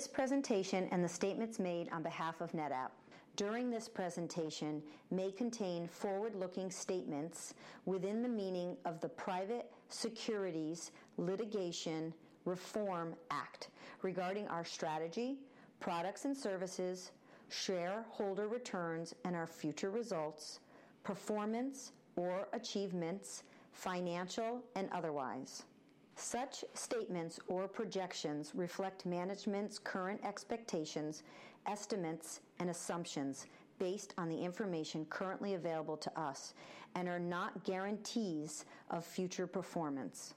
This presentation and the statements made on behalf of NetApp during this presentation may contain forward-looking statements within the meaning of the Private Securities Litigation Reform Act regarding our strategy, products and services, shareholder returns and our future results, performance or achievements, financial and otherwise. Such statements or projections reflect management's current expectations, estimates, and assumptions based on the information currently available to us and are not guarantees of future performance.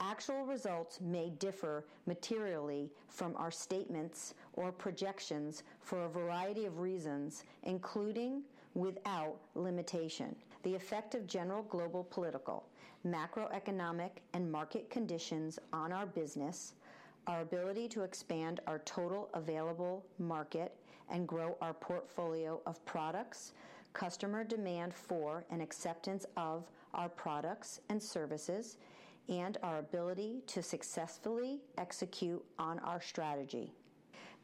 Actual results may differ materially from our statements or projections for a variety of reasons, including without limitation, the effect of general global political, macroeconomic, and market conditions on our business, our ability to expand our total available market, and grow our portfolio of products, customer demand for and acceptance of our products and services, and our ability to successfully execute on our strategy.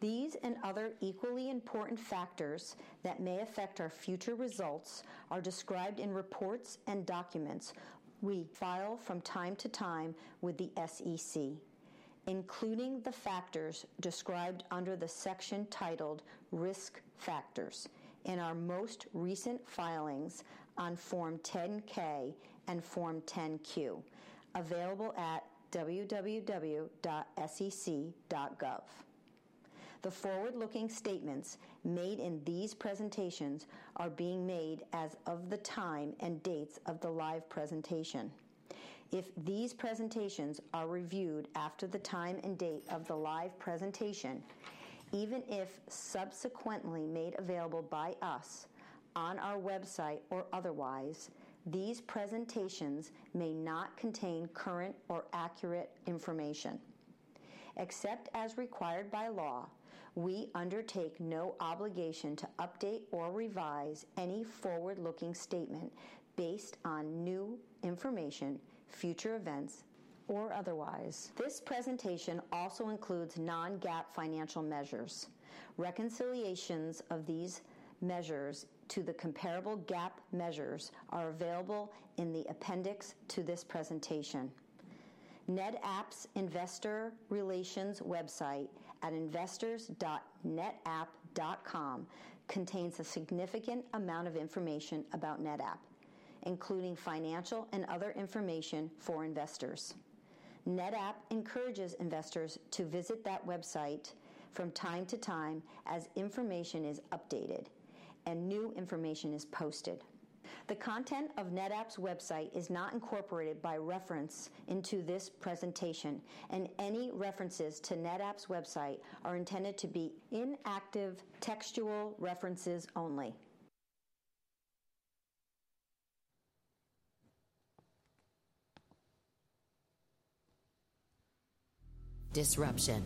These and other equally important factors that may affect our future results are described in reports and documents we file from time to time with the SEC, including the factors described under the section titled Risk Factors in our most recent filings on Form 10-K and Form 10-Q available at www.sec.gov. The forward-looking statements made in these presentations are being made as of the time and dates of the live presentation. If these presentations are reviewed after the time and date of the live presentation, even if subsequently made available by us on our website or otherwise, these presentations may not contain current or accurate information. Except as required by law, we undertake no obligation to update or revise any forward-looking statement based on new information, future events, or otherwise. This presentation also includes non-GAAP financial measures. Reconciliations of these measures to the comparable GAAP measures are available in the appendix to this presentation. NetApp's investor relations website at investors.netapp.com contains a significant amount of information about NetApp, including financial and other information for investors. NetApp encourages investors to visit that website from time to time as information is updated and new information is posted. The content of NetApp's website is not incorporated by reference into this presentation, and any references to NetApp's website are intended to be inactive textual references only. Disruption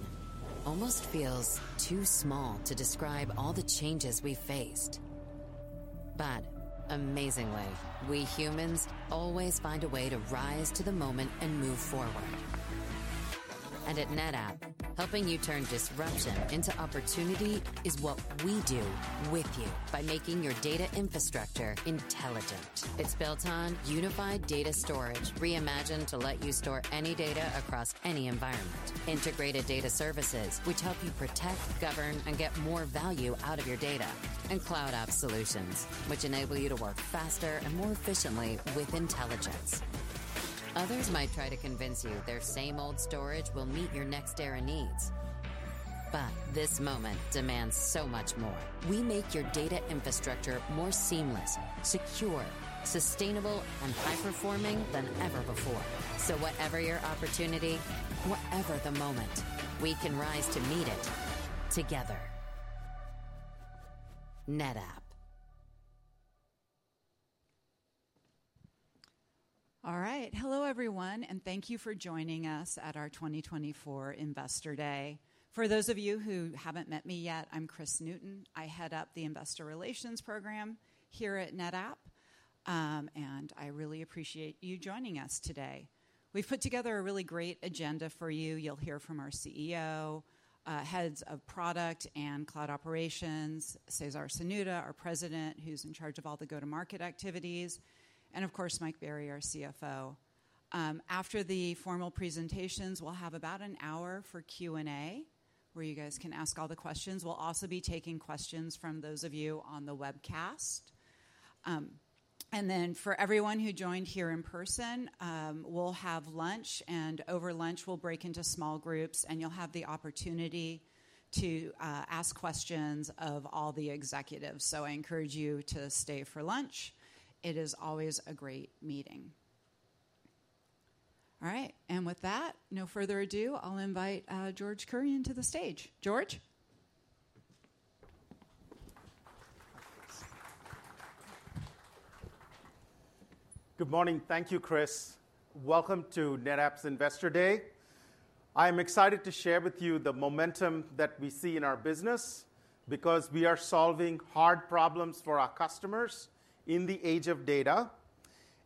almost feels too small to describe all the changes we've faced. But amazingly, we humans always find a way to rise to the moment and move forward. At NetApp, helping you turn disruption into opportunity is what we do with you by making your data infrastructure intelligent. It's built on unified data storage, reimagined to let you store any data across any environment. Integrated data services, which help you protect, govern, and get more value out of your data. And CloudOps solutions, which enable you to work faster and more efficiently with intelligence. Others might try to convince you their same old storage will meet your next era needs, but this moment demands so much more. We make your data infrastructure more seamless, secure, sustainable, and high-performing than ever before. So whatever your opportunity, whatever the moment, we can rise to meet it together. NetApp. All right. Hello, everyone, and thank you for joining us at our 2024 Investor Day. For those of you who haven't met me yet, I'm Kris Newton. I head up the Investor Relations Program here at NetApp, and I really appreciate you joining us today. We've put together a really great agenda for you. You'll hear from our CEO, heads of product and cloud operations, César Cernuda, our President, who's in charge of all the go-to-market activities, and of course, Mike Berry, our CFO. After the formal presentations, we'll have about an hour for Q&A where you guys can ask all the questions. We'll also be taking questions from those of you on the webcast. And then for everyone who joined here in person, we'll have lunch, and over lunch, we'll break into small groups, and you'll have the opportunity to ask questions of all the executives. So I encourage you to stay for lunch. It is always a great meeting. All right. And with that, no further ado, I'll invite George Kurian to the stage. George? Good morning. Thank you, Kris. Welcome to NetApp's Investor Day. I am excited to share with you the momentum that we see in our business because we are solving hard problems for our customers in the age of data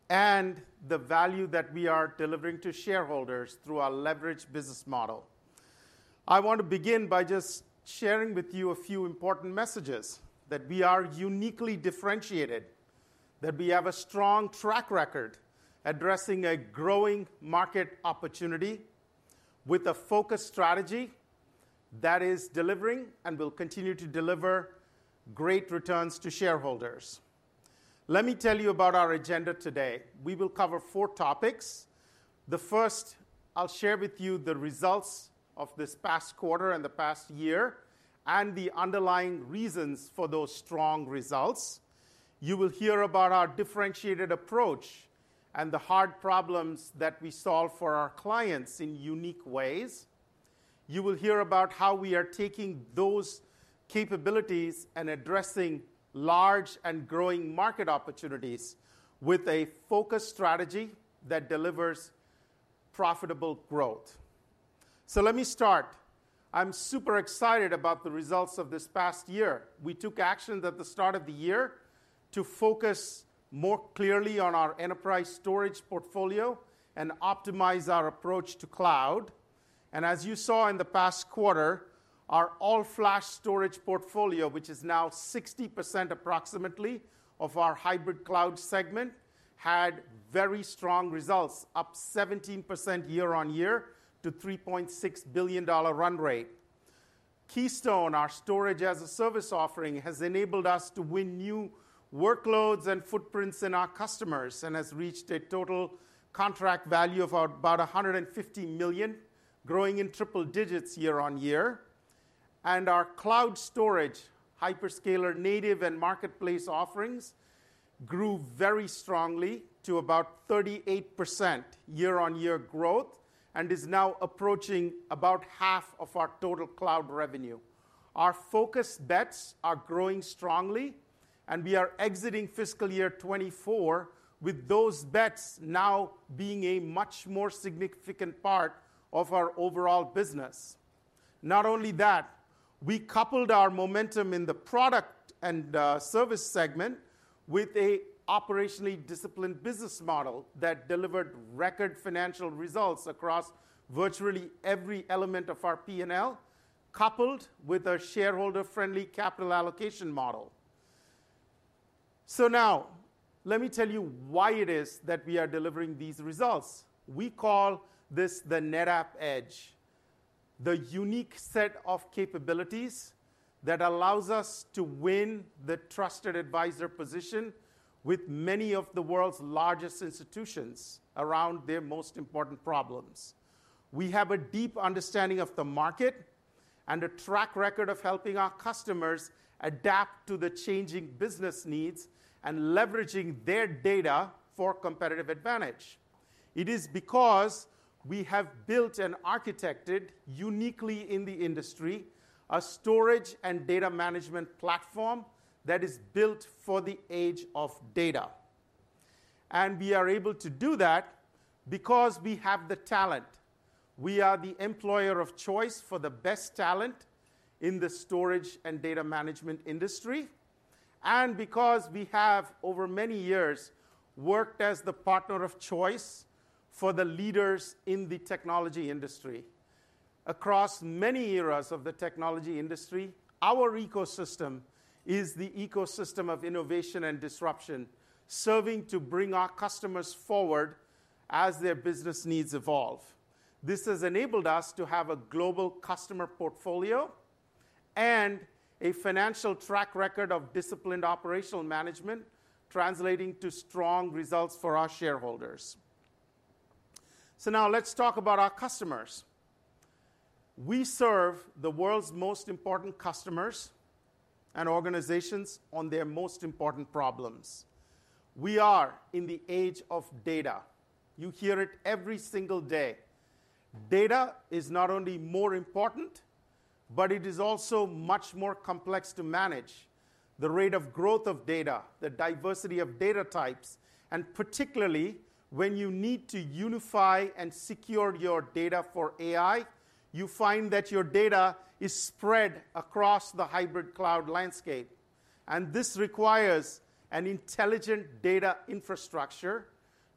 and the value that we are delivering to shareholders through our leveraged business model. I want to begin by just sharing with you a few important messages that we are uniquely differentiated, that we have a strong track record addressing a growing market opportunity with a focused strategy that is delivering and will continue to deliver great returns to shareholders. Let me tell you about our agenda today. We will cover four topics. The first, I'll share with you the results of this past quarter and the past year and the underlying reasons for those strong results. You will hear about our differentiated approach and the hard problems that we solve for our clients in unique ways. You will hear about how we are taking those capabilities and addressing large and growing market opportunities with a focused strategy that delivers profitable growth. Let me start. I'm super excited about the results of this past year. We took action at the start of the year to focus more clearly on our enterprise storage portfolio and optimize our approach to cloud. As you saw in the past quarter, our all-flash storage portfolio, which is now approximately 60% of our hybrid cloud segment, had very strong results, up 17% year-over-year to $3.6 billion run rate. Keystone, our storage as a service offering, has enabled us to win new workloads and footprints in our customers and has reached a total contract value of about $150 million, growing in triple digits year-over-year. Our cloud storage, hyperscaler native and marketplace offerings grew very strongly to about 38% year-over-year growth and is now approaching about half of our total cloud revenue. Our focused bets are growing strongly, and we are exiting fiscal year 2024 with those bets now being a much more significant part of our overall business. Not only that, we coupled our momentum in the product and service segment with an operationally disciplined business model that delivered record financial results across virtually every element of our P&L, coupled with a shareholder-friendly capital allocation model. So now let me tell you why it is that we are delivering these results. We call this the NetApp Edge, the unique set of capabilities that allows us to win the trusted advisor position with many of the world's largest institutions around their most important problems. We have a deep understanding of the market and a track record of helping our customers adapt to the changing business needs and leveraging their data for competitive advantage. It is because we have built and architected uniquely in the industry a storage and data management platform that is built for the age of data. We are able to do that because we have the talent. We are the employer of choice for the best talent in the storage and data management industry, and because we have over many years worked as the partner of choice for the leaders in the technology industry. Across many eras of the technology industry, our ecosystem is the ecosystem of innovation and disruption, serving to bring our customers forward as their business needs evolve. This has enabled us to have a global customer portfolio and a financial track record of disciplined operational management, translating to strong results for our shareholders. So now let's talk about our customers. We serve the world's most important customers and organizations on their most important problems. We are in the age of data. You hear it every single day. Data is not only more important, but it is also much more complex to manage. The rate of growth of data, the diversity of data types, and particularly when you need to unify and secure your data for AI, you find that your data is spread across the hybrid cloud landscape. And this requires an intelligent data infrastructure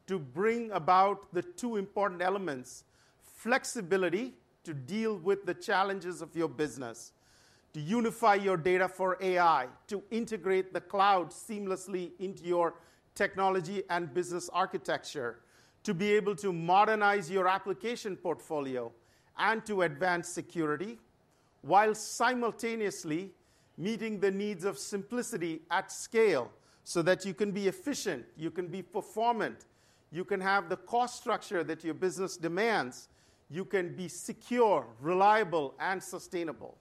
to bring about the two important elements: flexibility to deal with the challenges of your business, to unify your data for AI, to integrate the cloud seamlessly into your technology and business architecture, to be able to modernize your application portfolio, and to advance security while simultaneously meeting the needs of simplicity at scale so that you can be efficient, you can be performant, you can have the cost structure that your business demands, you can be secure, reliable, and sustainable.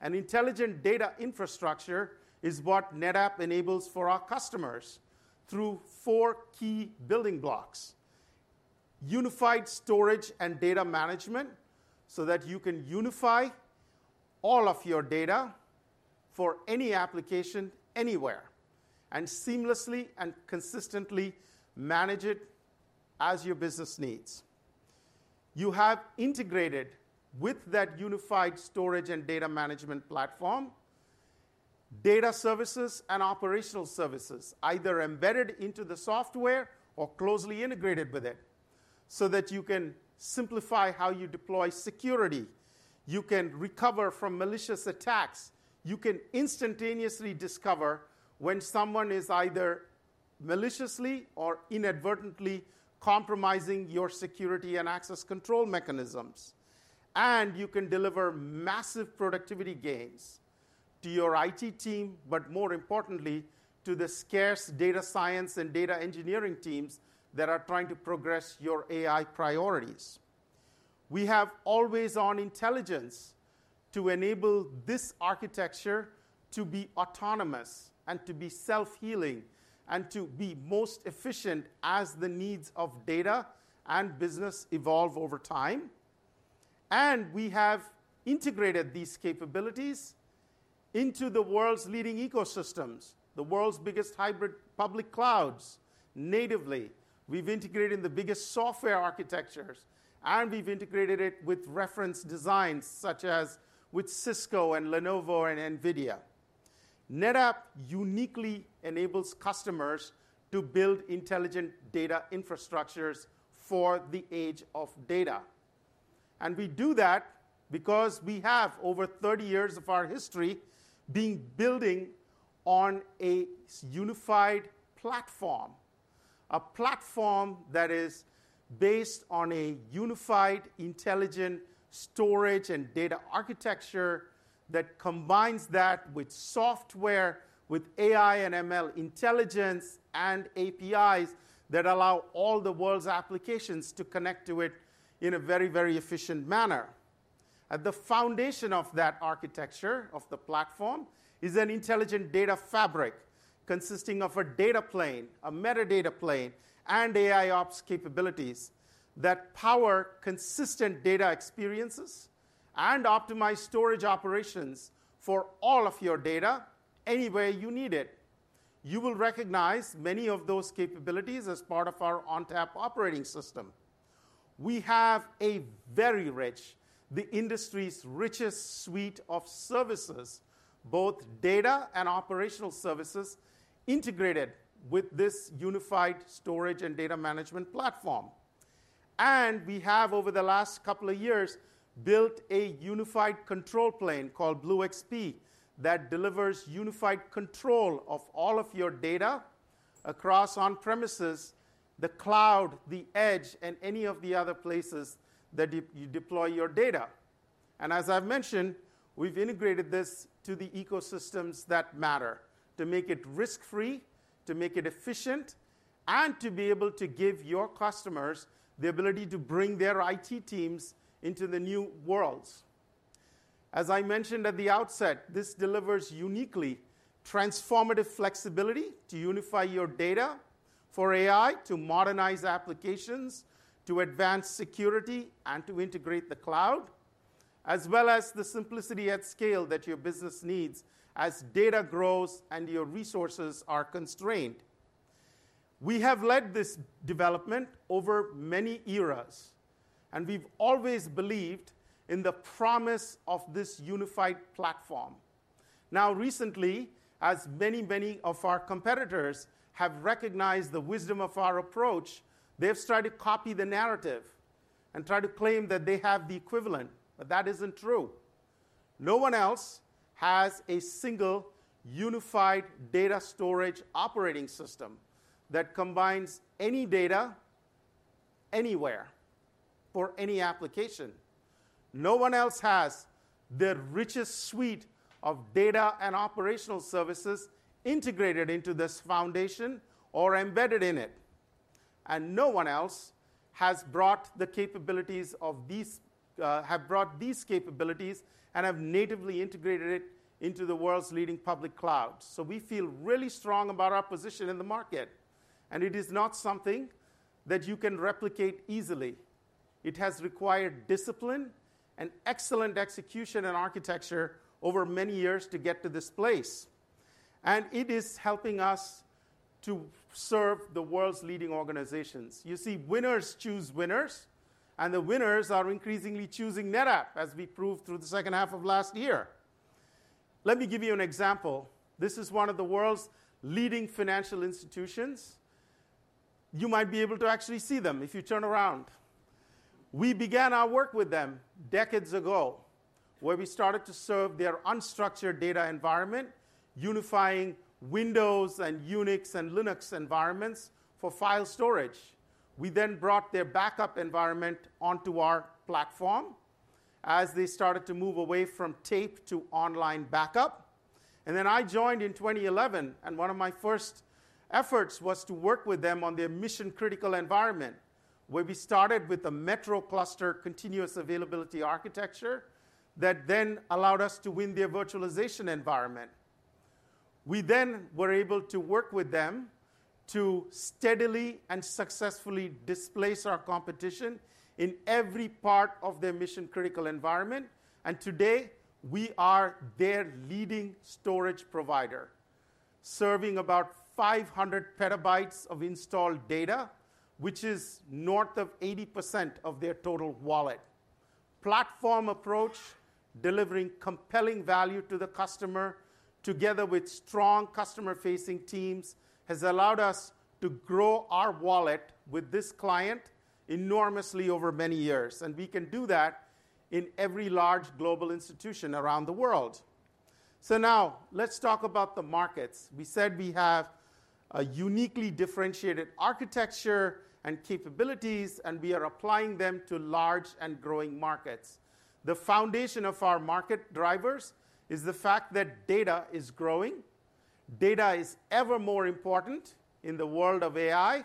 An intelligent data infrastructure is what NetApp enables for our customers through four key building blocks: unified storage and data management so that you can unify all of your data for any application anywhere and seamlessly and consistently manage it as your business needs. You have integrated with that unified storage and data management platform, data services and operational services, either embedded into the software or closely integrated with it, so that you can simplify how you deploy security. You can recover from malicious attacks. You can instantaneously discover when someone is either maliciously or inadvertently compromising your security and access control mechanisms. And you can deliver massive productivity gains to your IT team, but more importantly, to the scarce data science and data engineering teams that are trying to progress your AI priorities. We have always-on intelligence to enable this architecture to be autonomous and to be self-healing and to be most efficient as the needs of data and business evolve over time. And we have integrated these capabilities into the world's leading ecosystems, the world's biggest hybrid public clouds natively. We've integrated the biggest software architectures, and we've integrated it with reference designs such as with Cisco and Lenovo and NVIDIA. NetApp uniquely enables customers to build intelligent data infrastructures for the age of data. We do that because we have over 30 years of our history being building on a unified platform, a platform that is based on a unified intelligent storage and data architecture that combines that with software, with AI and ML intelligence, and APIs that allow all the world's applications to connect to it in a very, very efficient manner. At the foundation of that architecture of the platform is an intelligent data fabric consisting of a data plane, a metadata plane, and AIOps capabilities that power consistent data experiences and optimize storage operations for all of your data anywhere you need it. You will recognize many of those capabilities as part of our ONTAP operating system. We have a very rich, the industry's richest suite of services, both data and operational services integrated with this unified storage and data management platform. We have, over the last couple of years, built a unified control plane called BlueXP that delivers unified control of all of your data across on-premises, the cloud, the edge, and any of the other places that you deploy your data. As I've mentioned, we've integrated this to the ecosystems that matter to make it risk-free, to make it efficient, and to be able to give your customers the ability to bring their IT teams into the new worlds. As I mentioned at the outset, this delivers uniquely transformative flexibility to unify your data for AI, to modernize applications, to advance security, and to integrate the cloud, as well as the simplicity at scale that your business needs as data grows and your resources are constrained. We have led this development over many eras, and we've always believed in the promise of this unified platform. Now, recently, as many, many of our competitors have recognized the wisdom of our approach, they've started to copy the narrative and try to claim that they have the equivalent, but that isn't true. No one else has a single unified data storage operating system that combines any data anywhere for any application. No one else has the richest suite of data and operational services integrated into this foundation or embedded in it. No one else has brought the capabilities of these have brought these capabilities and have natively integrated it into the world's leading public cloud. So we feel really strong about our position in the market, and it is not something that you can replicate easily. It has required discipline and excellent execution and architecture over many years to get to this place. It is helping us to serve the world's leading organizations. You see, winners choose winners, and the winners are increasingly choosing NetApp, as we proved through the second half of last year. Let me give you an example. This is one of the world's leading financial institutions. You might be able to actually see them if you turn around. We began our work with them decades ago, where we started to serve their unstructured data environment, unifying Windows and Unix and Linux environments for file storage. We then brought their backup environment onto our platform as they started to move away from tape to online backup. Then I joined in 2011, and one of my first efforts was to work with them on their mission-critical environment, where we started with a MetroCluster Continuous Availability Architecture that then allowed us to win their virtualization environment. We then were able to work with them to steadily and successfully displace our competition in every part of their mission-critical environment. Today, we are their leading storage provider, serving about 500 PB of installed data, which is north of 80% of their total wallet. Platform approach, delivering compelling value to the customer together with strong customer-facing teams has allowed us to grow our wallet with this client enormously over many years. We can do that in every large global institution around the world. So now let's talk about the markets. We said we have a uniquely differentiated architecture and capabilities, and we are applying them to large and growing markets. The foundation of our market drivers is the fact that data is growing. Data is ever more important in the world of AI,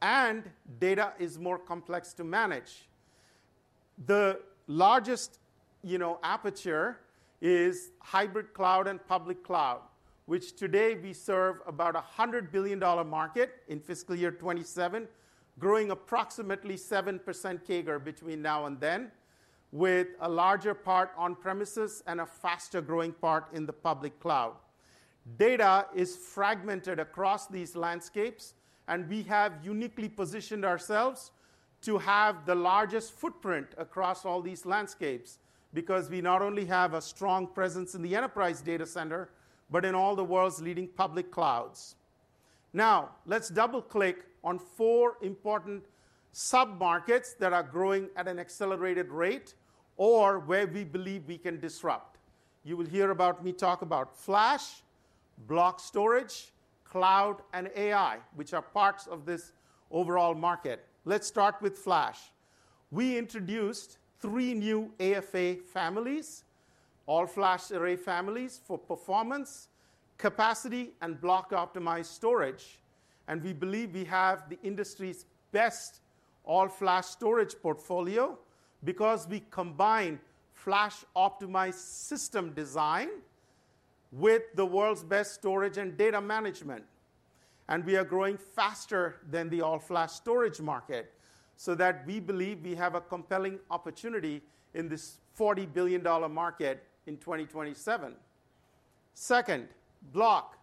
and data is more complex to manage. The largest aperture is hybrid cloud and public cloud, which today we serve about a $100 billion market in fiscal year 2027, growing approximately 7% CAGR between now and then, with a larger part on-premises and a faster growing part in the public cloud. Data is fragmented across these landscapes, and we have uniquely positioned ourselves to have the largest footprint across all these landscapes because we not only have a strong presence in the enterprise data center, but in all the world's leading public clouds. Now let's double-click on four important sub-markets that are growing at an accelerated rate or where we believe we can disrupt. You will hear about me talk about Flash, Block Storage, Cloud, and AI, which are parts of this overall market. Let's start with Flash. We introduced 3 new AFA families, all-flash array families for performance, capacity, and block-optimized storage. We believe we have the industry's best all-flash storage portfolio because we combine flash-optimized system design with the world's best storage and data management. We are growing faster than the all-flash storage market so that we believe we have a compelling opportunity in this $40 billion market in 2027. Second, Block.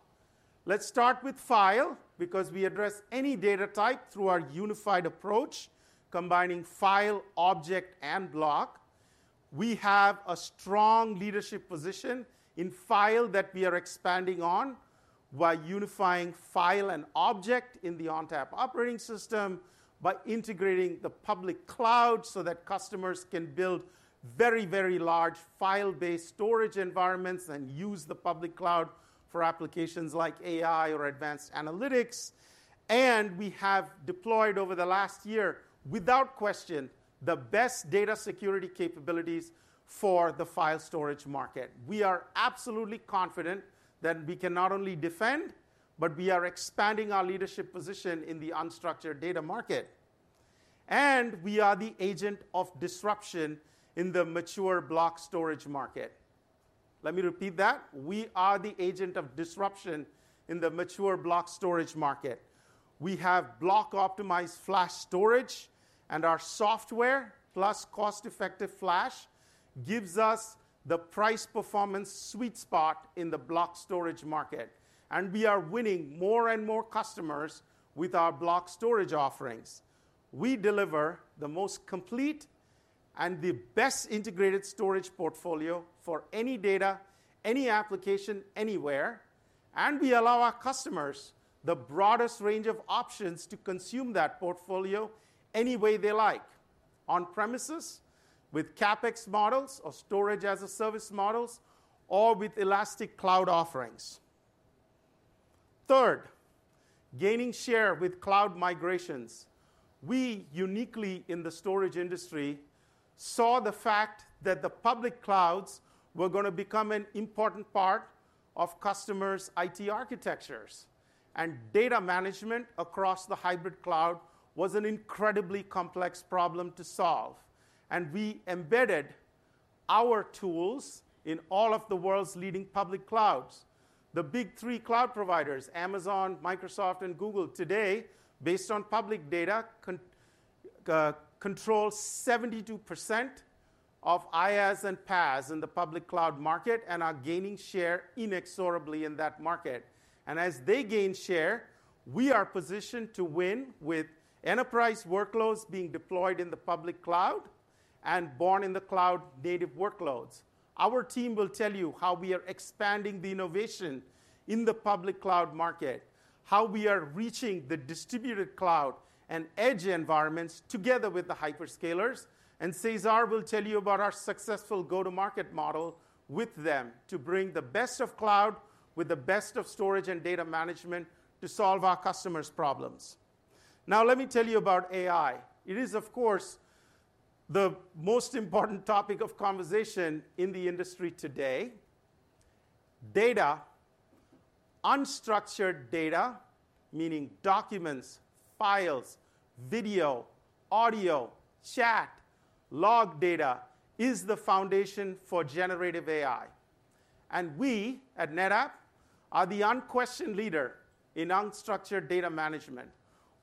Let's start with File because we address any data type through our unified approach, combining File, Object, and Block. We have a strong leadership position in file that we are expanding on by unifying file and object in the ONTAP operating system by integrating the public cloud so that customers can build very, very large file-based storage environments and use the public cloud for applications like AI or advanced analytics. We have deployed over the last year, without question, the best data security capabilities for the file storage market. We are absolutely confident that we can not only defend, but we are expanding our leadership position in the unstructured data market. We are the agent of disruption in the mature block storage market. Let me repeat that. We are the agent of disruption in the mature block storage market. We have block-optimized flash storage, and our software plus cost-effective flash gives us the price-performance sweet spot in the block storage market. We are winning more and more customers with our block storage offerings. We deliver the most complete and the best integrated storage portfolio for any data, any application, anywhere. We allow our customers the broadest range of options to consume that portfolio any way they like: on-premises with CapEx models or storage-as-a-service models, or with elastic cloud offerings. Third, gaining share with cloud migrations. We uniquely in the storage industry saw the fact that the public clouds were going to become an important part of customers' IT architectures. Data management across the hybrid cloud was an incredibly complex problem to solve. We embedded our tools in all of the world's leading public clouds. The big three cloud providers, Amazon, Microsoft, and Google today, based on public data, control 72% of IaaS and PaaS in the public cloud market and are gaining share inexorably in that market. As they gain share, we are positioned to win with enterprise workloads being deployed in the public cloud and born-in-the-cloud native workloads. Our team will tell you how we are expanding the innovation in the public cloud market, how we are reaching the distributed cloud and edge environments together with the hyperscalers. César will tell you about our successful go-to-market model with them to bring the best of cloud with the best of storage and data management to solve our customers' problems. Now, let me tell you about AI. It is, of course, the most important topic of conversation in the industry today: data. Unstructured data, meaning documents, files, video, audio, chat, log data, is the foundation for generative AI. We at NetApp are the unquestioned leader in unstructured data management.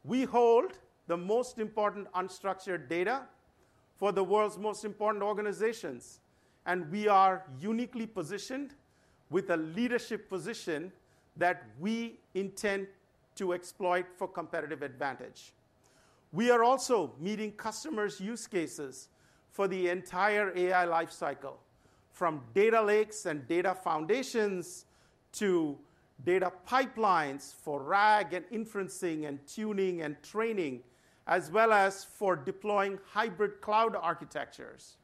We hold the most important unstructured data for the world's most important organizations. We are uniquely positioned with a leadership position that we intend to exploit for competitive advantage. We are also meeting customers' use cases for the entire AI lifecycle, from data lakes and data foundations to data pipelines for RAG and inferencing and tuning and training, as well as for deploying hybrid cloud architectures.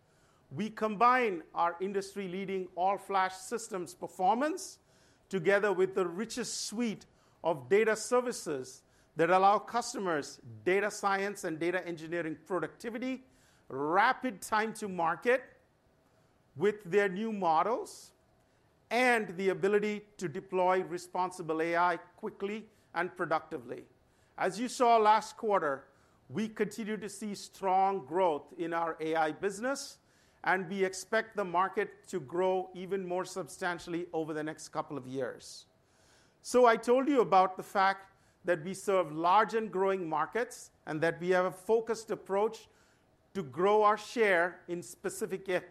We combine our industry-leading all-flash systems performance together with the richest suite of data services that allow customers' data science and data engineering productivity, rapid time-to-market with their new models, and the ability to deploy responsible AI quickly and productively. As you saw last quarter, we continue to see strong growth in our AI business, and we expect the market to grow even more substantially over the next couple of years. I told you about the fact that we serve large and growing markets and that we have a focused approach to grow our share in specific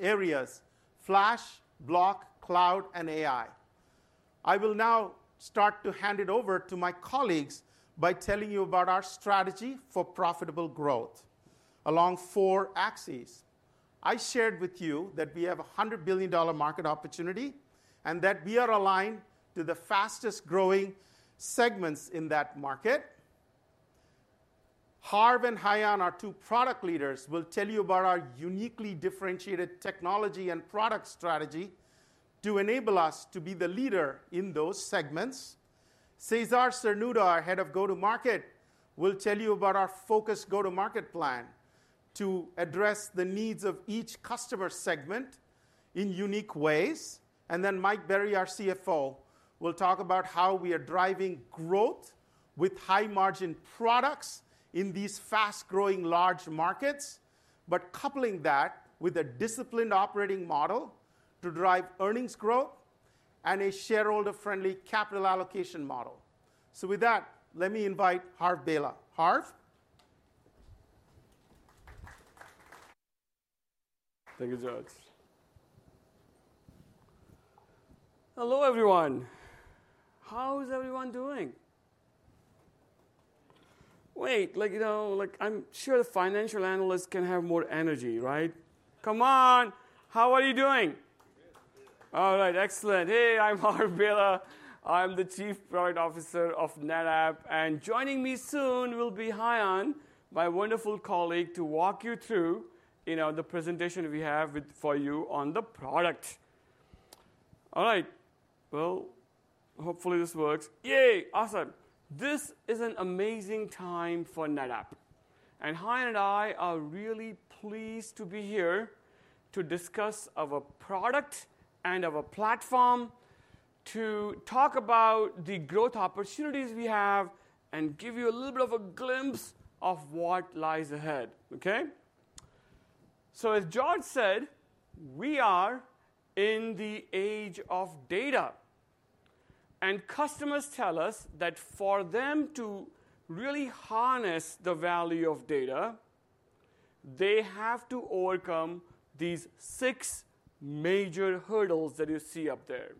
areas: Flash, Block, Cloud, and AI. I will now start to hand it over to my colleagues by telling you about our strategy for profitable growth along four axes. I shared with you that we have a $100 billion market opportunity and that we are aligned to the fastest-growing segments in that market. Harv and Haiyan, our two product leaders, will tell you about our uniquely differentiated technology and product strategy to enable us to be the leader in those seg ments. César Cernuda, our head of go-to-market, will tell you about our focused go-to-market plan to address the needs of each customer segment in unique ways. Then Mike Berry, our CFO, will talk about how we are driving growth with high-margin products in these fast-growing large markets, but coupling that with a disciplined operating model to drive earnings growth and a shareholder-friendly capital allocation model. So with that, let me invite Harv Bhela. Harv? Thank you, George. Hello, everyone. How is everyone doing? Wait, like, you know, like, I'm sure the financial analysts can have more energy, right? Come on. How are you doing? Good. Good. All right. Excellent. Hey, I'm Harv Bhela. I'm the Chief Product Officer of NetApp. And joining me soon will be Haiyan, my wonderful colleague, to walk you through, you know, the presentation we have for you on the product. All right. Well, hopefully this works. Yay. Awesome. This is an amazing time for NetApp. Haiyan and I are really pleased to be here to discuss our product and our platform, to talk about the growth opportunities we have, and give you a little bit of a glimpse of what lies ahead. Okay? So as George said, we are in the age of data. Customers tell us that for them to really harness the value of data, they have to overcome these six major hurdles that you see up there.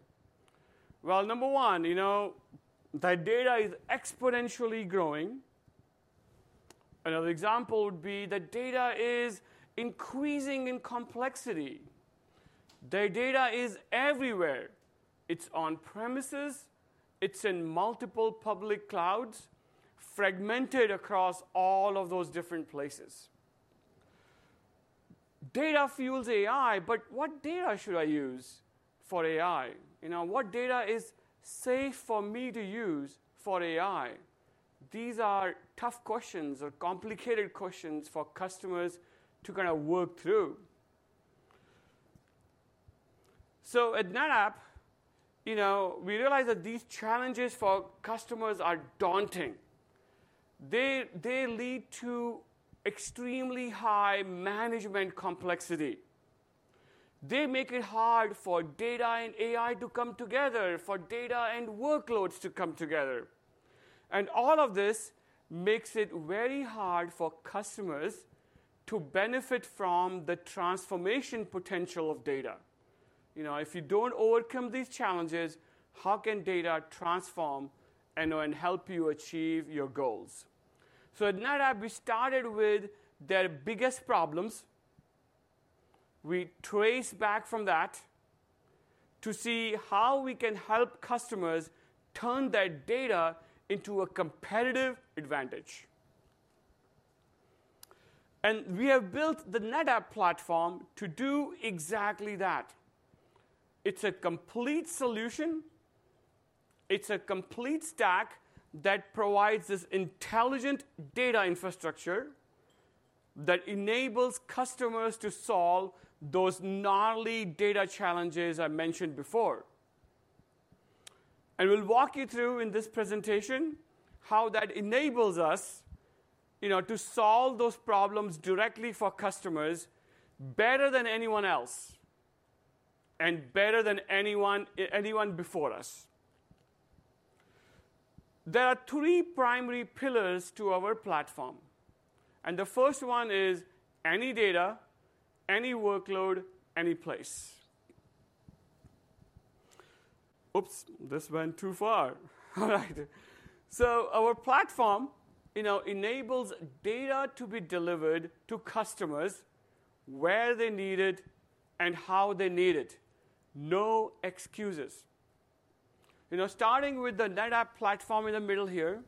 Well, number one, you know, that data is exponentially growing. Another example would be that data is increasing in complexity. Their data is everywhere. It's on-premises. It's in multiple public clouds, fragmented across all of those different places. Data fuels AI, but what data should I use for AI? You know, what data is safe for me to use for AI? These are tough questions or complicated questions for customers to kind of work through. So at NetApp, you know, we realize that these challenges for customers are daunting. They lead to extremely high management complexity. They make it hard for data and AI to come together, for data and workloads to come together. And all of this makes it very hard for customers to benefit from the transformation potential of data. You know, if you don't overcome these challenges, how can data transform and help you achieve your goals? So at NetApp, we started with their biggest problems. We traced back from that to see how we can help customers turn their data into a competitive advantage. And we have built the NetApp platform to do exactly that. It's a complete solution. It's a complete stack that provides this intelligent data infrastructure that enables customers to solve those gnarly data challenges I mentioned before. We'll walk you through in this presentation how that enables us, you know, to solve those problems directly for customers better than anyone else and better than anyone before us. There are three primary pillars to our platform. The first one is any data, any workload, any place. Oops, this went too far. All right. Our platform, you know, enables data to be delivered to customers where they need it and how they need it. No excuses. You know, starting with the NetApp platform in the middle here,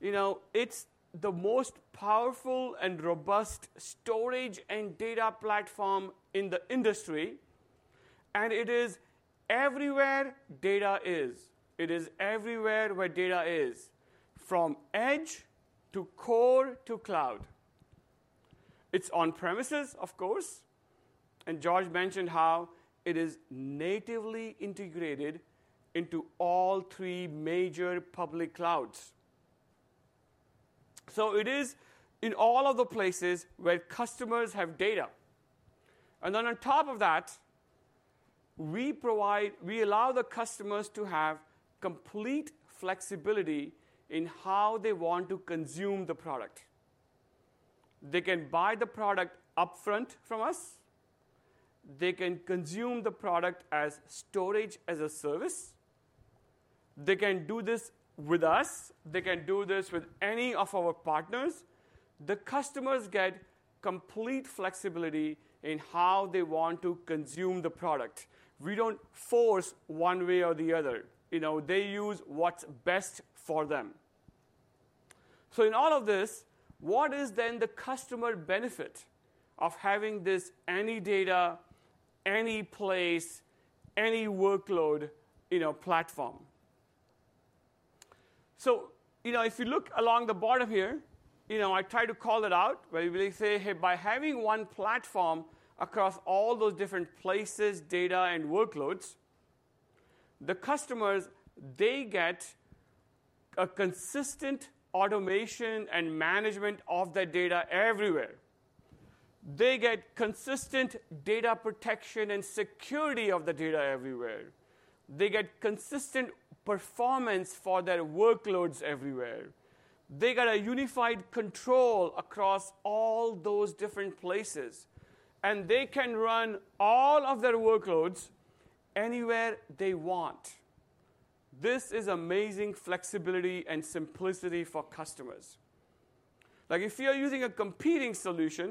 you know, it's the most powerful and robust storage and data platform in the industry. It is everywhere data is. It is everywhere where data is, from edge to core to cloud. It's on-premises, of course. George mentioned how it is natively integrated into all three major public clouds. So it is in all of the places where customers have data. And then on top of that, we provide, we allow the customers to have complete flexibility in how they want to consume the product. They can buy the product upfront from us. They can consume the product as storage as a service. They can do this with us. They can do this with any of our partners. The customers get complete flexibility in how they want to consume the product. We don't force one way or the other. You know, they use what's best for them. So in all of this, what is then the customer benefit of having this any data, any place, any workload, you know, platform? So, you know, if you look along the bottom here, you know, I try to call it out where we say, hey, by having one platform across all those different places, data, and workloads, the customers, they get a consistent automation and management of their data everywhere. They get consistent data protection and security of the data everywhere. They get consistent performance for their workloads everywhere. They got a unified control across all those different places, and they can run all of their workloads anywhere they want. This is amazing flexibility and simplicity for customers. Like, if you're using a competing solution,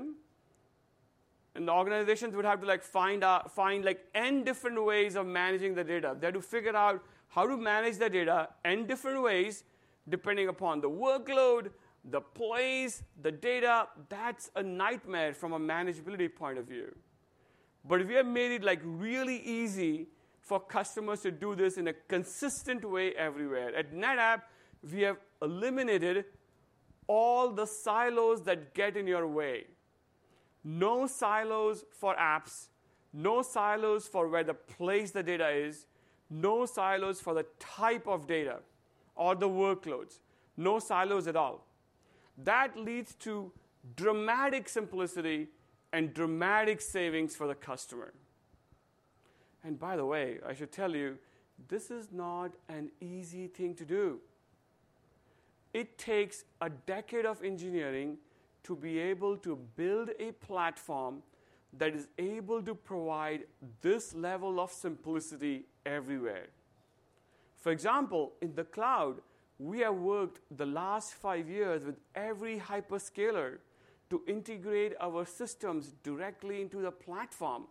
an organization would have to, like, find, like, n different ways of managing the data. They had to figure out how to manage the data in different ways depending upon the workload, the place, the data. That's a nightmare from a manageability point of view. But we have made it, like, really easy for customers to do this in a consistent way everywhere. At NetApp, we have eliminated all the silos that get in your way. No silos for apps, no silos for where to place the data is, no silos for the type of data or the workloads, no silos at all. That leads to dramatic simplicity and dramatic savings for the customer. And by the way, I should tell you, this is not an easy thing to do. It takes a decade of engineering to be able to build a platform that is able to provide this level of simplicity everywhere. For example, in the cloud, we have worked the last 5 years with every hyperscaler to integrate our systems directly into the platform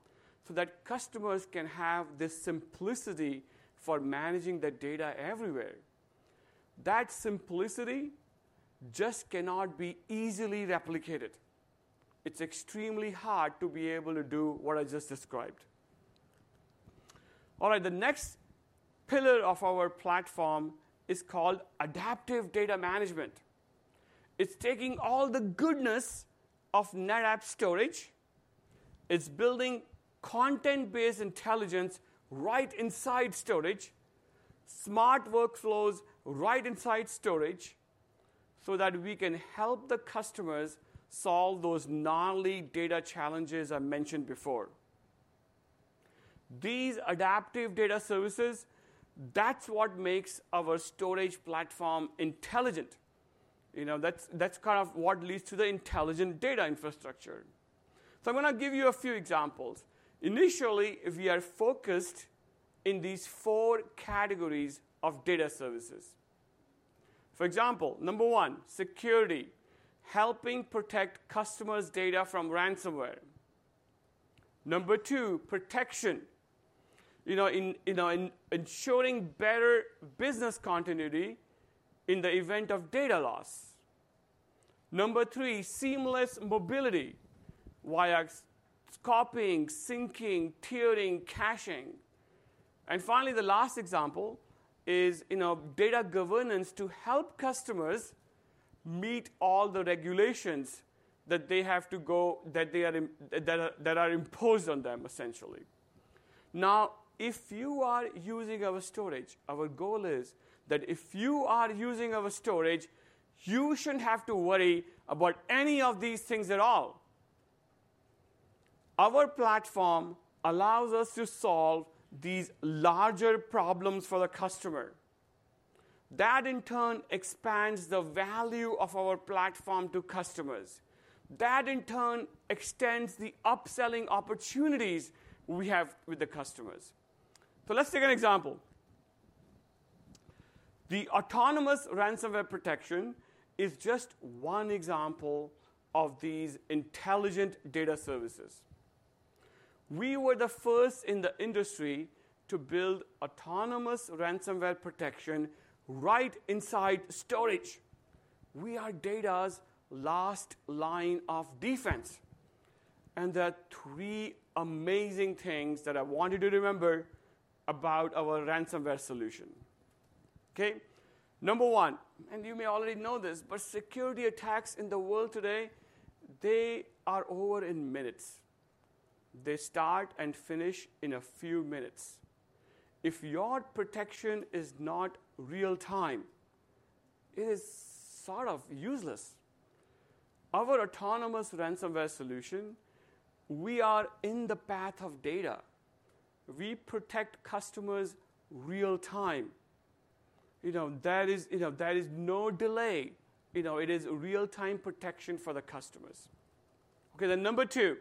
so that customers can have this simplicity for managing the data everywhere. That simplicity just cannot be easily replicated. It's extremely hard to be able to do what I just described. All right. The next pillar of our platform is called adaptive data management. It's taking all the goodness of NetApp Storage. It's building content-based intelligence right inside storage, smart workflows right inside storage so that we can help the customers solve those gnarly data challenges I mentioned before. These adaptive data services, that's what makes our storage platform intelligent. You know, that's kind of what leads to the intelligent data infrastructure. So I'm going to give you a few examples. Initially, we are focused in these four categories of data services. For example, number one, security, helping protect customers' data from ransomware. Number two, protection, you know, in ensuring better business continuity in the event of data loss. Number three, seamless mobility, wire scoping, syncing, tiering, caching. And finally, the last example is, you know, data governance to help customers meet all the regulations that they have to go that they are that are imposed on them, essentially. Now, if you are using our storage, our goal is that if you are using our storage, you shouldn't have to worry about any of these things at all. Our platform allows us to solve these larger problems for the customer. That, in turn, expands the value of our platform to customers. That, in turn, extends the upselling opportunities we have with the customers. So let's take an example. The autonomous ransomware protection is just one example of these intelligent data services. We were the first in the industry to build autonomous ransomware protection right inside storage. We are data's last line of defense. There are 3 amazing things that I want you to remember about our ransomware solution. Okay? Number one, and you may already know this, but security attacks in the world today, they are over in minutes. They start and finish in a few minutes. If your protection is not real-time, it is sort of useless. Our autonomous ransomware solution, we are in the path of data. We protect customers real-time. You know, that is, you know, there is no delay. You know, it is real-time protection for the customers. Okay. Number two,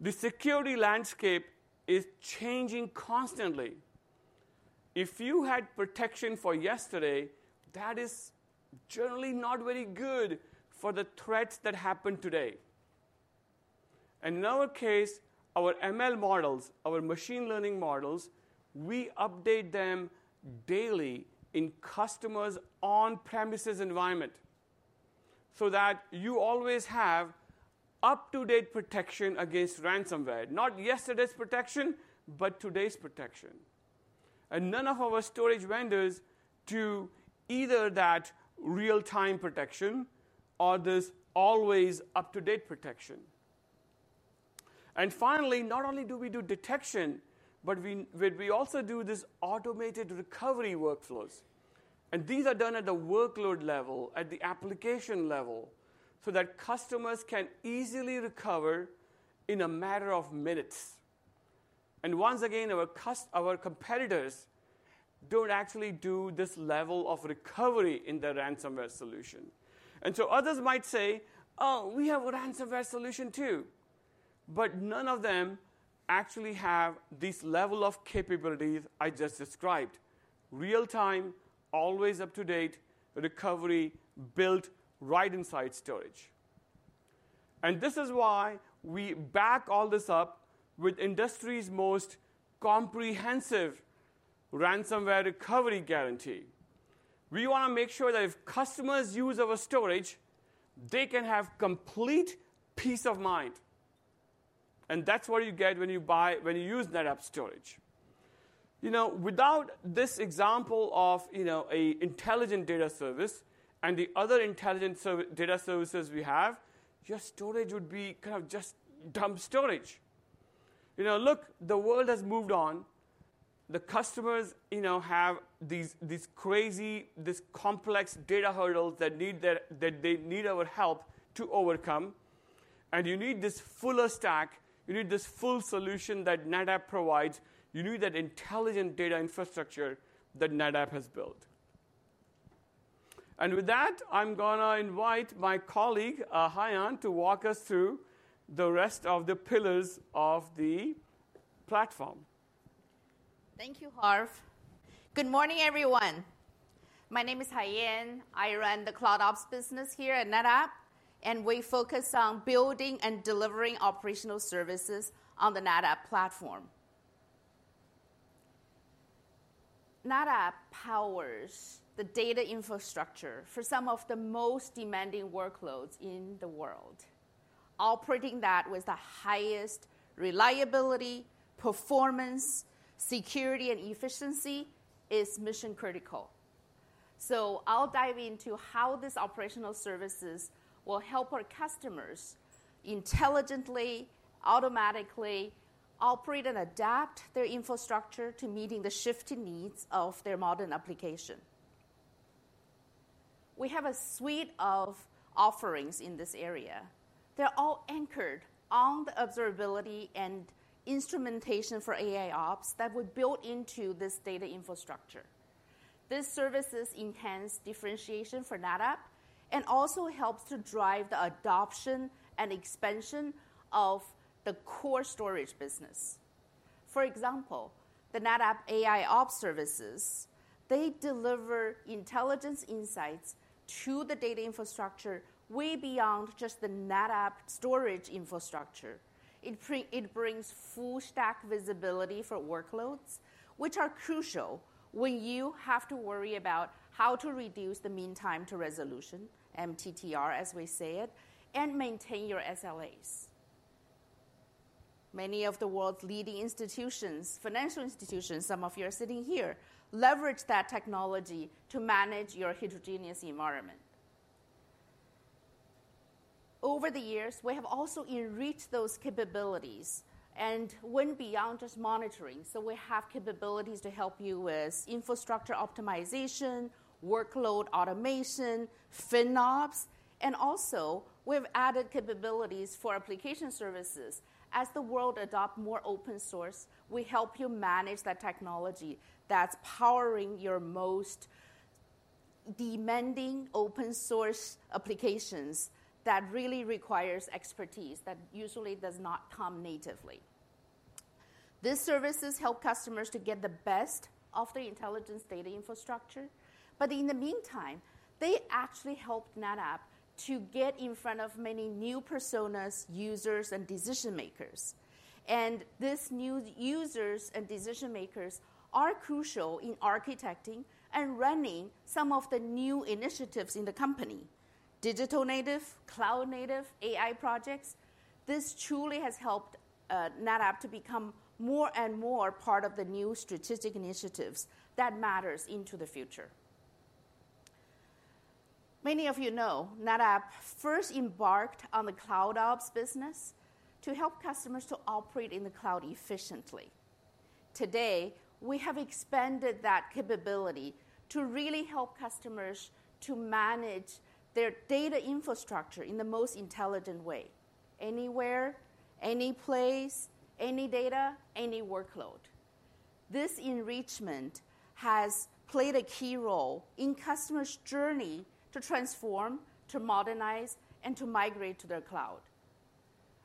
the security landscape is changing constantly. If you had protection for yesterday, that is generally not very good for the threats that happen today. In our case, our ML models, our machine learning models, we update them daily in customers' on-premises environment so that you always have up-to-date protection against ransomware, not yesterday's protection, but today's protection. None of our storage vendors do either that real-time protection or this always up-to-date protection. Finally, not only do we do detection, but we also do this automated recovery workflows. These are done at the workload level, at the application level, so that customers can easily recover in a matter of minutes. Once again, our competitors don't actually do this level of recovery in their ransomware solution. So others might say, "Oh, we have a ransomware solution too." But none of them actually have this level of capabilities I just described. Real-time, always up-to-date recovery built right inside storage. And this is why we back all this up with the industry's most comprehensive ransomware recovery guarantee. We want to make sure that if customers use our storage, they can have complete peace of mind. And that's what you get when you buy, when you use NetApp Storage. You know, without this example of, you know, an intelligent data service and the other intelligent data services we have, your storage would be kind of just dumb storage. You know, look, the world has moved on. The customers, you know, have these crazy, these complex data hurdles that need their, that they need our help to overcome. And you need this fuller stack. You need this full solution that NetApp provides. You need that intelligent data infrastructure that NetApp has built. With that, I'm going to invite my colleague, Haiyan, to walk us through the rest of the pillars of the platform. Thank you, Harv. Good morning, everyone. My name is Haiyan. I run the CloudOps business here at NetApp, and we focus on building and delivering operational services on the NetApp platform. NetApp powers the data infrastructure for some of the most demanding workloads in the world. Operating that with the highest reliability, performance, security, and efficiency is mission-critical. I'll dive into how this operational services will help our customers intelligently, automatically operate and adapt their infrastructure to meeting the shifting needs of their modern application. We have a suite of offerings in this area. They're all anchored on the observability and instrumentation for AIOps that were built into this data infrastructure. This service is intense differentiation for NetApp and also helps to drive the adoption and expansion of the core storage business. For example, the NetApp AIOps services, they deliver intelligent insights to the data infrastructure way beyond just the NetApp storage infrastructure. It brings full-stack visibility for workloads, which are crucial when you have to worry about how to reduce the mean time to resolution, MTTR as we say it, and maintain your SLAs. Many of the world's leading institutions, financial institutions, some of you are sitting here, leverage that technology to manage your heterogeneous environment. Over the years, we have also enriched those capabilities and went beyond just monitoring. So we have capabilities to help you with infrastructure optimization, workload automation, FinOps. And also, we've added capabilities for application services. As the world adopts more open source, we help you manage that technology that's powering your most demanding open source applications that really require expertise that usually does not come natively. These services help customers to get the best of the intelligent data infrastructure. But in the meantime, they actually help NetApp to get in front of many new personas, users, and decision-makers. And these new users and decision-makers are crucial in architecting and running some of the new initiatives in the company: digital native, cloud native, AI projects. This truly has helped NetApp to become more and more part of the new strategic initiatives that matter into the future. Many of you know NetApp first embarked on the CloudOps business to help customers to operate in the cloud efficiently. Today, we have expanded that capability to really help customers to manage their data infrastructure in the most intelligent way: anywhere, any place, any data, any workload. This enrichment has played a key role in customers' journey to transform, to modernize, and to migrate to their cloud.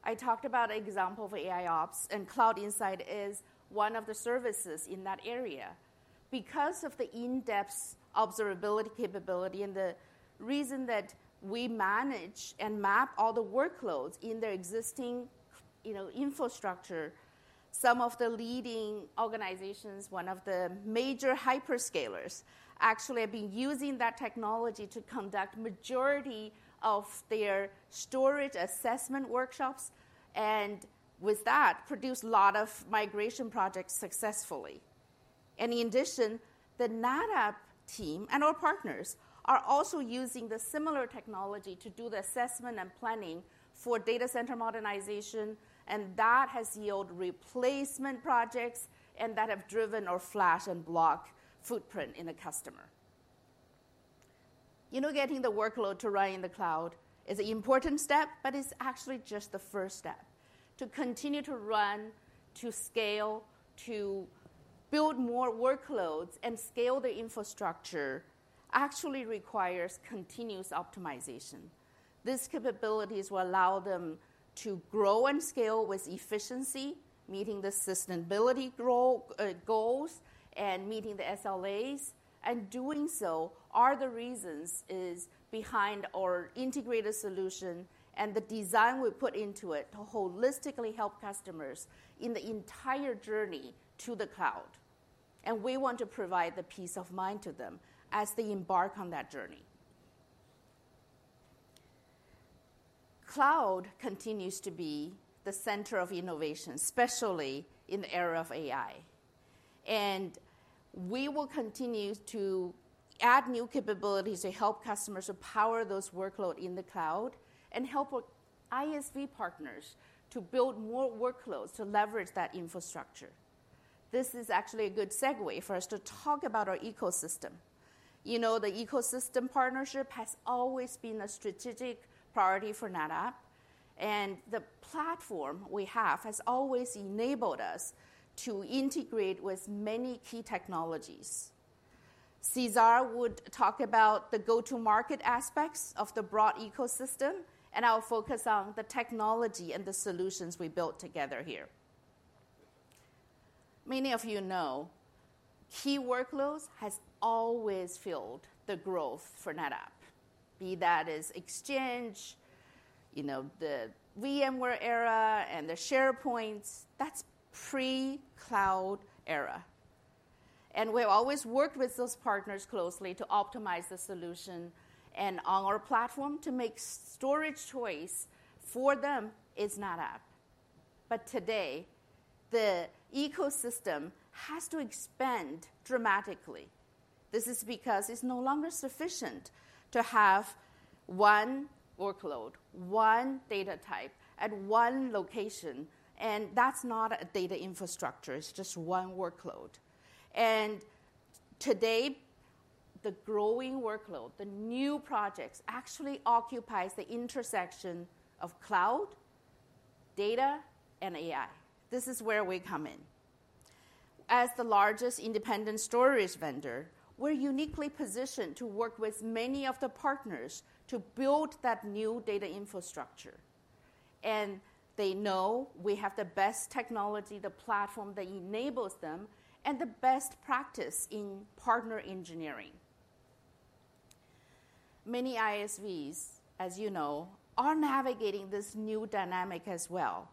I talked about an example of AIOps, and Cloud Insights is one of the services in that area. Because of the in-depth observability capability and the reason that we manage and map all the workloads in their existing, you know, infrastructure, some of the leading organizations, one of the major hyperscalers, actually have been using that technology to conduct the majority of their storage assessment workshops and with that produce a lot of migration projects successfully. In addition, the NetApp team and our partners are also using the similar technology to do the assessment and planning for data center modernization, and that has yielded replacement projects that have driven our flash and block footprint in the customer. You know, getting the workload to run in the cloud is an important step, but it's actually just the first step. To continue to run, to scale, to build more workloads and scale the infrastructure actually requires continuous optimization. These capabilities will allow them to grow and scale with efficiency, meeting the sustainability goals and meeting the SLAs. And doing so are the reasons behind our integrated solution and the design we put into it to holistically help customers in the entire journey to the cloud. And we want to provide the peace of mind to them as they embark on that journey. Cloud continues to be the center of innovation, especially in the era of AI. We will continue to add new capabilities to help customers to power those workloads in the cloud and help our ISV partners to build more workloads to leverage that infrastructure. This is actually a good segue for us to talk about our ecosystem. You know, the ecosystem partnership has always been a strategic priority for NetApp, and the platform we have has always enabled us to integrate with many key technologies. César would talk about the go-to-market aspects of the broad ecosystem, and I'll focus on the technology and the solutions we built together here. Many of you know key workloads have always fueled the growth for NetApp, be that Exchange, you know, the VMware era and the SharePoints. That's pre-cloud era. We've always worked with those partners closely to optimize the solution. On our platform, to make storage choice for them is NetApp. But today, the ecosystem has to expand dramatically. This is because it's no longer sufficient to have one workload, one data type at one location. That's not a data infrastructure. It's just one workload. Today, the growing workload, the new projects actually occupy the intersection of cloud, data, and AI. This is where we come in. As the largest independent storage vendor, we're uniquely positioned to work with many of the partners to build that new data infrastructure. They know we have the best technology, the platform that enables them, and the best practice in partner engineering. Many ISVs, as you know, are navigating this new dynamic as well.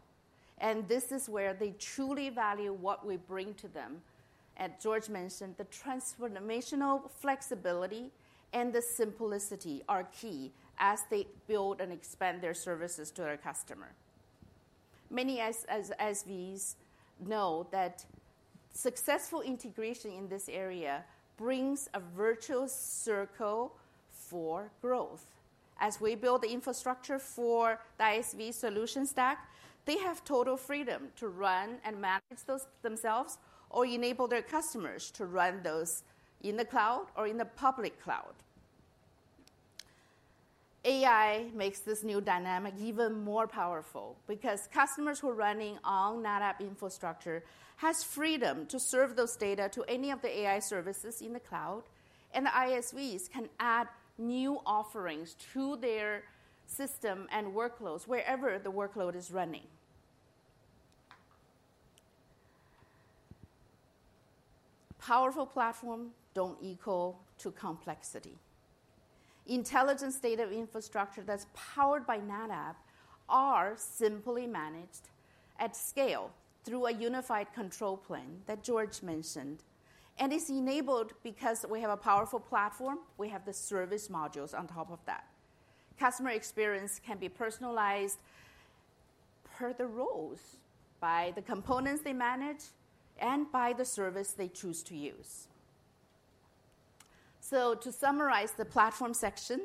This is where they truly value what we bring to them. As George mentioned, the transformational flexibility and the simplicity are key as they build and expand their services to their customer. Many ISVs know that successful integration in this area brings a virtuous circle for growth. As we build the infrastructure for the ISV solution stack, they have total freedom to run and manage those themselves or enable their customers to run those in the cloud or in the public cloud. AI makes this new dynamic even more powerful because customers who are running on NetApp infrastructure have freedom to serve those data to any of the AI services in the cloud. And the ISVs can add new offerings to their system and workloads wherever the workload is running. Powerful platforms don't equal complexity. Intelligent data infrastructure that's powered by NetApp is simply managed at scale through a unified control plane that George mentioned. It's enabled because we have a powerful platform. We have the service modules on top of that. Customer experience can be personalized per the roles, by the components they manage, and by the service they choose to use. To summarize the platform section,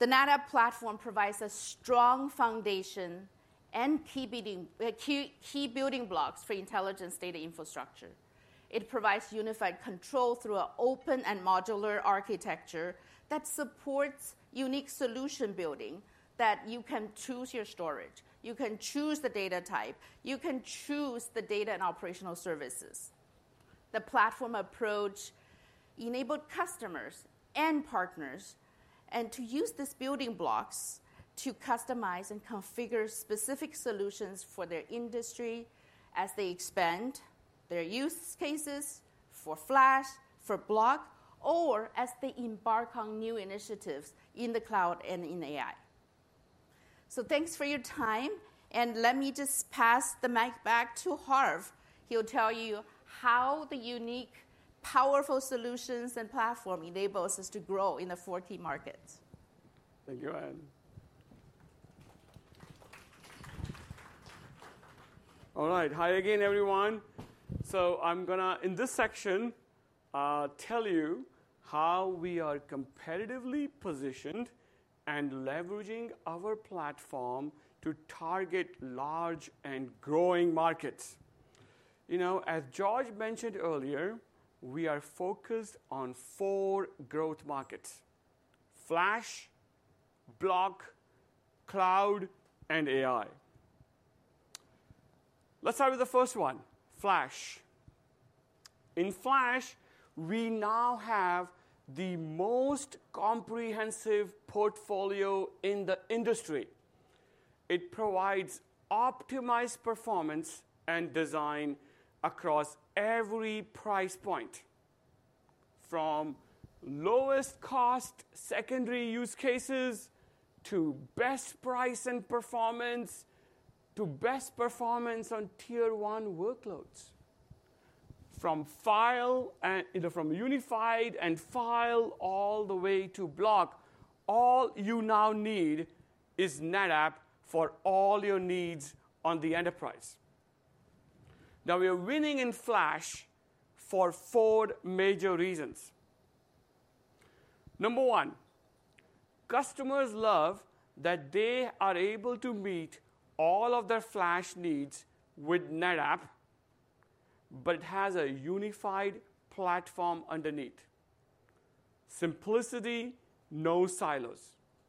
the NetApp platform provides a strong foundation and key building blocks for intelligent data infrastructure. It provides unified control through an open and modular architecture that supports unique solution building that you can choose your storage. You can choose the data type. You can choose the data and operational services. The platform approach enables customers and partners to use these building blocks to customize and configure specific solutions for their industry as they expand their use cases for flash, for block, or as they embark on new initiatives in the cloud and in AI. Thanks for your time. Let me just pass the mic back to Harv. He'll tell you how the unique, powerful solutions and platform enable us to grow in the four key markets. Thank you, Haiyan. All right. Hi again, everyone. So I'm going to, in this section, tell you how we are competitively positioned and leveraging our platform to target large and growing markets. You know, as George mentioned earlier, we are focused on four growth markets: flash, block, cloud, and AI. Let's start with the first one, flash. In flash, we now have the most comprehensive portfolio in the industry. It provides optimized performance and design across every price point, from lowest cost secondary use cases to best price and performance to best performance on tier one workloads. From file and, you know, from unified and file all the way to block, all you now need is NetApp for all your needs on the enterprise. Now, we are winning in flash for four major reasons. Number one, customers love that they are able to meet all of their flash needs with NetApp, but it has a unified platform underneath. Simplicity, no silos.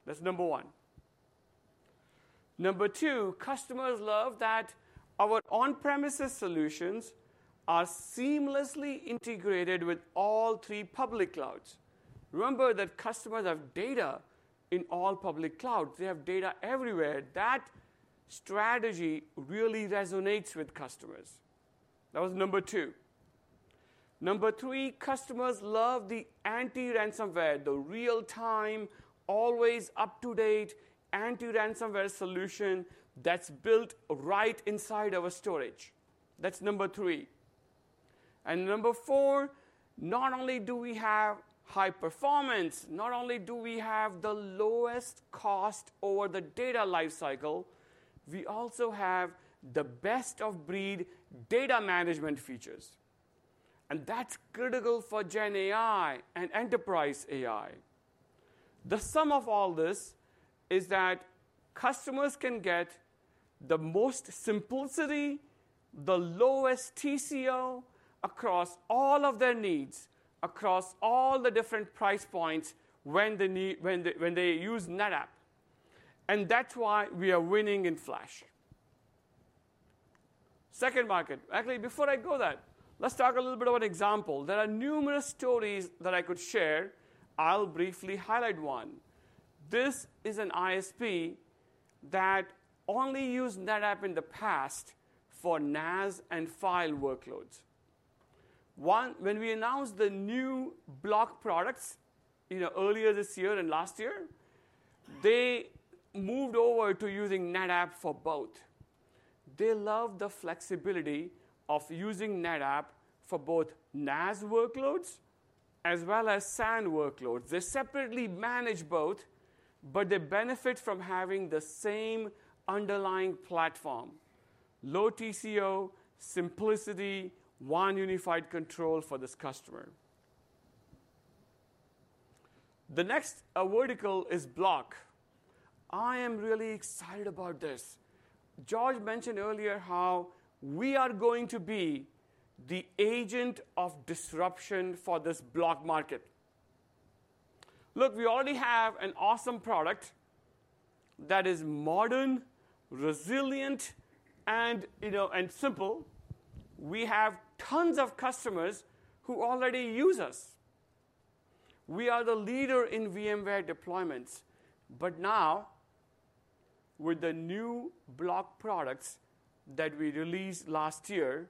That's number one. Number two, customers love that our on-premises solutions are seamlessly integrated with all three public clouds. Remember that customers have data in all public clouds. They have data everywhere. That strategy really resonates with customers. That was number two. Number three, customers love the anti-ransomware, the real-time, always up-to-date anti-ransomware solution that's built right inside our storage. That's number three. Number four, not only do we have high performance, not only do we have the lowest cost over the data lifecycle, we also have the best-of-breed data management features. And that's critical for GenAI and enterprise AI. The sum of all this is that customers can get the most simplicity, the lowest TCO across all of their needs, across all the different price points when they use NetApp. And that's why we are winning in flash. Second market. Actually, before I go there, let's talk a little bit of an example. There are numerous stories that I could share. I'll briefly highlight one. This is an ISP that only used NetApp in the past for NAS and file workloads. When we announced the new block products, you know, earlier this year and last year, they moved over to using NetApp for both. They love the flexibility of using NetApp for both NAS workloads as well as SAN workloads. They separately manage both, but they benefit from having the same underlying platform: low TCO, simplicity, one unified control for this customer. The next vertical is block. I am really excited about this. George mentioned earlier how we are going to be the agent of disruption for this block market. Look, we already have an awesome product that is modern, resilient, and, you know, simple. We have tons of customers who already use us. We are the leader in VMware deployments. But now, with the new block products that we released last year,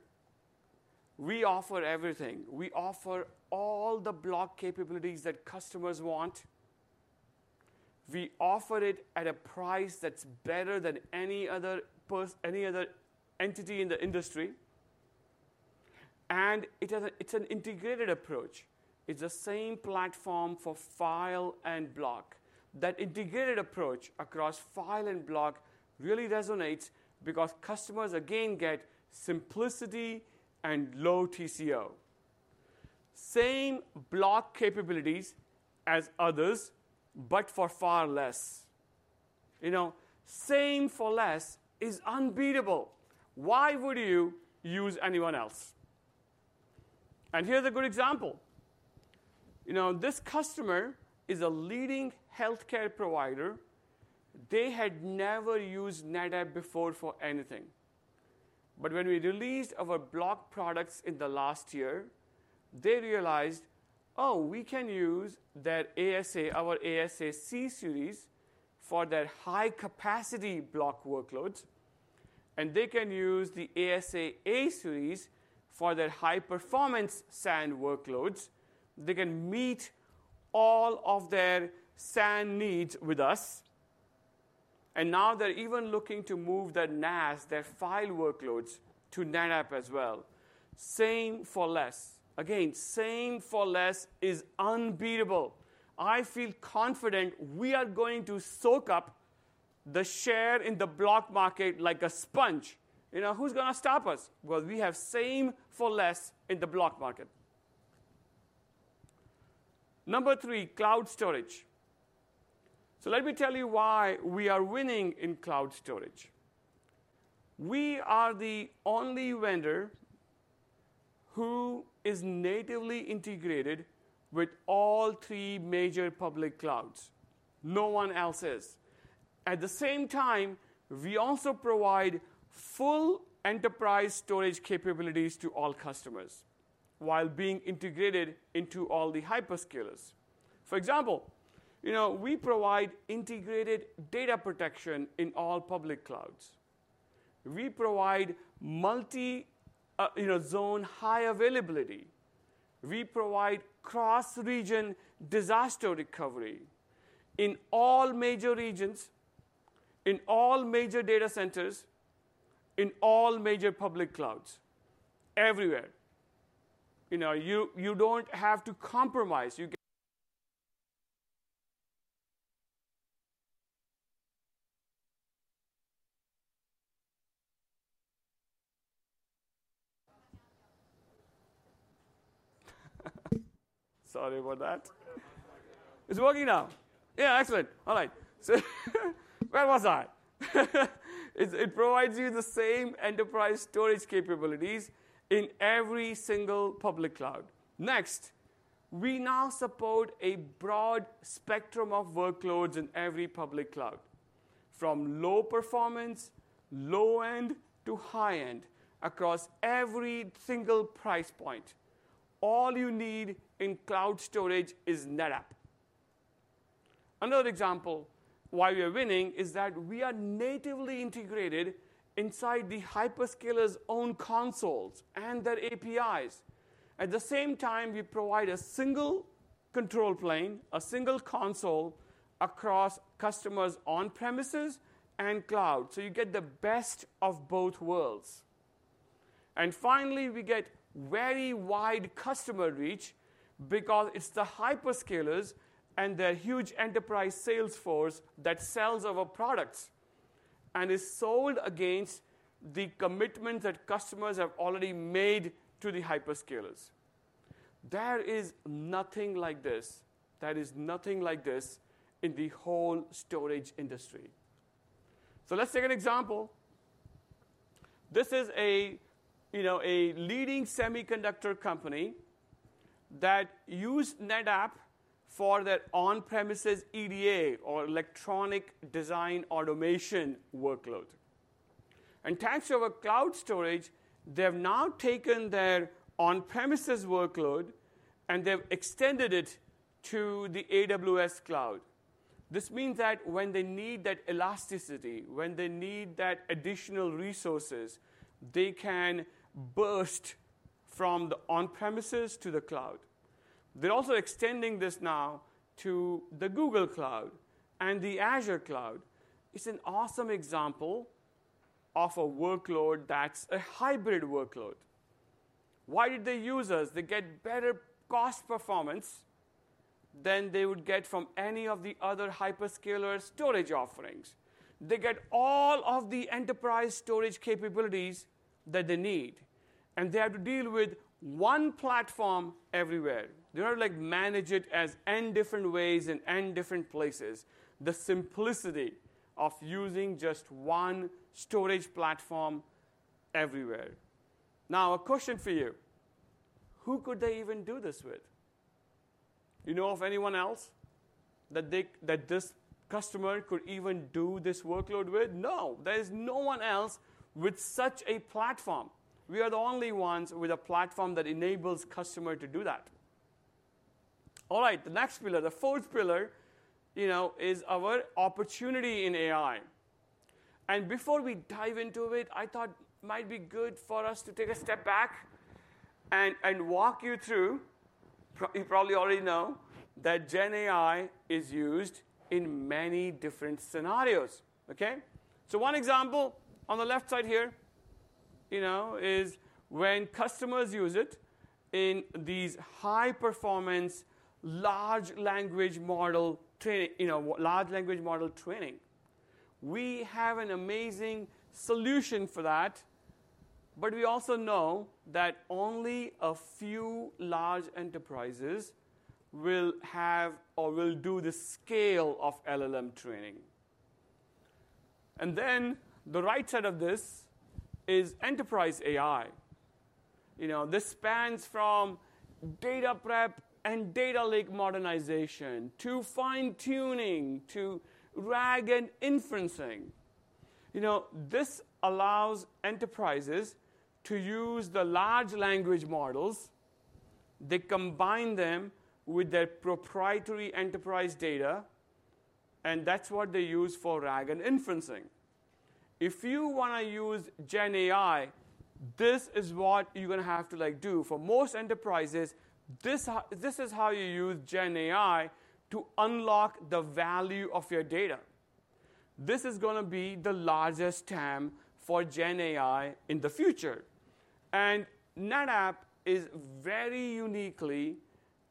we offer everything. We offer all the block capabilities that customers want. We offer it at a price that's better than any other entity in the industry. And it's an integrated approach. It's the same platform for file and block. That integrated approach across file and block really resonates because customers, again, get simplicity and low TCO. Same block capabilities as others, but for far less. You know, same for less is unbeatable. Why would you use anyone else? Here's a good example. You know, this customer is a leading healthcare provider. They had never used NetApp before for anything. But when we released our block products in the last year, they realized, "Oh, we can use that ASA, our ASA C-Series for their high-capacity block workloads." They can use the ASA A-Series for their high-performance SAN workloads. They can meet all of their SAN needs with us. Now they're even looking to move their NAS, their file workloads to NetApp as well. Same for less. Again, same for less is unbeatable. I feel confident we are going to soak up the share in the block market like a sponge. You know, who's going to stop us? Well, we have same for less in the block market. Number three, cloud storage. So let me tell you why we are winning in cloud storage. We are the only vendor who is natively integrated with all three major public clouds. No one else is. At the same time, we also provide full enterprise storage capabilities to all customers while being integrated into all the hyperscalers. For example, you know, we provide integrated data protection in all public clouds. We provide multi, you know, zone high availability. We provide cross-region disaster recovery in all major regions, in all major data centers, in all major public clouds, everywhere. You know, you don't have to compromise. Sorry about that. It's working now. Yeah, excellent. All right. So where was I? It provides you the same enterprise storage capabilities in every single public cloud. Next, we now support a broad spectrum of workloads in every public cloud, from low performance, low end, to high end across every single price point. All you need in cloud storage is NetApp. Another example why we are winning is that we are natively integrated inside the hyperscalers' own consoles and their APIs. At the same time, we provide a single control plane, a single console across customers' on-premises and cloud. So you get the best of both worlds. And finally, we get very wide customer reach because it's the hyperscalers and their huge enterprise sales force that sells our products and is sold against the commitment that customers have already made to the hyperscalers. There is nothing like this. There is nothing like this in the whole storage industry. So let's take an example. This is a, you know, a leading semiconductor company that uses NetApp for their on-premises EDA or electronic design automation workload. And thanks to our cloud storage, they have now taken their on-premises workload and they've extended it to the AWS cloud. This means that when they need that elasticity, when they need that additional resources, they can burst from the on-premises to the cloud. They're also extending this now to the Google Cloud and the Azure Cloud. It's an awesome example of a workload that's a hybrid workload. Why did they use us? They get better cost performance than they would get from any of the other hyperscaler storage offerings. They get all of the enterprise storage capabilities that they need. And they have to deal with one platform everywhere. They don't have to manage it in different ways in different places. The simplicity of using just one storage platform everywhere. Now, a question for you. Who could they even do this with? You know of anyone else that this customer could even do this workload with? No. There is no one else with such a platform. We are the only ones with a platform that enables customers to do that. All right. The next pillar, the fourth pillar, you know, is our opportunity in AI. And before we dive into it, I thought it might be good for us to take a step back and walk you through. You probably already know that GenAI is used in many different scenarios. Okay? So one example on the left side here, you know, is when customers use it in these high-performance large language model training, you know, large language model training. We have an amazing solution for that. But we also know that only a few large enterprises will have or will do the scale of LLM training. And then the right side of this is enterprise AI. You know, this spans from data prep and data lake modernization to fine-tuning to RAG and inferencing. You know, this allows enterprises to use the large language models. They combine them with their proprietary enterprise data. And that's what they use for RAG and inferencing. If you want to use GenAI, this is what you're going to have to, like, do. For most enterprises, this is how you use GenAI to unlock the value of your data. This is going to be the largest TAM for GenAI in the future. And NetApp is very uniquely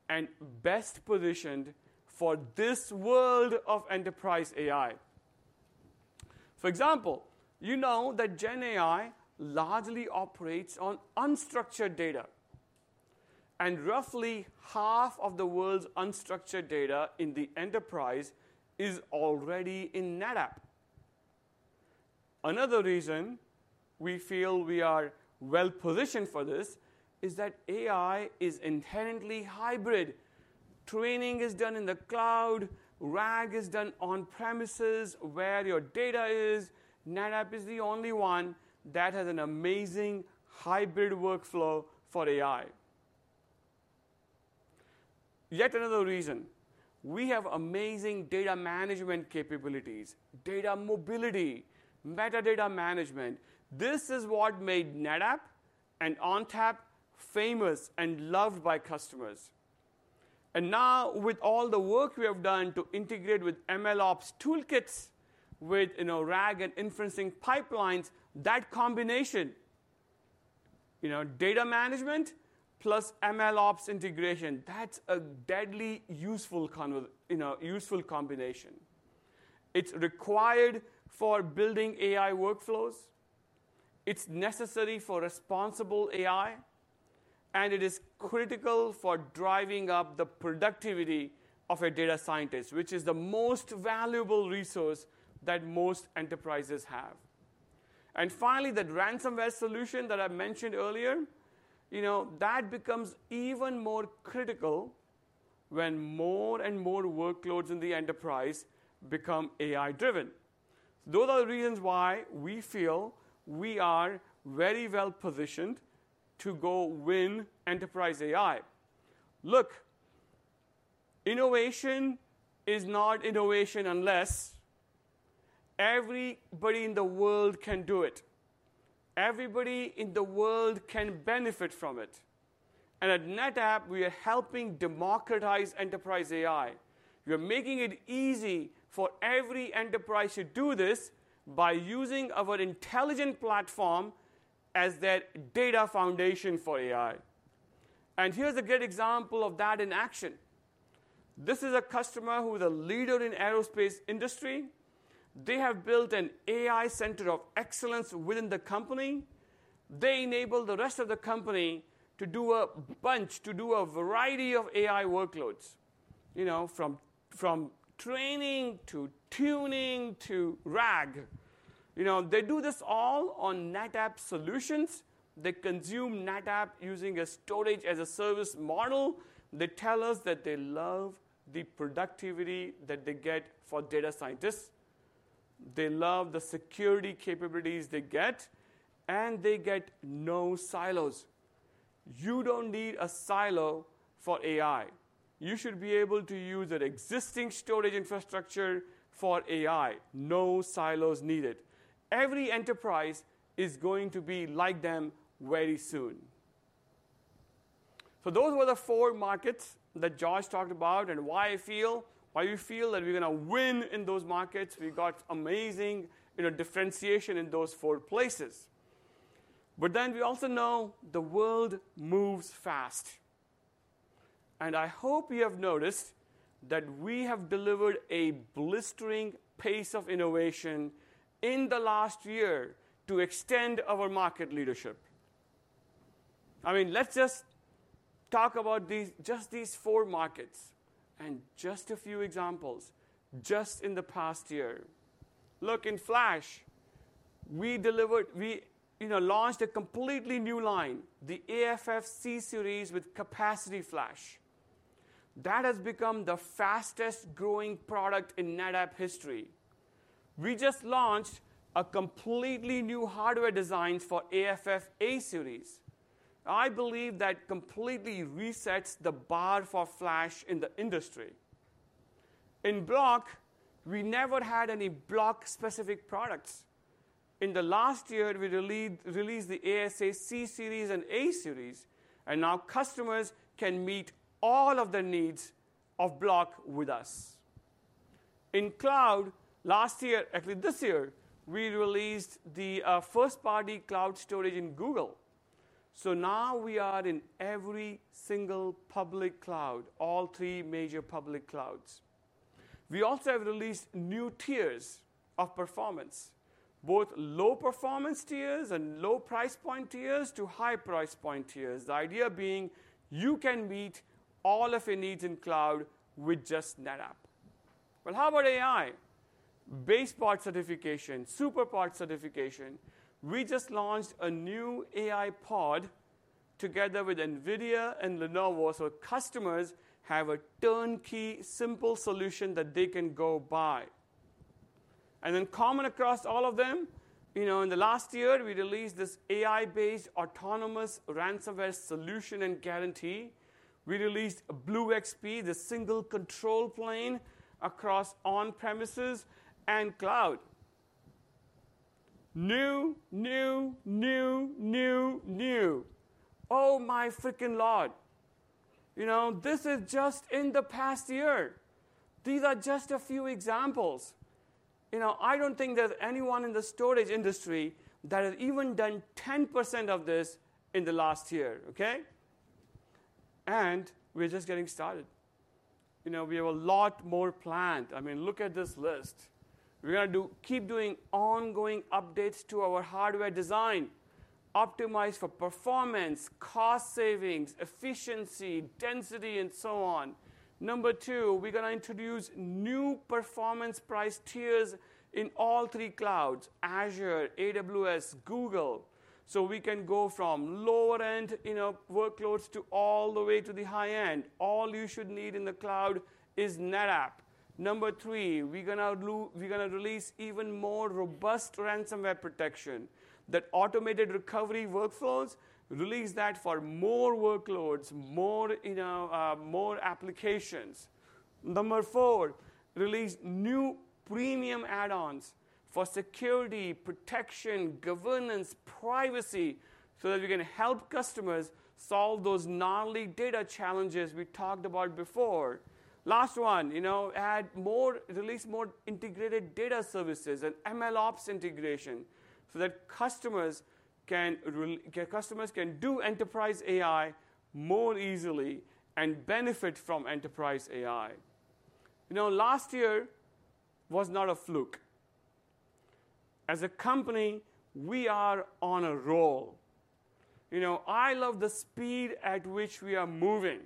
and best positioned for this world of enterprise AI. For example, you know that GenAI largely operates on unstructured data. Roughly half of the world's unstructured data in the enterprise is already in NetApp. Another reason we feel we are well positioned for this is that AI is inherently hybrid. Training is done in the cloud. RAG is done on-premises where your data is. NetApp is the only one that has an amazing hybrid workflow for AI. Yet another reason. We have amazing data management capabilities, data mobility, metadata management. This is what made NetApp and ONTAP famous and loved by customers. And now, with all the work we have done to integrate with MLOps toolkits, with, you know, RAG and inferencing pipelines, that combination, you know, data management plus MLOps integration, that's a deadly useful, you know, useful combination. It's required for building AI workflows. It's necessary for responsible AI. And it is critical for driving up the productivity of a data scientist, which is the most valuable resource that most enterprises have. And finally, that ransomware solution that I mentioned earlier, you know, that becomes even more critical when more and more workloads in the enterprise become AI-driven. Those are the reasons why we feel we are very well positioned to go win enterprise AI. Look, innovation is not innovation unless everybody in the world can do it. Everybody in the world can benefit from it. And at NetApp, we are helping democratize enterprise AI. We are making it easy for every enterprise to do this by using our intelligent platform as their data foundation for AI. And here's a great example of that in action. This is a customer who is a leader in the aerospace industry. They have built an AI center of excellence within the company. They enable the rest of the company to do a bunch, to do a variety of AI workloads, you know, from training to tuning to RAG. You know, they do this all on NetApp solutions. They consume NetApp using a storage-as-a-service model. They tell us that they love the productivity that they get for data scientists. They love the security capabilities they get. And they get no silos. You don't need a silo for AI. You should be able to use an existing storage infrastructure for AI. No silos needed. Every enterprise is going to be like them very soon. So those were the four markets that George talked about and why I feel, why we feel that we're going to win in those markets. We got amazing, you know, differentiation in those four places. But then we also know the world moves fast. I hope you have noticed that we have delivered a blistering pace of innovation in the last year to extend our market leadership. I mean, let's just talk about just these four markets and just a few examples just in the past year. Look, in flash, we delivered, we, you know, launched a completely new line, the AFF C-Series with capacity flash. That has become the fastest-growing product in NetApp history. We just launched a completely new hardware design for AFF A-Series. I believe that completely resets the bar for flash in the industry. In block, we never had any block-specific products. In the last year, we released the ASA C-Series and A-Series. And now customers can meet all of their needs of block with us. In cloud, last year, actually this year, we released the first-party cloud storage in Google. So now we are in every single public cloud, all three major public clouds. We also have released new tiers of performance, both low-performance tiers and low-price point tiers to high-price point tiers. The idea being you can meet all of your needs in cloud with just NetApp. But how about AI? BasePOD certification, SuperPOD certification. We just launched a new AIPod together with NVIDIA and Lenovo. So customers have a turnkey simple solution that they can go buy. And then common across all of them, you know, in the last year, we released this AI-based autonomous ransomware solution and guarantee. We released BlueXP, the single control plane across on-premises and cloud. New, new, new, new, new. Oh, my fricking lord. You know, this is just in the past year. These are just a few examples. You know, I don't think there's anyone in the storage industry that has even done 10% of this in the last year. Okay? We're just getting started. You know, we have a lot more planned. I mean, look at this list. We're going to keep doing ongoing updates to our hardware design, optimized for performance, cost savings, efficiency, density, and so on. Number two, we're going to introduce new performance-price tiers in all three clouds: Azure, AWS, Google. So we can go from lower-end, you know, workloads to all the way to the high end. All you should need in the cloud is NetApp. Number three, we're going to release even more robust ransomware protection. That automated recovery workflows release that for more workloads, more, you know, more applications. Number four, release new premium add-ons for security, protection, governance, privacy so that we can help customers solve those gnarly data challenges we talked about before. Last one, you know, add more, release more integrated data services and MLOps integration so that customers can do enterprise AI more easily and benefit from enterprise AI. You know, last year was not a fluke. As a company, we are on a roll. You know, I love the speed at which we are moving.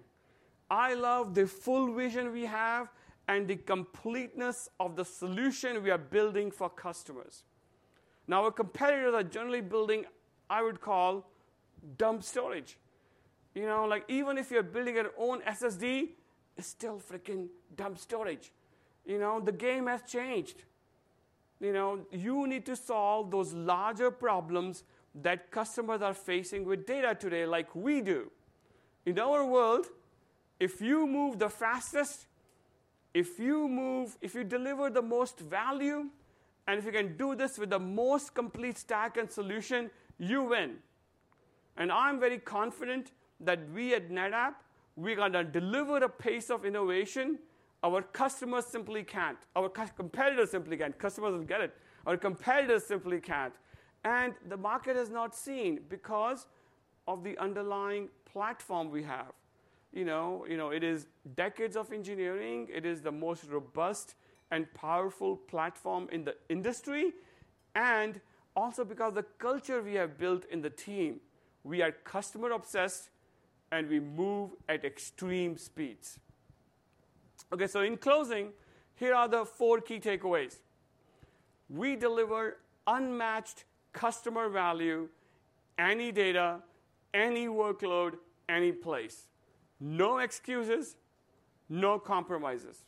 I love the full vision we have and the completeness of the solution we are building for customers. Now, our competitors are generally building, I would call, dumb storage. You know, like, even if you're building your own SSD, it's still fricking dumb storage. You know, the game has changed. You know, you need to solve those larger problems that customers are facing with data today like we do. In our world, if you move the fastest, if you move, if you deliver the most value, and if you can do this with the most complete stack and solution, you win. And I'm very confident that we at NetApp, we're going to deliver a pace of innovation our customers simply can't, our competitors simply can't, customers will get it, our competitors simply can't. And the market has not seen because of the underlying platform we have. You know, you know, it is decades of engineering. It is the most robust and powerful platform in the industry. And also because of the culture we have built in the team. We are customer-obsessed, and we move at extreme speeds. Okay, so in closing, here are the four key takeaways. We deliver unmatched customer value, any data, any workload, any place. No excuses, no compromises.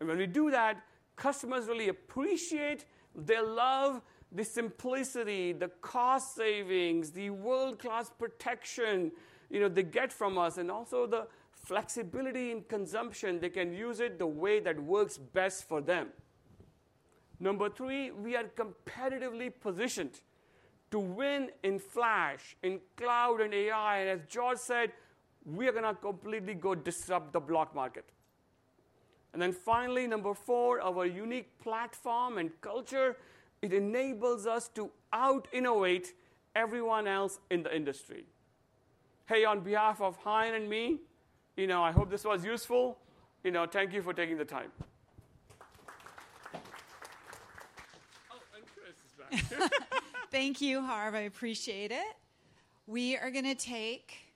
When we do that, customers really appreciate. They love the simplicity, the cost savings, the world-class protection, you know, they get from us, and also the flexibility in consumption. They can use it the way that works best for them. Number three, we are competitively positioned to win in Flash, in cloud, and AI. And as George said, we are going to completely go disrupt the block market. And then finally, number four, our unique platform and culture, it enables us to out-innovate everyone else in the industry. Hey, on behalf of Haiyan and me, you know, I hope this was useful. You know, thank you for taking the time. Oh, I'm curious as well. Thank you, Harv. I appreciate it. We are going to take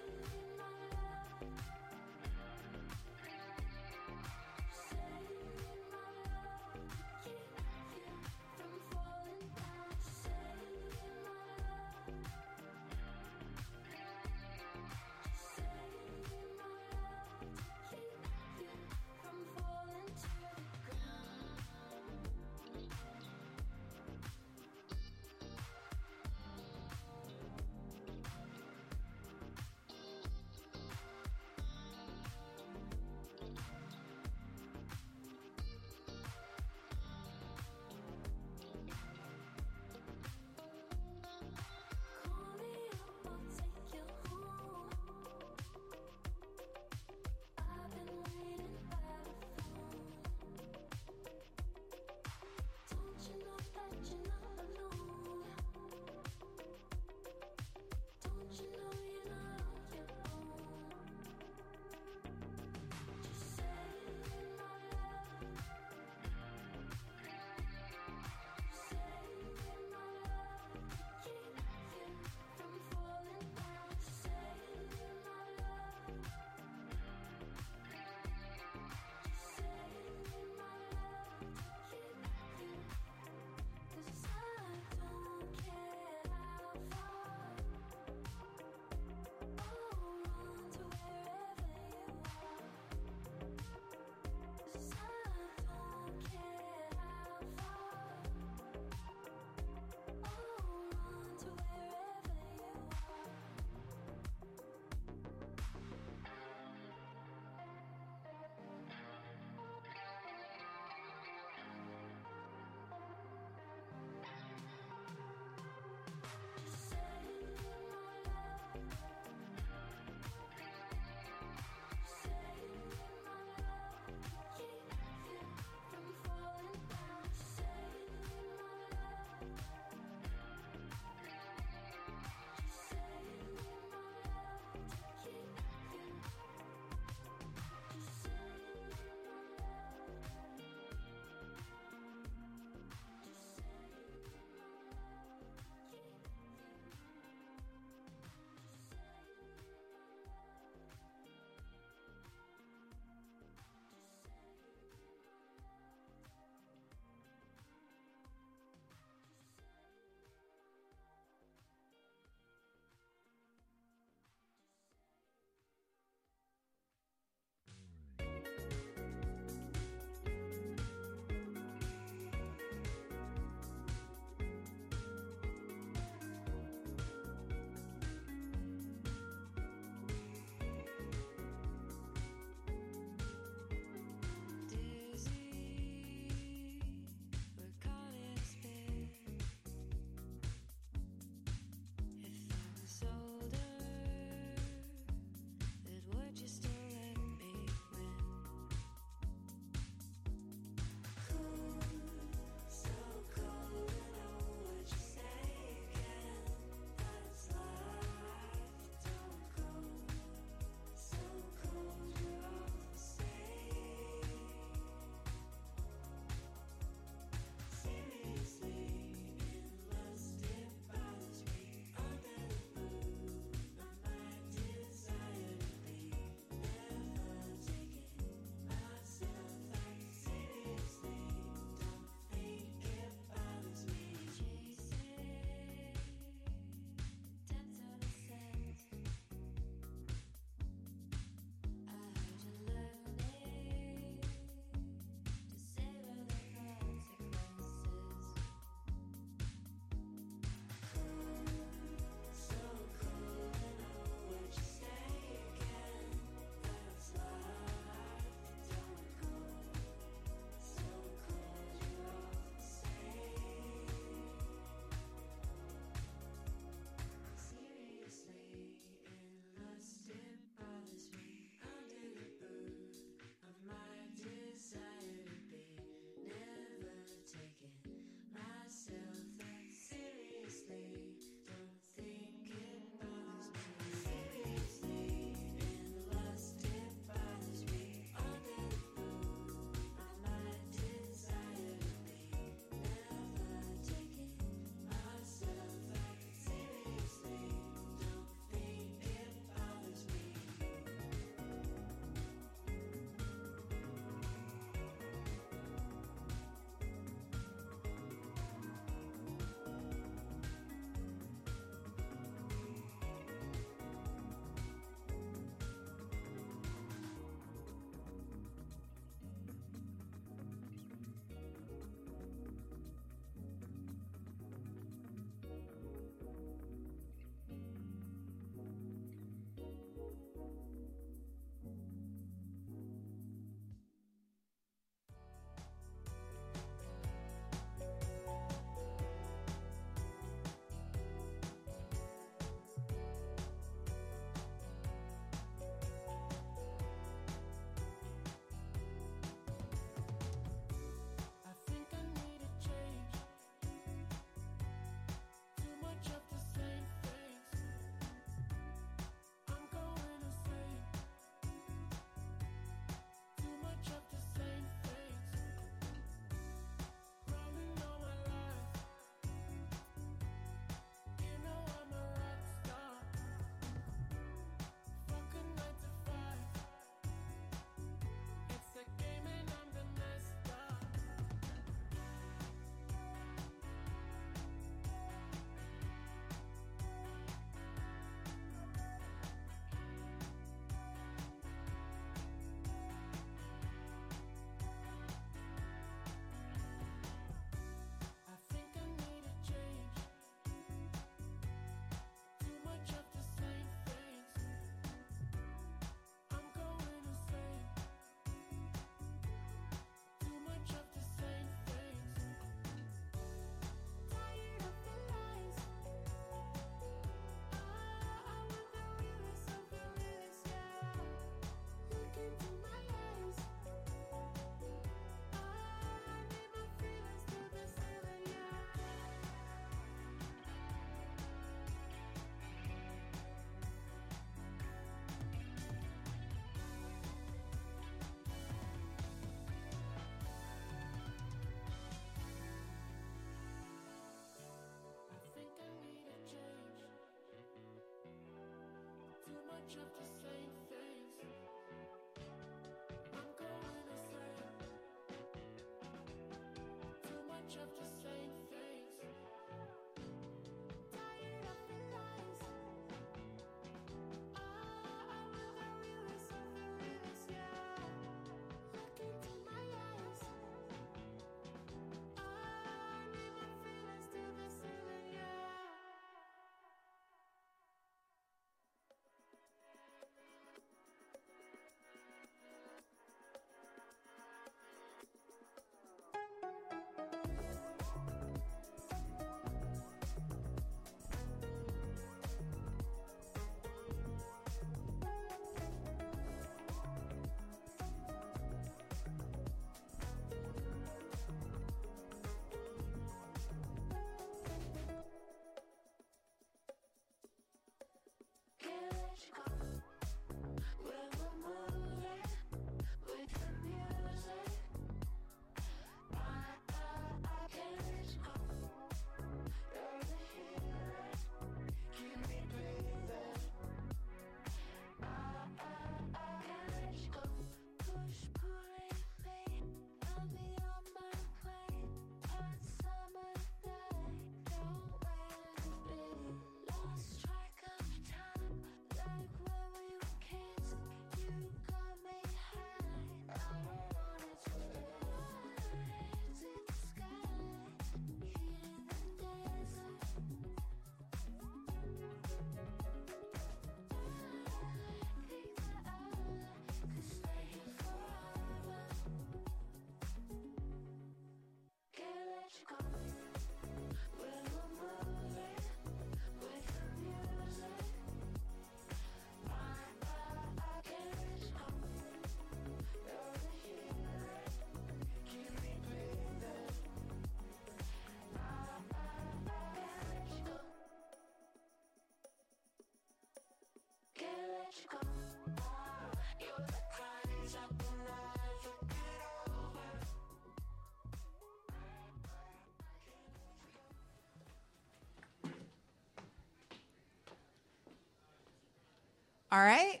All right,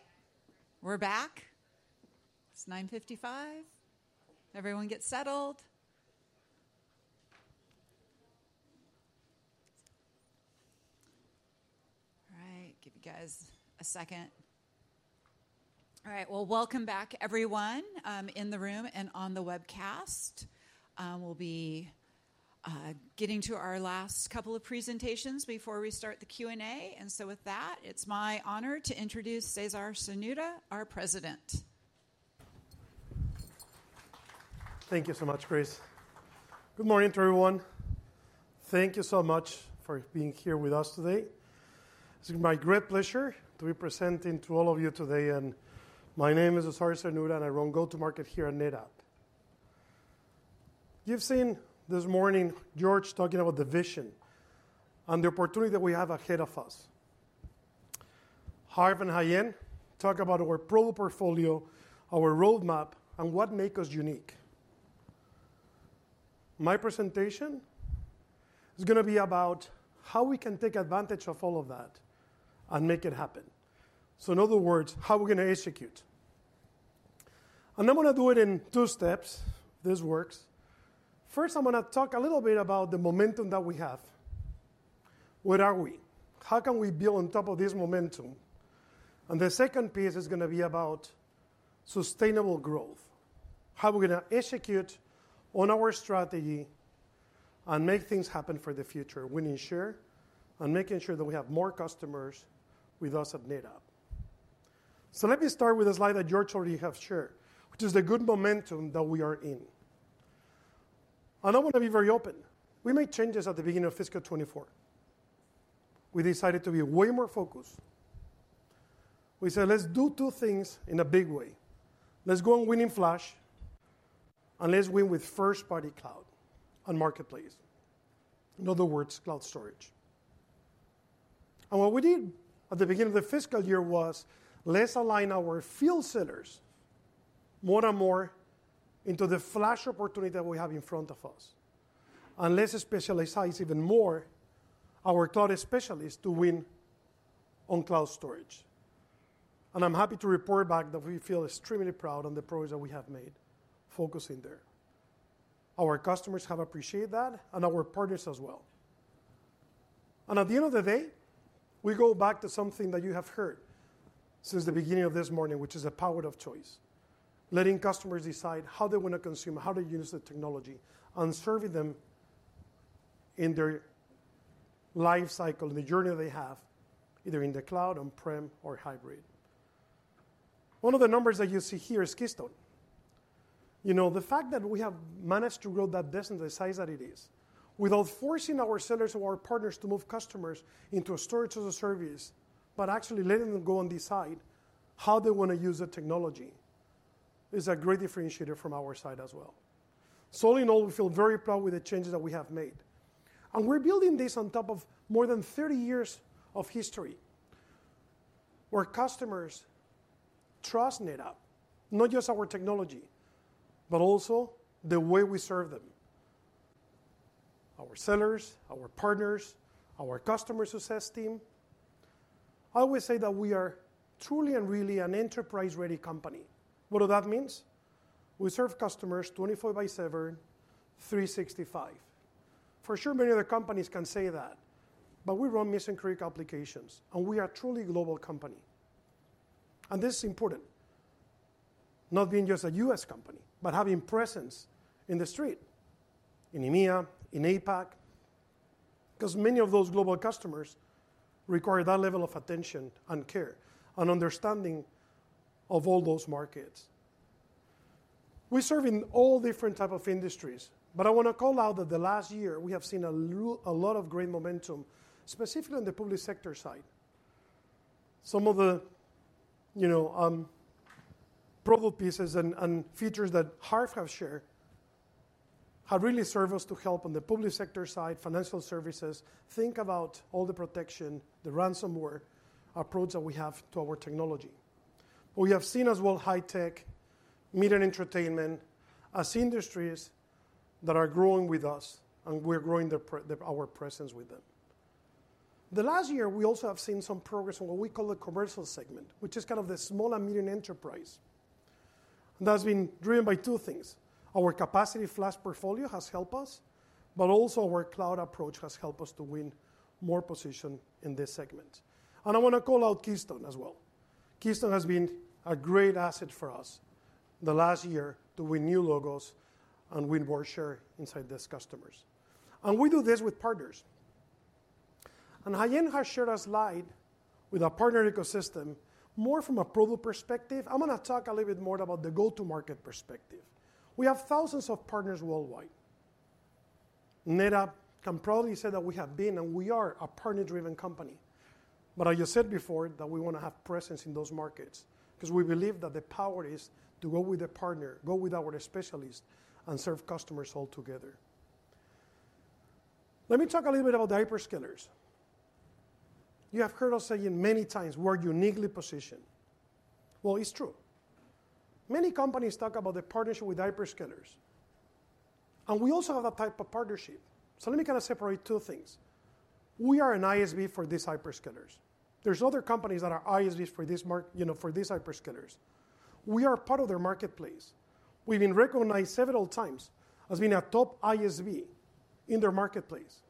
we're back. It's 9:55 A.M. Everyone get settled. All right, give you guys a second. All right, well, welcome back, everyone, in the room and on the webcast. We'll be getting to our last couple of presentations before we start the Q&A. So with that, it's my honor to introduce César Cernuda, our President. Thank you so much, Kris. Good morning to everyone. Thank you so much for being here with us today. It's my great pleasure to be presenting to all of you today. And my name is César Cernuda, and I run go-to-market here at NetApp. You've seen this morning George talking about the vision and the opportunity that we have ahead of us. Harv and Haiyan talk about our product portfolio, our roadmap, and what makes us unique. My presentation is going to be about how we can take advantage of all of that and make it happen. So in other words, how are we going to execute? And I'm going to do it in two steps. This works. First, I'm going to talk a little bit about the momentum that we have. Where are we? How can we build on top of this momentum? And the second piece is going to be about sustainable growth. How are we going to execute on our strategy and make things happen for the future? Winning share and making sure that we have more customers with us at NetApp. So let me start with a slide that George already has shared, which is the good momentum that we are in. And I want to be very open. We made changes at the beginning of fiscal 2024. We decided to be way more focused. We said, let's do two things in a big way. Let's go on winning flash and let's win with first-party cloud and marketplace. In other words, cloud storage. What we did at the beginning of the fiscal year was let's align our field sellers more and more into the flash opportunity that we have in front of us and let's specialize even more our cloud specialists to win on cloud storage. I'm happy to report back that we feel extremely proud of the progress that we have made focusing there. Our customers have appreciated that and our partners as well. At the end of the day, we go back to something that you have heard since the beginning of this morning, which is the power of choice. Letting customers decide how they want to consume, how they use the technology, and serving them in their life cycle, in the journey they have, either in the cloud, on-prem, or hybrid. One of the numbers that you see here is Keystone. You know, the fact that we have managed to grow that to the size that it is without forcing our sellers or our partners to move customers into a storage as a service, but actually letting them go and decide how they want to use the technology is a great differentiator from our side as well. So all in all, we feel very proud with the changes that we have made. We're building this on top of more than 30 years of history where customers trust NetApp, not just our technology, but also the way we serve them. Our sellers, our partners, our customer success team. I always say that we are truly and really an enterprise-ready company. What does that mean? We serve customers 24x7, 365. For sure, many other companies can say that, but we run mission-critical applications, and we are a truly global company. This is important. Not being just a U.S. company, but having presence in the street, in EMEA, in APAC, because many of those global customers require that level of attention and care and understanding of all those markets. We serve in all different types of industries, but I want to call out that the last year we have seen a lot of great momentum, specifically on the public sector side. Some of the, you know, product pieces and features that Harv have shared have really served us to help on the public sector side, financial services, think about all the protection, the ransomware approach that we have to our technology. But we have seen as well high-tech, media and entertainment as industries that are growing with us, and we're growing our presence with them. the last year, we also have seen some progress on what we call the commercial segment, which is kind of the small and medium enterprise. That's been driven by two things. Our capacity flash portfolio has helped us, but also our cloud approach has helped us to win more position in this segment. I want to call out Keystone as well. Keystone has been a great asset for us the last year to win new logos and win more share inside these customers. We do this with partners. Haiyan has shared a slide with a partner ecosystem more from a product perspective. I'm going to talk a little bit more about the go-to-market perspective. We have thousands of partners worldwide. NetApp can probably say that we have been and we are a partner-driven company. But as you said before, that we want to have presence in those markets because we believe that the power is to go with a partner, go with our specialists, and serve customers all together. Let me talk a little bit about the hyperscalers. You have heard us saying many times, we're uniquely positioned. Well, it's true. Many companies talk about the partnership with hyperscalers. And we also have that type of partnership. So let me kind of separate two things. We are an ISV for these hyperscalers. There's other companies that are ISVs for this, you know, for these hyperscalers. We are part of their marketplace. We've been recognized several times as being a top ISV in their marketplace.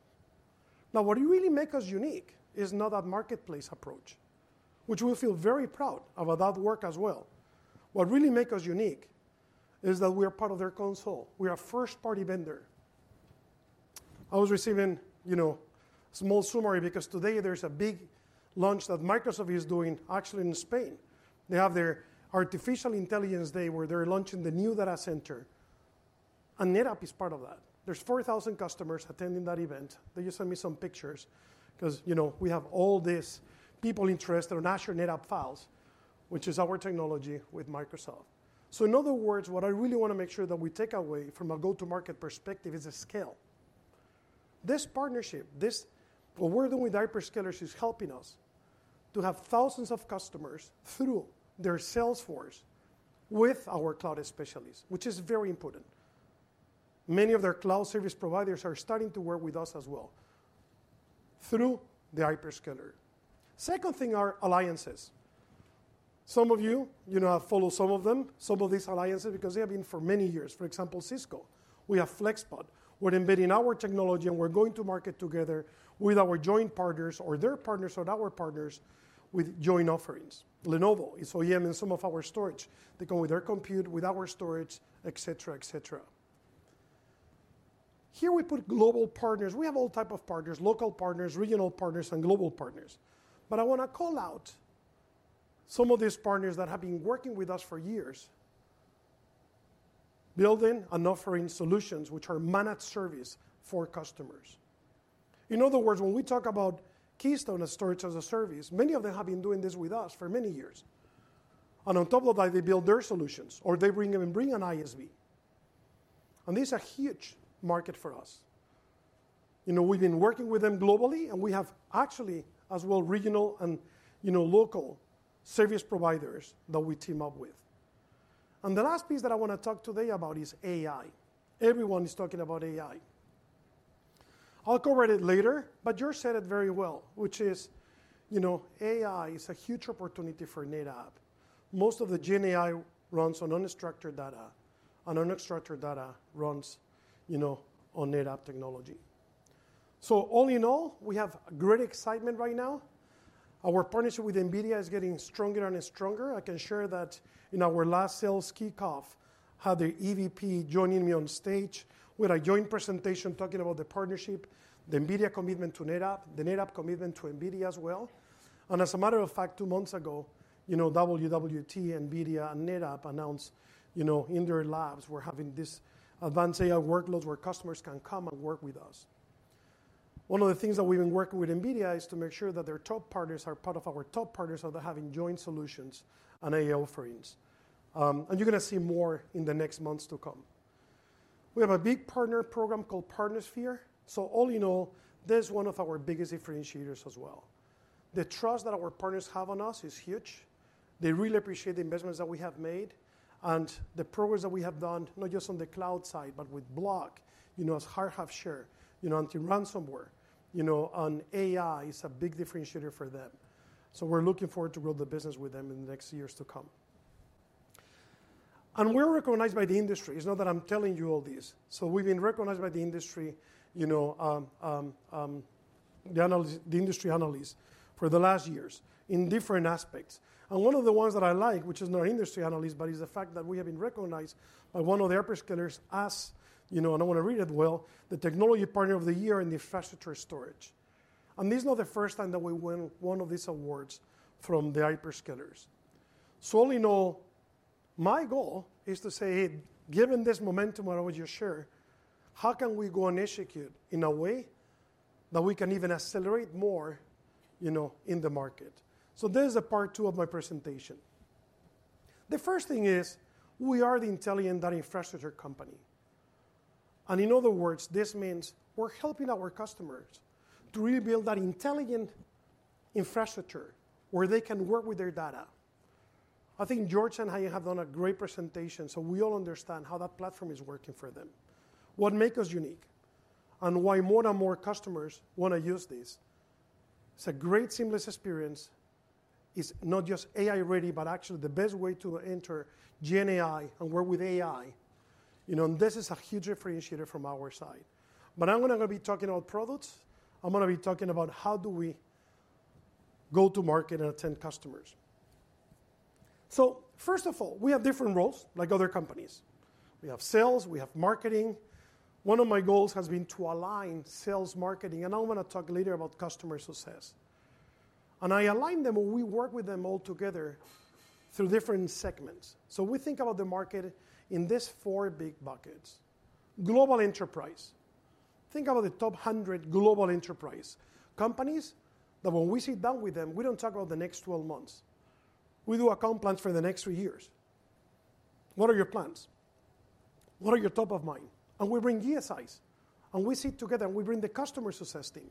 Now, what really makes us unique is not that marketplace approach, which we feel very proud of that work as well. What really makes us unique is that we are part of their console. We are a first-party vendor. I was receiving, you know, a small summary because today there's a big launch that Microsoft is doing actually in Spain. They have their artificial intelligence day where they're launching the new data center. And NetApp is part of that. There's 4,000 customers attending that event. They just sent me some pictures because, you know, we have all these people interested in Azure NetApp Files, which is our technology with Microsoft. So in other words, what I really want to make sure that we take away from a go-to-market perspective is a scale. This partnership, this what we're doing with hyperscalers is helping us to have thousands of customers through their sales force with our cloud specialists, which is very important. Many of their cloud service providers are starting to work with us as well through the hyperscaler. Second thing are alliances. Some of you, you know, have followed some of them, some of these alliances because they have been for many years. For example, Cisco, we have FlexPod. We're embedding our technology, and we're going to market together with our joint partners or their partners or our partners with joint offerings. Lenovo is OEM in some of our storage. They come with their compute, with our storage, et cetera, et cetera. Here we put global partners. We have all types of partners, local partners, regional partners, and global partners. But I want to call out some of these partners that have been working with us for years, building and offering solutions which are managed service for customers. In other words, when we talk about Keystone as storage as a service, many of them have been doing this with us for many years. And on top of that, they build their solutions or they bring in an ISV. And this is a huge market for us. You know, we've been working with them globally, and we have actually as well regional and, you know, local service providers that we team up with. And the last piece that I want to talk today about is AI. Everyone is talking about AI. I'll cover it later, but George said it very well, which is, you know, AI is a huge opportunity for NetApp. Most of the GenAI runs on unstructured data, and unstructured data runs, you know, on NetApp technology. So all in all, we have great excitement right now. Our partnership with NVIDIA is getting stronger and stronger. I can share that in our last sales kickoff, I had the EVP joining me on stage with a joint presentation talking about the partnership, the NVIDIA commitment to NetApp, the NetApp commitment to NVIDIA as well. As a matter of fact, two months ago, you know, WWT, NVIDIA, and NetApp announced, you know, in their labs, we're having this advanced AI workloads where customers can come and work with us. One of the things that we've been working with NVIDIA is to make sure that their top partners are part of our top partners that are having joint solutions and AI offerings. You're going to see more in the next months to come. We have a big partner program called Partner Sphere. All in all, that's one of our biggest differentiators as well. The trust that our partners have on us is huge. They really appreciate the investments that we have made and the progress that we have done, not just on the cloud side, but with block, you know, as Harv have shared, you know, anti-ransomware, you know, and AI is a big differentiator for them. So we're looking forward to grow the business with them in the next years to come. And we're recognized by the industry. It's not that I'm telling you all this. So we've been recognized by the industry, you know, the industry analysts for the last years in different aspects. And one of the ones that I like, which is not industry analysts, but is the fact that we have been recognized by one of the hyperscalers as, you know, and I want to read it well, the technology partner of the year in infrastructure storage. This is not the first time that we won one of these awards from the hyperscalers. All in all, my goal is to say, given this momentum I already shared, how can we go and execute in a way that we can even accelerate more, you know, in the market? This is part two of my presentation. The first thing is we are the intelligent data infrastructure company. And in other words, this means we're helping our customers to really build that intelligent infrastructure where they can work with their data. I think George and Haiyan have done a great presentation, so we all understand how that platform is working for them. What makes us unique and why more and more customers want to use this? It's a great seamless experience. It's not just AI ready, but actually the best way to enter GenAI and work with AI. You know, and this is a huge differentiator from our side. But I'm going to be talking about products. I'm going to be talking about how do we go to market and attend customers. So first of all, we have different roles like other companies. We have sales, we have marketing. One of my goals has been to align sales, marketing, and I'm going to talk later about customer success. And I align them or we work with them all together through different segments. So we think about the market in these four big buckets. Global enterprise. Think about the top 100 global enterprise companies that when we sit down with them, we don't talk about the next 12 months. We do account plans for the next three years. What are your plans? What are your top of mind? We bring GSIs, and we sit together and we bring the customer success team.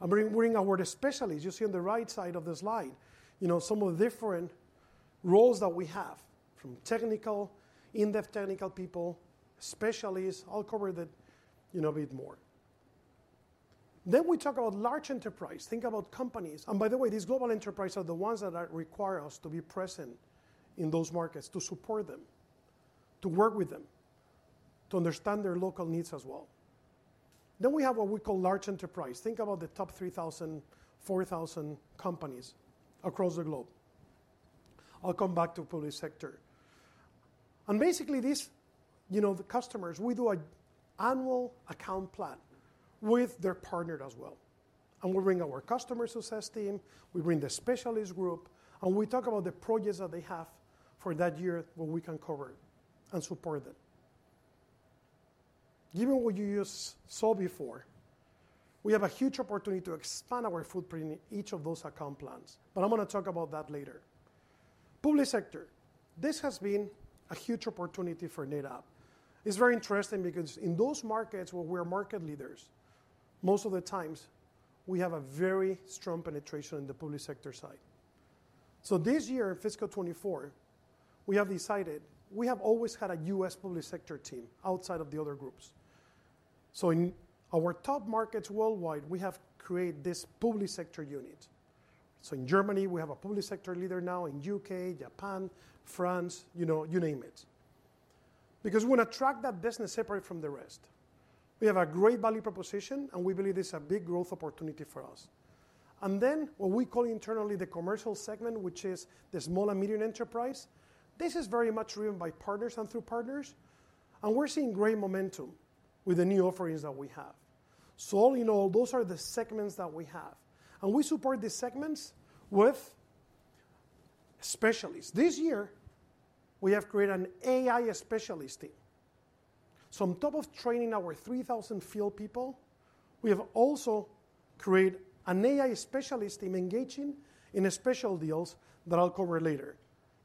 We bring our specialists. You see on the right side of the slide, you know, some of the different roles that we have from technical, in-depth technical people, specialists. I'll cover that, you know, a bit more. Then we talk about large enterprise. Think about companies. By the way, these global enterprises are the ones that require us to be present in those markets to support them, to work with them, to understand their local needs as well. Then we have what we call large enterprise. Think about the top 3,000, 4,000 companies across the globe. I'll come back to public sector. Basically these, you know, the customers, we do an annual account plan with their partner as well. We bring our customer success team, we bring the specialist group, and we talk about the projects that they have for that year where we can cover and support them. Given what you just saw before, we have a huge opportunity to expand our footprint in each of those account plans, but I'm going to talk about that later. Public sector. This has been a huge opportunity for NetApp. It's very interesting because in those markets where we are market leaders, most of the times we have a very strong penetration in the public sector side. This year in fiscal 2024, we have decided we have always had a U.S. public sector team outside of the other groups. In our top markets worldwide, we have created this public sector unit. So in Germany, we have a public sector leader now, in the U.K., Japan, France, you know, you name it. Because we want to track that business separate from the rest. We have a great value proposition, and we believe this is a big growth opportunity for us. And then what we call internally the commercial segment, which is the small and medium enterprise, this is very much driven by partners and through partners. And we're seeing great momentum with the new offerings that we have. So all in all, those are the segments that we have. And we support the segments with specialists. This year, we have created an AI specialist team. So on top of training our 3,000 field people, we have also created an AI specialist team engaging in special deals that I'll cover later.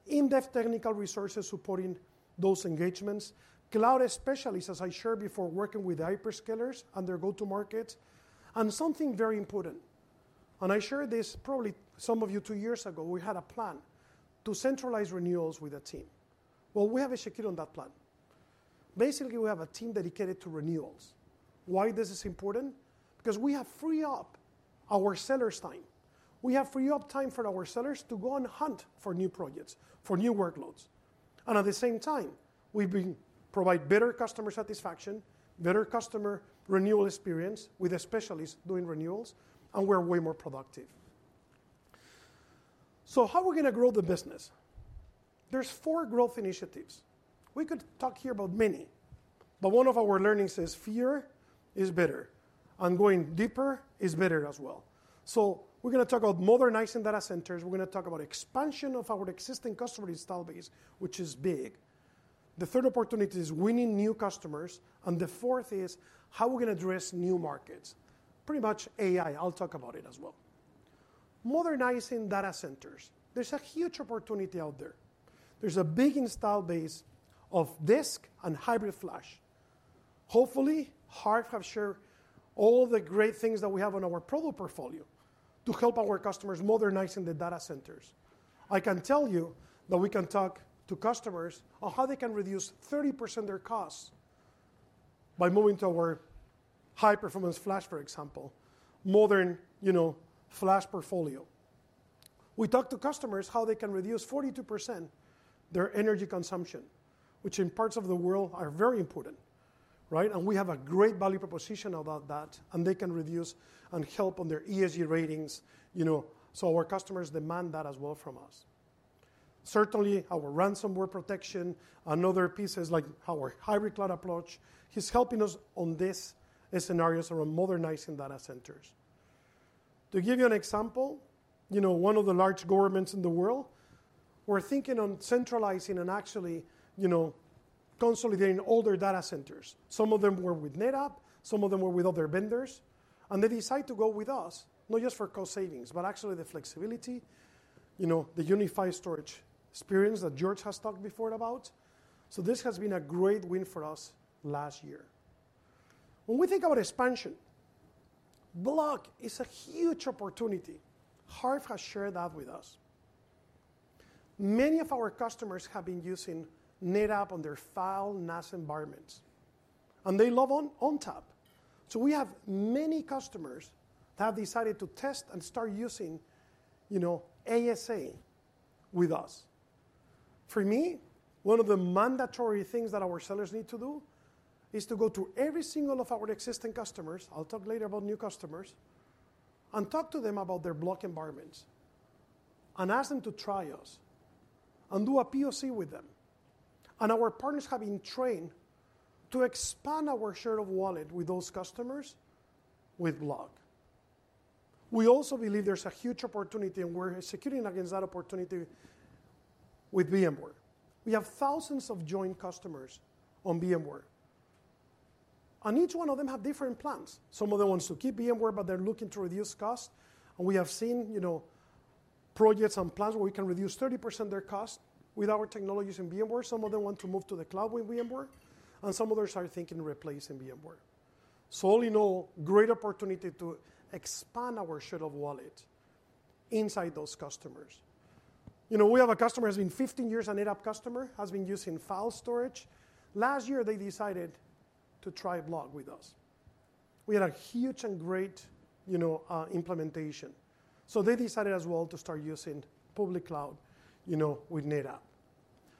In-depth technical resources supporting those engagements. Cloud specialists, as I shared before, working with the hyperscalers and their go-to-markets. Something very important. I shared this probably some of you two years ago. We had a plan to centralize renewals with a team. Well, we have executed on that plan. Basically, we have a team dedicated to renewals. Why this is important? Because we have freed up our seller's time. We have freed up time for our sellers to go and hunt for new projects, for new workloads. At the same time, we've been providing better customer satisfaction, better customer renewal experience with specialists doing renewals, and we're way more productive. So how are we going to grow the business? There's four growth initiatives. We could talk here about many, but one of our learnings is fear is better. Going deeper is better as well. So we're going to talk about modernizing data centers. We're going to talk about expansion of our existing customer install base, which is big. The third opportunity is winning new customers. And the fourth is how we're going to address new markets. Pretty much AI. I'll talk about it as well. Modernizing data centers. There's a huge opportunity out there. There's a big install base of disk and hybrid flash. Hopefully, Harv have shared all the great things that we have on our product portfolio to help our customers modernizing the data centers. I can tell you that we can talk to customers on how they can reduce 30% of their costs by moving to our high-performance flash, for example, modern, you know, flash portfolio. We talked to customers how they can reduce 42% their energy consumption, which in parts of the world are very important, right? We have a great value proposition about that, and they can reduce and help on their ESG ratings, you know, so our customers demand that as well from us. Certainly, our ransomware protection and other pieces like our hybrid cloud approach is helping us on these scenarios around modernizing data centers. To give you an example, you know, one of the large governments in the world, we're thinking on centralizing and actually, you know, consolidating older data centers. Some of them were with NetApp, some of them were with other vendors, and they decided to go with us, not just for cost savings, but actually the flexibility, you know, the unified storage experience that George has talked before about. So this has been a great win for us last year. When we think about expansion, block is a huge opportunity. Harv has shared that with us. Many of our customers have been using NetApp on their file NAS environments, and they love ONTAP. So we have many customers that have decided to test and start using, you know, ASA with us. For me, one of the mandatory things that our sellers need to do is to go to every single one of our existing customers. I'll talk later about new customers and talk to them about their block environments and ask them to try us and do a POC with them. And our partners have been trained to expand our share of wallet with those customers with block. We also believe there's a huge opportunity, and we're executing against that opportunity with VMware. We have thousands of joint customers on VMware, and each one of them has different plans. Some of them want to keep VMware, but they're looking to reduce cost. We have seen, you know, projects and plans where we can reduce 30% of their cost with our technologies in VMware. Some of them want to move to the cloud with VMware, and some others are thinking of replacing VMware. So all in all, great opportunity to expand our share of wallet inside those customers. You know, we have a customer who has been 15 years a NetApp customer, has been using file storage. Last year, they decided to try block with us. We had a huge and great, you know, implementation. So they decided as well to start using public cloud, you know, with NetApp.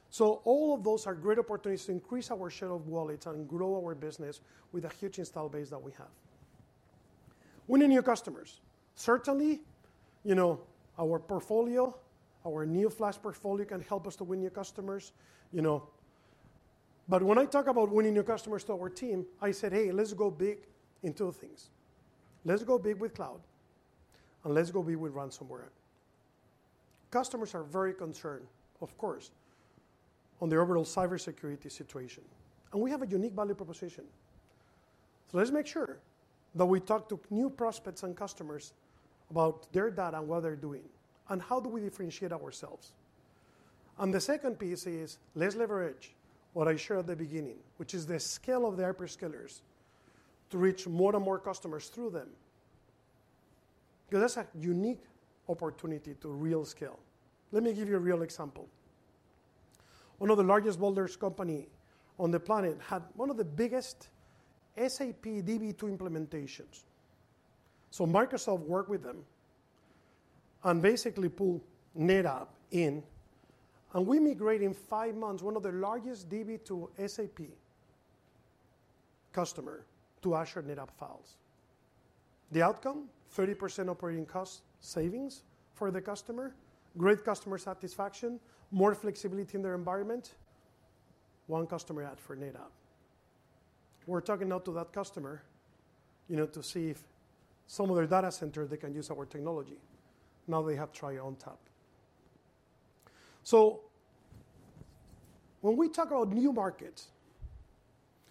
So all of those are great opportunities to increase our share of wallets and grow our business with a huge installed base that we have. Winning new customers. Certainly, you know, our portfolio, our new flash portfolio can help us to win new customers, you know. But when I talk about winning new customers to our team, I said, "Hey, let's go big in two things. Let's go big with cloud and let's go big with ransomware." Customers are very concerned, of course, on the overall cybersecurity situation, and we have a unique value proposition. So let's make sure that we talk to new prospects and customers about their data and what they're doing and how do we differentiate ourselves. And the second piece is let's leverage what I shared at the beginning, which is the scale of the hyperscalers to reach more and more customers through them. Because that's a unique opportunity to real scale. Let me give you a real example. One of the largest bottlers companies on the planet had one of the biggest SAP DB2 implementations. So Microsoft worked with them and basically pulled NetApp in, and we migrated in five months one of the largest DB2 SAP customers to Azure NetApp Files. The outcome? 30% operating cost savings for the customer, great customer satisfaction, more flexibility in their environment. One customer added for NetApp. We're talking now to that customer, you know, to see if some of their data centers they can use our technology. Now they have tried ONTAP. So when we talk about new markets,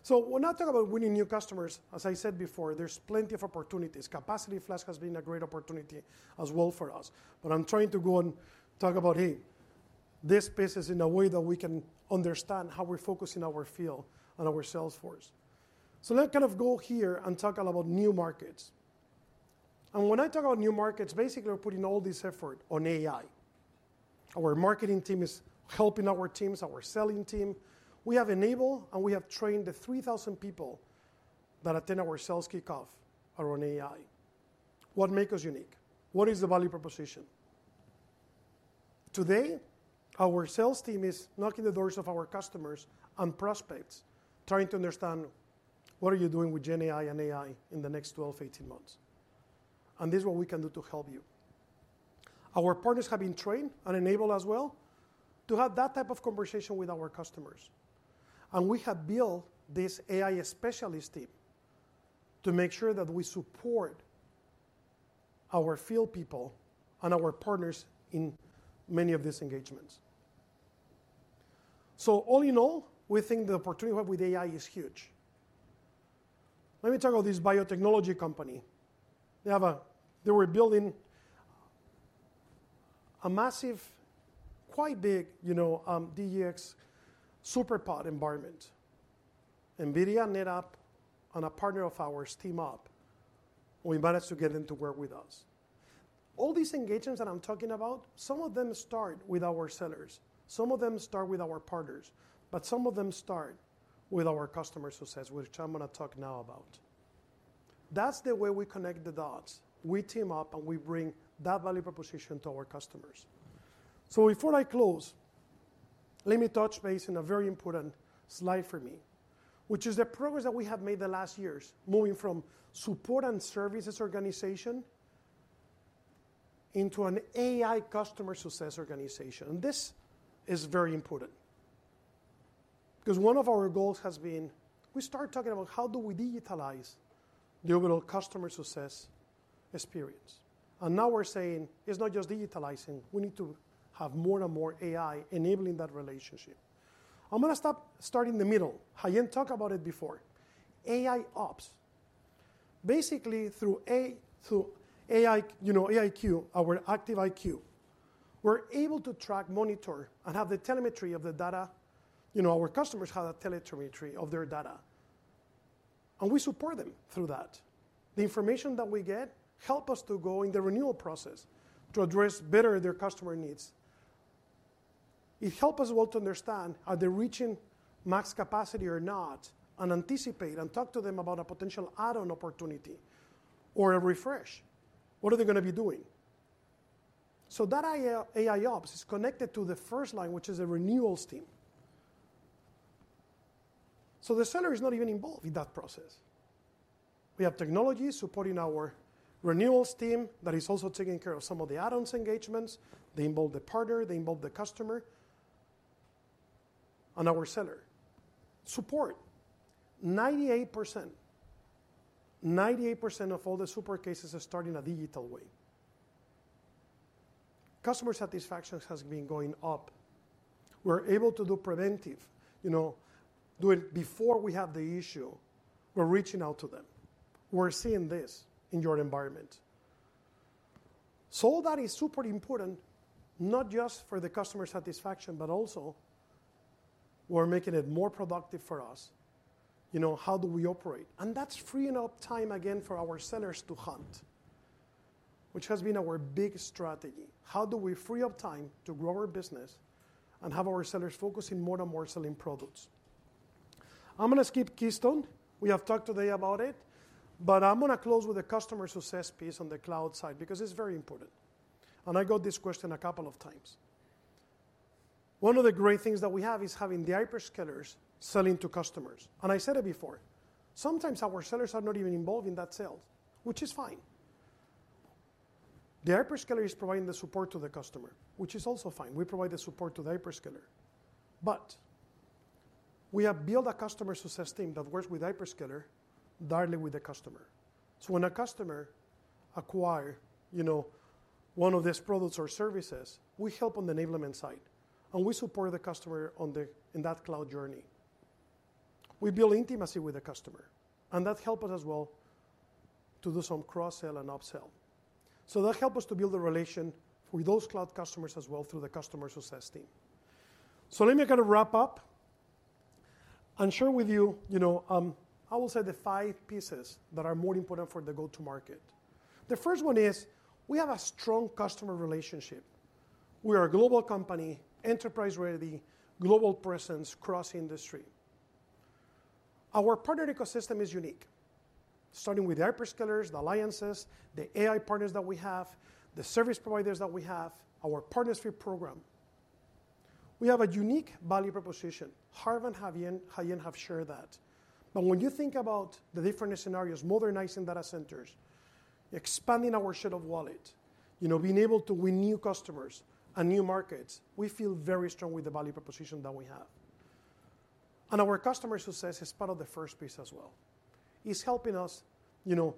so when I talk about winning new customers, as I said before, there's plenty of opportunities. Capacity Flash has been a great opportunity as well for us, but I'm trying to go and talk about, hey, this piece is in a way that we can understand how we're focusing our field and our sales force. So let me kind of go here and talk about new markets. And when I talk about new markets, basically we're putting all this effort on AI. Our marketing team is helping our teams, our selling team. We have enabled and we have trained the 3,000 people that attend our sales kickoff around AI. What makes us unique? What is the value proposition? Today, our sales team is knocking the doors of our customers and prospects, trying to understand what are you doing with GenAI and AI in the next 12 months, 18 months. And this is what we can do to help you. Our partners have been trained and enabled as well to have that type of conversation with our customers. We have built this AI specialist team to make sure that we support our field people and our partners in many of these engagements. So all in all, we think the opportunity we have with AI is huge. Let me talk about this biotechnology company. They were building a massive, quite big, you know, DGX SuperPOD environment. NVIDIA, NetApp, and a partner of ours, TeamUp, who invited us to get them to work with us. All these engagements that I'm talking about, some of them start with our sellers, some of them start with our partners, but some of them start with our customer success, which I'm going to talk now about. That's the way we connect the dots. We team up and we bring that value proposition to our customers. So before I close, let me touch base on a very important slide for me, which is the progress that we have made the last years, moving from support and services organization into an AI customer success organization. And this is very important because one of our goals has been we start talking about how do we digitalize the overall customer success experience. And now we're saying it's not just digitalizing, we need to have more and more AI enabling that relationship. I'm going to stop starting in the middle. I didn't talk about it before. AIOps. Basically through AI, you know, AIQ, our Active IQ, we're able to track, monitor, and have the telemetry of the data, you know, our customers have that telemetry of their data. And we support them through that. The information that we get helps us to go in the renewal process to address better their customer needs. It helps us well to understand are they reaching max capacity or not and anticipate and talk to them about a potential add-on opportunity or a refresh. What are they going to be doing? So that AIOps is connected to the first line, which is the renewals team. So the seller is not even involved in that process. We have technology supporting our renewals team that is also taking care of some of the add-ons engagements. They involve the partner, they involve the customer, and our seller. Support. 98%, 98% of all the support cases are starting a digital way. Customer satisfaction has been going up. We're able to do preventive, you know, do it before we have the issue. We're reaching out to them. We're seeing this in your environment. So all that is super important, not just for the customer satisfaction, but also we're making it more productive for us. You know, how do we operate? And that's freeing up time again for our sellers to hunt, which has been our big strategy. How do we free up time to grow our business and have our sellers focusing more and more selling products? I'm going to skip Keystone. We have talked today about it, but I'm going to close with the customer success piece on the cloud side because it's very important. And I got this question a couple of times. One of the great things that we have is having the hyperscalers selling to customers. And I said it before, sometimes our sellers are not even involved in that sales, which is fine. The hyperscaler is providing the support to the customer, which is also fine. We provide the support to the hyperscaler. But we have built a customer success team that works with the hyperscaler directly with the customer. So when a customer acquires, you know, one of these products or services, we help on the enablement side and we support the customer on that cloud journey. We build intimacy with the customer, and that helps us as well to do some cross-sell and up-sell. So that helps us to build a relation with those cloud customers as well through the customer success team. So let me kind of wrap up and share with you, you know, I will say the five pieces that are more important for the go-to-market. The first one is we have a strong customer relationship. We are a global company, enterprise-ready, global presence across industry. Our partner ecosystem is unique, starting with the hyperscalers, the alliances, the AI partners that we have, the service providers that we have, our partnership program. We have a unique value proposition. Harv and Haiyan have shared that. But when you think about the different scenarios, modernizing data centers, expanding our share of wallet, you know, being able to win new customers and new markets, we feel very strong with the value proposition that we have. And our customer success is part of the first piece as well. It's helping us, you know,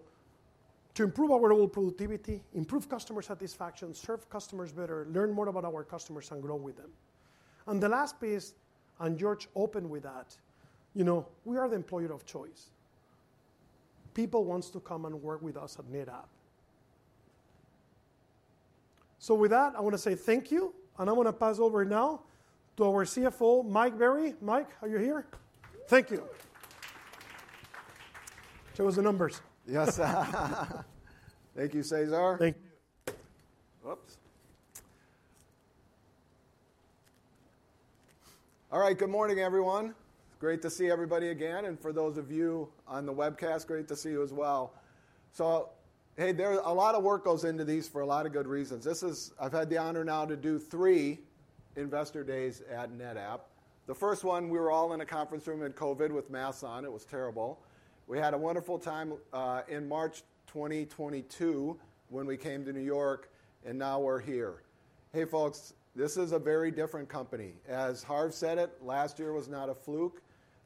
to improve our overall productivity, improve customer satisfaction, serve customers better, learn more about our customers and grow with them. And the last piece, and George opened with that, you know, we are the employer of choice. People want to come and work with us at NetApp. So with that, I want to say thank you, and I'm going to pass over now to our CFO, Mike Berry. Mike, are you here? Thank you. Show us the numbers. Yes. Thank you, César. Thank you. Oops. All right, good morning, everyone. Great to see everybody again. And for those of you on the webcast, great to see you as well. So, hey, there's a lot of work goes into these for a lot of good reasons. This is, I've had the honor now to do three Investor Days at NetApp. The first one, we were all in a conference room in COVID with masks on. It was terrible. We had a wonderful time in March 2022 when we came to New York, and now we're here. Hey folks, this is a very different company. As Harv said it, last year was not a fluke.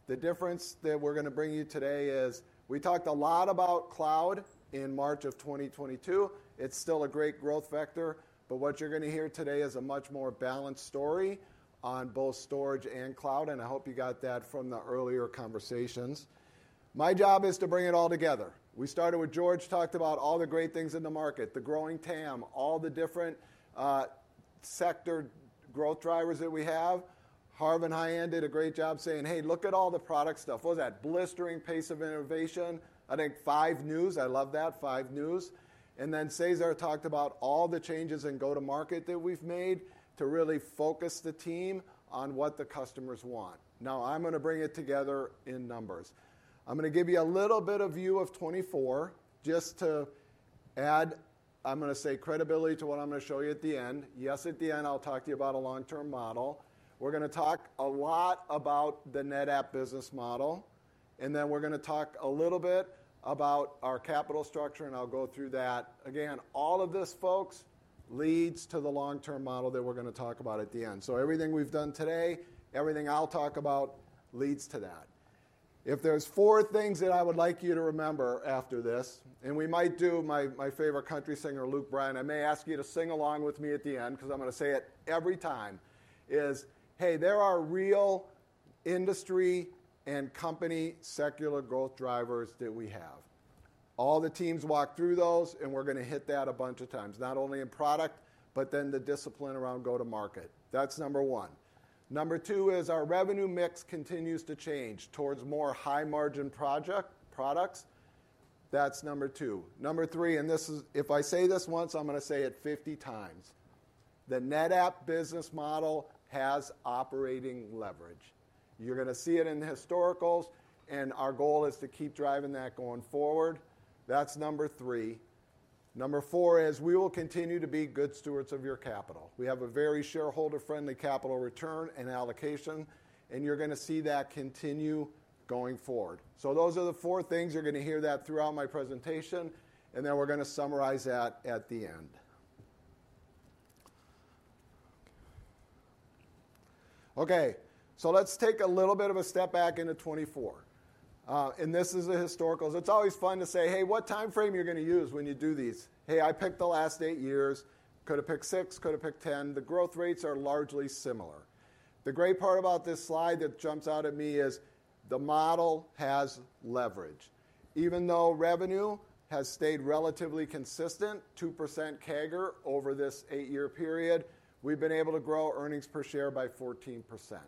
The difference that we're going to bring you today is we talked a lot about cloud in March of 2022. It's still a great growth vector, but what you're going to hear today is a much more balanced story on both storage and cloud, and I hope you got that from the earlier conversations. My job is to bring it all together. We started with George, talked about all the great things in the market, the growing TAM, all the different sector growth drivers that we have. Harv and Haiyan did a great job saying, "Hey, look at all the product stuff." What was that? Blistering pace of innovation. I think five news. I love that. Five news. And then César talked about all the changes in go-to-market that we've made to really focus the team on what the customers want. Now I'm going to bring it together in numbers. I'm going to give you a little bit of view of 2024 just to add, I'm going to say credibility to what I'm going to show you at the end. Yes, at the end, I'll talk to you about a long-term model. We're going to talk a lot about the NetApp business model, and then we're going to talk a little bit about our capital structure, and I'll go through that. Again, all of this, folks, leads to the long-term model that we're going to talk about at the end. So everything we've done today, everything I'll talk about leads to that. If there are four things that I would like you to remember after this, and we might do my favorite country singer, Luke Bryan, I may ask you to sing along with me at the end because I'm going to say it every time, is, "Hey, there are real industry and company secular growth drivers that we have." All the teams walk through those, and we're going to hit that a bunch of times, not only in product, but then the discipline around go-to-market. That's number one. Number two is our revenue mix continues to change towards more high-margin products. That's number two. Number three, and this is, if I say this once, I'm going to say it 50x. The NetApp business model has operating leverage. You're going to see it in the historicals, and our goal is to keep driving that going forward. That's number three. Number four is we will continue to be good stewards of your capital. We have a very shareholder-friendly capital return and allocation, and you're going to see that continue going forward. So those are the four things. You're going to hear that throughout my presentation, and then we're going to summarize that at the end. Okay. So let's take a little bit of a step back into 2024. And this is the historicals. It's always fun to say, "Hey, what timeframe are you going to use when you do these?" Hey, I picked the last 8 years. Could have picked six, could have picked 10. The growth rates are largely similar. The great part about this slide that jumps out at me is the model has leverage. Even though revenue has stayed relatively consistent, 2% CAGR over this 8-year period, we've been able to grow earnings per share by 14%.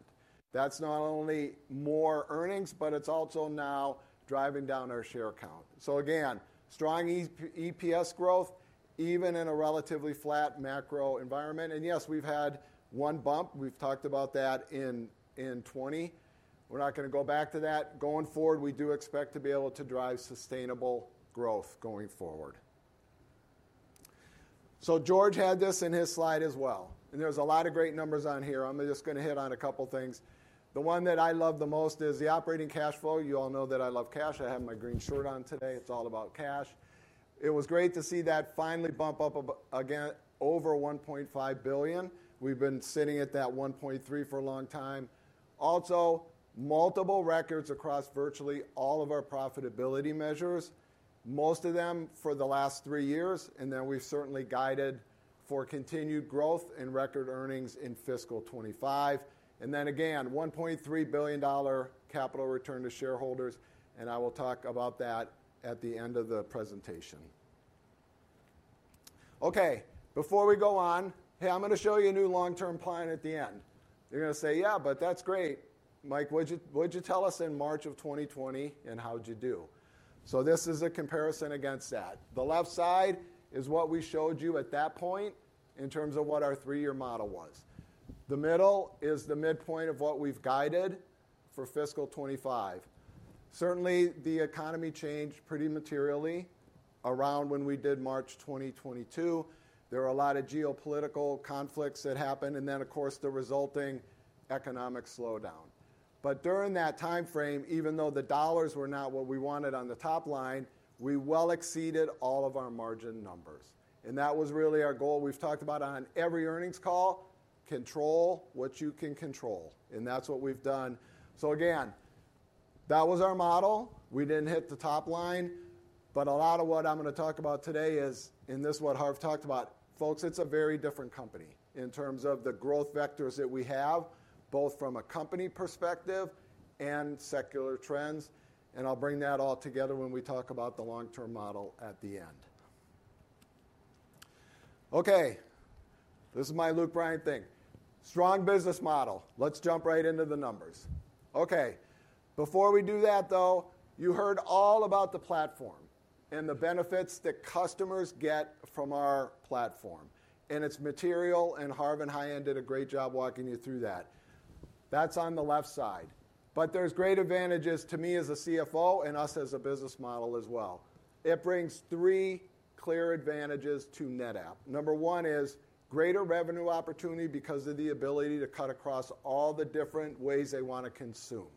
That's not only more earnings, but it's also now driving down our share count. So again, strong EPS growth, even in a relatively flat macro environment. And yes, we've had one bump. We've talked about that in 2020. We're not going to go back to that. Going forward, we do expect to be able to drive sustainable growth going forward. So George had this in his slide as well, and there's a lot of great numbers on here. I'm just going to hit on a couple of things. The one that I love the most is the operating cash flow. You all know that I love cash. I have my green shirt on today. It's all about cash. It was great to see that finally bump up again over $1.5 billion. We've been sitting at that $1.3 billion for a long time. Also, multiple records across virtually all of our profitability measures, most of them for the last three years, and then we've certainly guided for continued growth and record earnings in fiscal 2025. And then again, $1.3 billion capital return to shareholders, and I will talk about that at the end of the presentation. Okay. Before we go on, hey, I'm going to show you a new long-term plan at the end. You're going to say, "Yeah, but that's great. Mike, what'd you tell us in March of 2020, and how'd you do?" So this is a comparison against that. The left side is what we showed you at that point in terms of what our three-year model was. The middle is the midpoint of what we've guided for fiscal 2025. Certainly, the economy changed pretty materially around when we did March 2022. There were a lot of geopolitical conflicts that happened, and then, of course, the resulting economic slowdown. But during that timeframe, even though the dollars were not what we wanted on the top line, we well exceeded all of our margin numbers. And that was really our goal. We've talked about on every earnings call, control what you can control, and that's what we've done. So again, that was our model. We didn't hit the top line, but a lot of what I'm going to talk about today is, and this is what Harv talked about. Folks, it's a very different company in terms of the growth vectors that we have, both from a company perspective and secular trends. And I'll bring that all together when we talk about the long-term model at the end. Okay. This is my Luke Bryan thing. Strong business model. Let's jump right into the numbers. Okay. Before we do that, though, you heard all about the platform and the benefits that customers get from our platform, and it's material, and Harv and Haiyan did a great job walking you through that. That's on the left side. But there's great advantages to me as a CFO and us as a business model as well. It brings three clear advantages to NetApp. Number one is greater revenue opportunity because of the ability to cut across all the different ways they want to consume.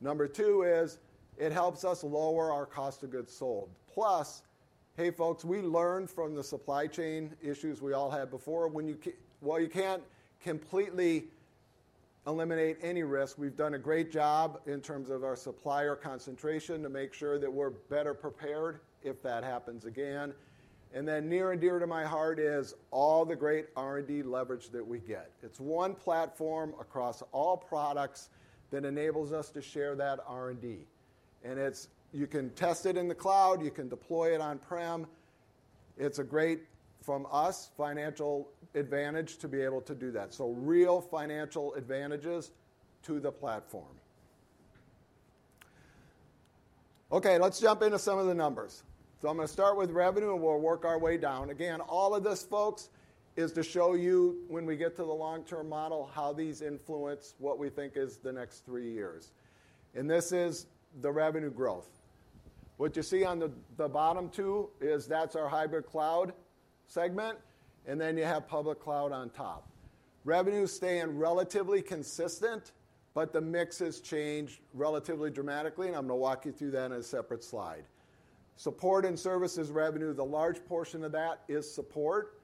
Number two is it helps us lower our cost of goods sold. Plus, hey folks, we learned from the supply chain issues we all had before. Well, you can't completely eliminate any risk. We've done a great job in terms of our supplier concentration to make sure that we're better prepared if that happens again. And then near and dear to my heart is all the great R&D leverage that we get. It's one platform across all products that enables us to share that R&D. And you can test it in the cloud. You can deploy it on-prem. It's a great, from us, financial advantage to be able to do that. So real financial advantages to the platform. Okay. Let's jump into some of the numbers. So I'm going to start with revenue, and we'll work our way down. Again, all of this, folks, is to show you when we get to the long-term model how these influence what we think is the next three years. And this is the revenue growth. What you see on the bottom two is that's our hybrid cloud segment, and then you have public cloud on top. Revenues staying relatively consistent, but the mix has changed relatively dramatically, and I'm going to walk you through that in a separate slide. Support and services revenue, the large portion of that is support,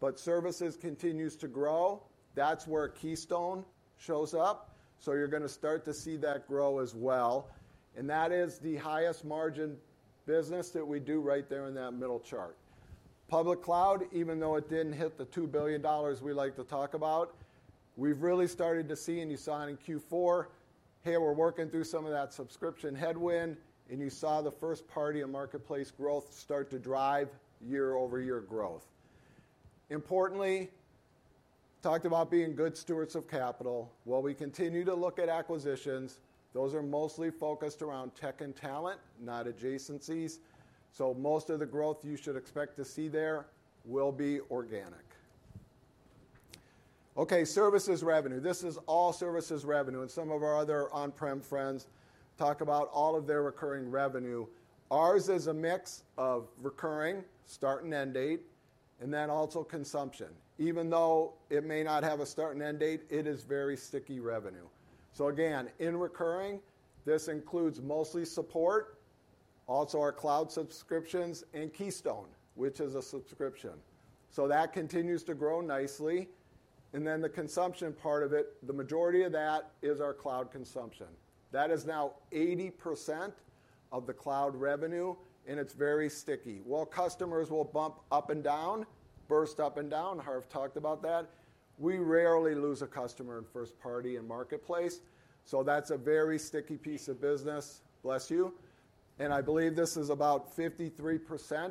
but services continues to grow. That's where Keystone shows up. So you're going to start to see that grow as well. And that is the highest margin business that we do right there in that middle chart. Public cloud, even though it didn't hit the $2 billion we like to talk about, we've really started to see, and you saw in Q4, hey, we're working through some of that subscription headwind, and you saw the first party and marketplace growth start to drive year-over-year growth. Importantly, talked about being good stewards of capital. Well, we continue to look at acquisitions. Those are mostly focused around tech and talent, not adjacencies. So most of the growth you should expect to see there will be organic. Okay. Services revenue. This is all services revenue, and some of our other on-prem friends talk about all of their recurring revenue. Ours is a mix of recurring, start and end date, and then also consumption. Even though it may not have a start and end date, it is very sticky revenue. So again, in recurring, this includes mostly support, also our cloud subscriptions and Keystone, which is a subscription. So that continues to grow nicely. And then the consumption part of it, the majority of that is our cloud consumption. That is now 80% of the cloud revenue, and it's very sticky. While customers will bump up and down, burst up and down, Harv talked about that, we rarely lose a customer in first party and marketplace. So that's a very sticky piece of business. Bless you. I believe this is about 53%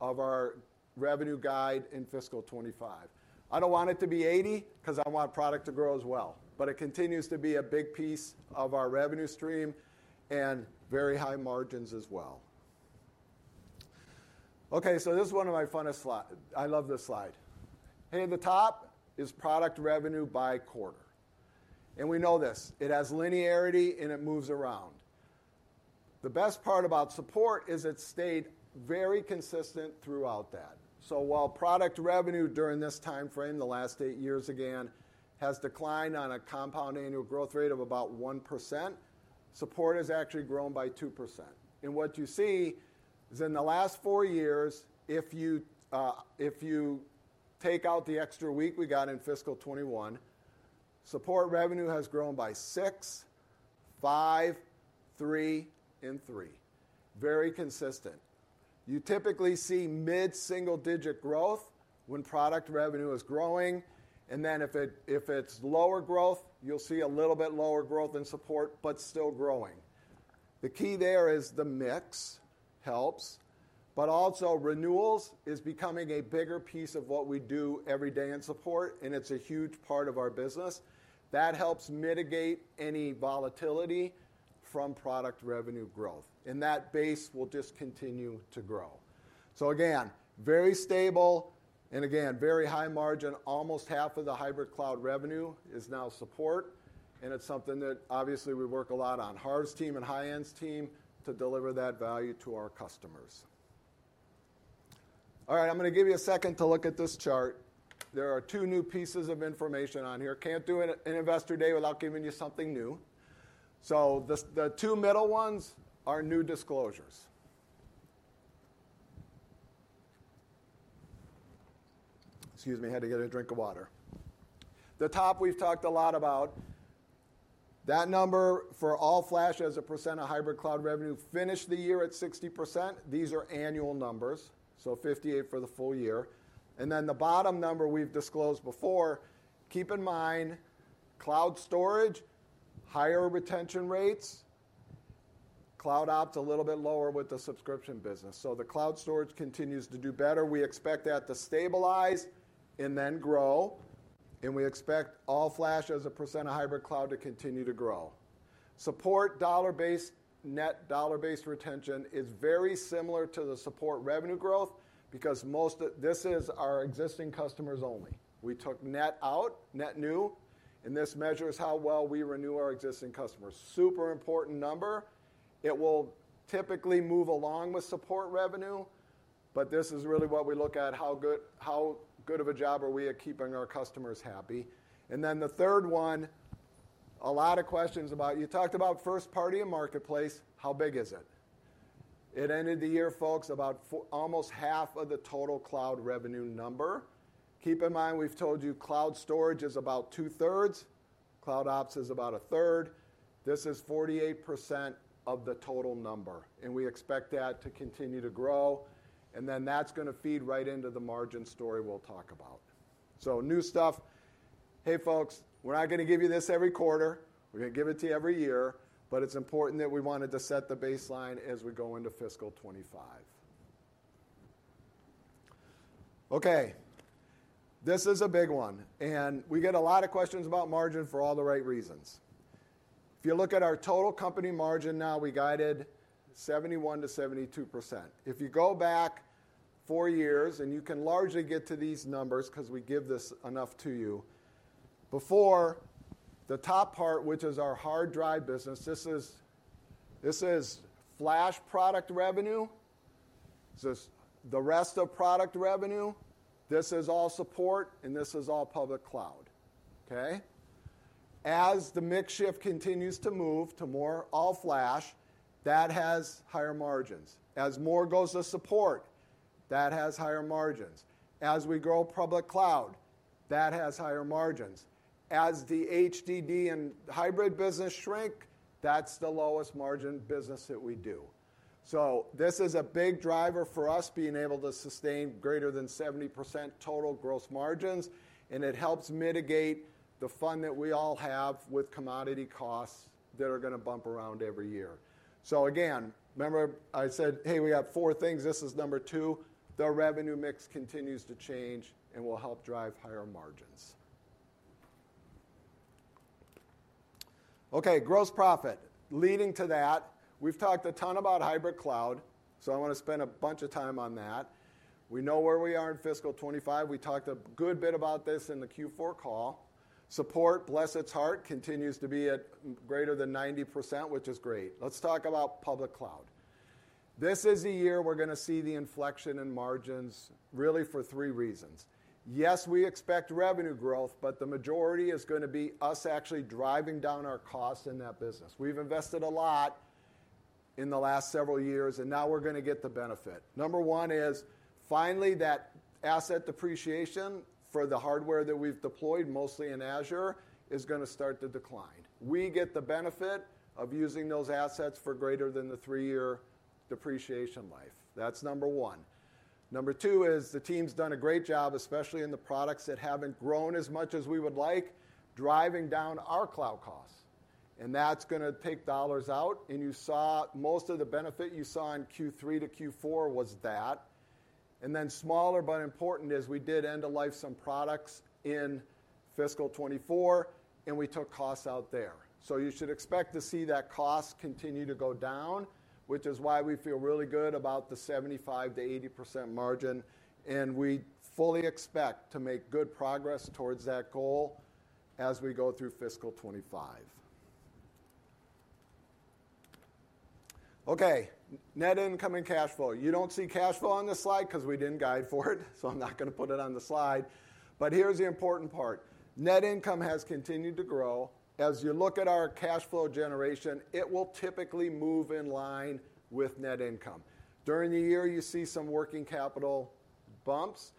of our revenue guide in fiscal 2025. I don't want it to be 80% because I want product to grow as well, but it continues to be a big piece of our revenue stream and very high margins as well. Okay. This is one of my funnest slides. I love this slide. Hey, at the top is product revenue by quarter. We know this. It has linearity, and it moves around. The best part about support is it stayed very consistent throughout that. While product revenue during this timeframe, the last eight years again, has declined on a compound annual growth rate of about 1%, support has actually grown by 2%. What you see is in the last four years, if you take out the extra week we got in fiscal 2021, support revenue has grown by six, five, three and three. Very consistent. You typically see mid-single-digit growth when product revenue is growing, and then if it's lower growth, you'll see a little bit lower growth in support, but still growing. The key there is the mix helps, but also renewals is becoming a bigger piece of what we do every day in support, and it's a huge part of our business. That helps mitigate any volatility from product revenue growth, and that base will just continue to grow. So again, very stable, and again, very high margin. Almost half of the hybrid cloud revenue is now support, and it's something that obviously we work a lot on. Harv's team and Haiyan's team to deliver that value to our customers. All right. I'm going to give you a second to look at this chart. There are two new pieces of information on here. Can't do an Investor Day without giving you something new. So the two middle ones are new disclosures. Excuse me. I had to get a drink of water. The top we've talked a lot about. That number for all flash as a percent of hybrid cloud revenue finished the year at 60%. These are annual numbers, so 58% for the full year. And then the bottom number we've disclosed before, keep in mind cloud storage, higher retention rates, CloudOps a little bit lower with the subscription business. So the cloud storage continues to do better. We expect that to stabilize and then grow, and we expect all flash as a percent of hybrid cloud to continue to grow. Support dollar-based net dollar-based retention is very similar to the support revenue growth because this is our existing customers only. We took net out, net new, and this measures how well we renew our existing customers. Super important number. It will typically move along with support revenue, but this is really what we look at, how good of a job are we at keeping our customers happy. And then the third one, a lot of questions about you talked about first party and marketplace. How big is it? It ended the year, folks, about almost half of the total cloud revenue number. Keep in mind we've told you cloud storage is about two-thirds. CloudOps is about 1/3. This is 48% of the total number, and we expect that to continue to grow. And then that's going to feed right into the margin story we'll talk about. New stuff. Hey, folks, we're not going to give you this every quarter. We're going to give it to you every year, but it's important that we wanted to set the baseline as we go into fiscal 2025. Okay. This is a big one, and we get a lot of questions about margin for all the right reasons. If you look at our total company margin now, we guided 71%-72%. If you go back four years, and you can largely get to these numbers because we give this enough to you. Before, the top part, which is our hard drive business, this is flash product revenue. This is the rest of product revenue. This is all support, and this is all public cloud. Okay. As the mix shift continues to move to more all flash, that has higher margins. As more goes to support, that has higher margins. As we grow public cloud, that has higher margins. As the HDD and hybrid business shrink, that's the lowest margin business that we do. So this is a big driver for us being able to sustain greater than 70% total gross margins, and it helps mitigate the fun that we all have with commodity costs that are going to bump around every year. So again, remember I said, "Hey, we got four things." This is number two. The revenue mix continues to change, and we'll help drive higher margins. Okay. Gross profit. Leading to that, we've talked a ton about hybrid cloud, so I want to spend a bunch of time on that. We know where we are in fiscal 2025. We talked a good bit about this in the Q4 call. Support, bless its heart, continues to be at greater than 90%, which is great. Let's talk about public cloud. This is the year we're going to see the inflection in margins really for three reasons. Yes, we expect revenue growth, but the majority is going to be us actually driving down our costs in that business. We've invested a lot in the last several years, and now we're going to get the benefit. Number one is finally that asset depreciation for the hardware that we've deployed, mostly in Azure, is going to start to decline. We get the benefit of using those assets for greater than the three-year depreciation life. That's number one. Number two is the team's done a great job, especially in the products that haven't grown as much as we would like, driving down our cloud costs. And that's going to take dollars out, and you saw most of the benefit you saw in Q3 to Q4 was that. And then smaller but important is we did end of life some products in fiscal 2024, and we took costs out there. So you should expect to see that cost continue to go down, which is why we feel really good about the 75%-80% margin, and we fully expect to make good progress towards that goal as we go through fiscal 2025. Okay. Net income and cash flow. You don't see cash flow on this slide because we didn't guide for it, so I'm not going to put it on the slide. But here's the important part. Net income has continued to grow. As you look at our cash flow generation, it will typically move in line with net income. During the year, you see some working capital bumps,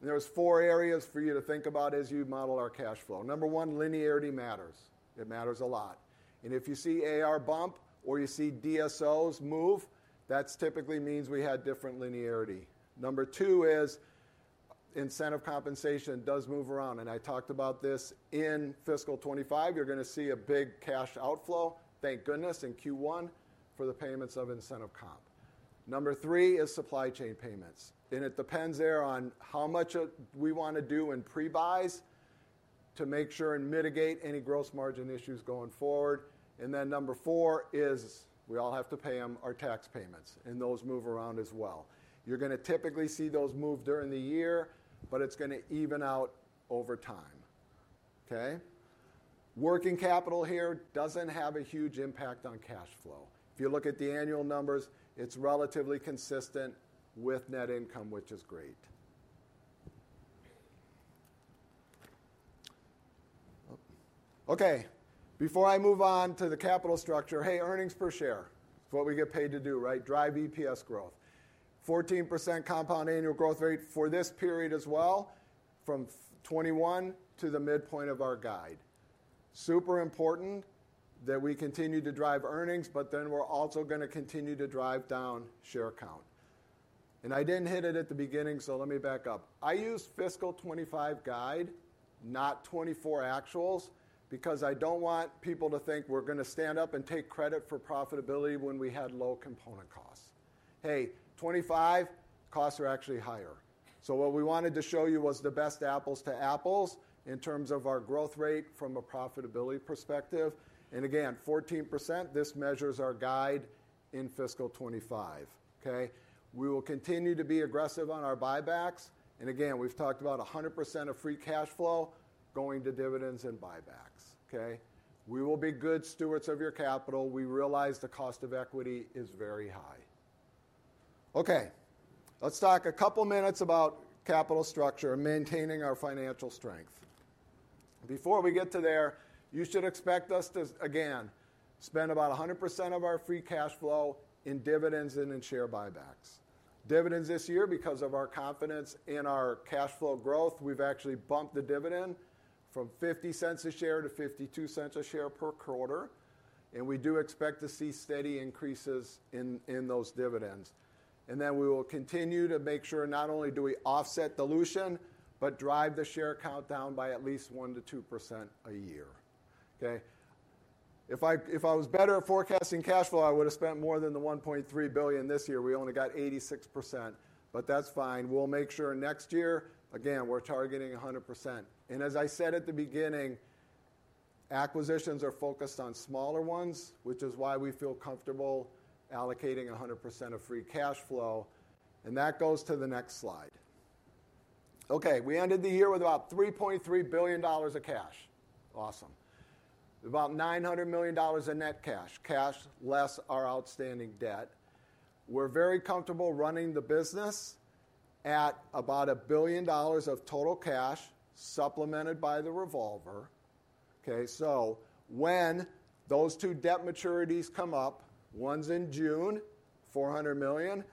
and there's four areas for you to think about as you model our cash flow. Number one, linearity matters. It matters a lot. If you see AR bump or you see DSOs move, that typically means we had different linearity. Number two is incentive compensation does move around, and I talked about this in fiscal 2025. You're going to see a big cash outflow, thank goodness, in Q1 for the payments of incentive comp. Number three is supply chain payments, and it depends there on how much we want to do in pre-buys to make sure and mitigate any gross margin issues going forward. Then number four is we all have to pay them our tax payments, and those move around as well. You're going to typically see those move during the year, but it's going to even out over time. Okay. Working capital here doesn't have a huge impact on cash flow. If you look at the annual numbers, it's relatively consistent with net income, which is great. Okay. Before I move on to the capital structure, hey, earnings per share. It's what we get paid to do, right? Drive EPS growth. 14% compound annual growth rate for this period as well from 2021 to the midpoint of our guide. Super important that we continue to drive earnings, but then we're also going to continue to drive down share count. I didn't hit it at the beginning, so let me back up. I use fiscal 2025 guide, not 2024 actuals, because I don't want people to think we're going to stand up and take credit for profitability when we had low component costs. Hey, 2025, costs are actually higher. So what we wanted to show you was the best apples to apples in terms of our growth rate from a profitability perspective. And again, 14%, this measures our guide in fiscal 2025. Okay. We will continue to be aggressive on our buybacks, and again, we've talked about 100% of free cash flow going to dividends and buybacks. Okay. We will be good stewards of your capital. We realize the cost of equity is very high. Okay. Let's talk a couple of minutes about capital structure and maintaining our financial strength. Before we get to there, you should expect us to, again, spend about 100% of our free cash flow in dividends and in share buybacks. Dividends this year, because of our confidence in our cash flow growth, we've actually bumped the dividend from $0.50 a share to $0.52 a share per quarter, and we do expect to see steady increases in those dividends. And then we will continue to make sure not only do we offset dilution, but drive the share count down by at least 1%-2% a year. Okay. If I was better at forecasting cash flow, I would have spent more than the $1.3 billion this year. We only got 86%, but that's fine. We'll make sure next year, again, we're targeting 100%. As I said at the beginning, acquisitions are focused on smaller ones, which is why we feel comfortable allocating 100% of free cash flow, and that goes to the next slide. Okay. We ended the year with about $3.3 billion of cash. Awesome. About $900 million of net cash. Cash less our outstanding debt. We're very comfortable running the business at about $1 billion of total cash supplemented by the revolver. Okay. So when those two debt maturities come up, one's in June, $400 million.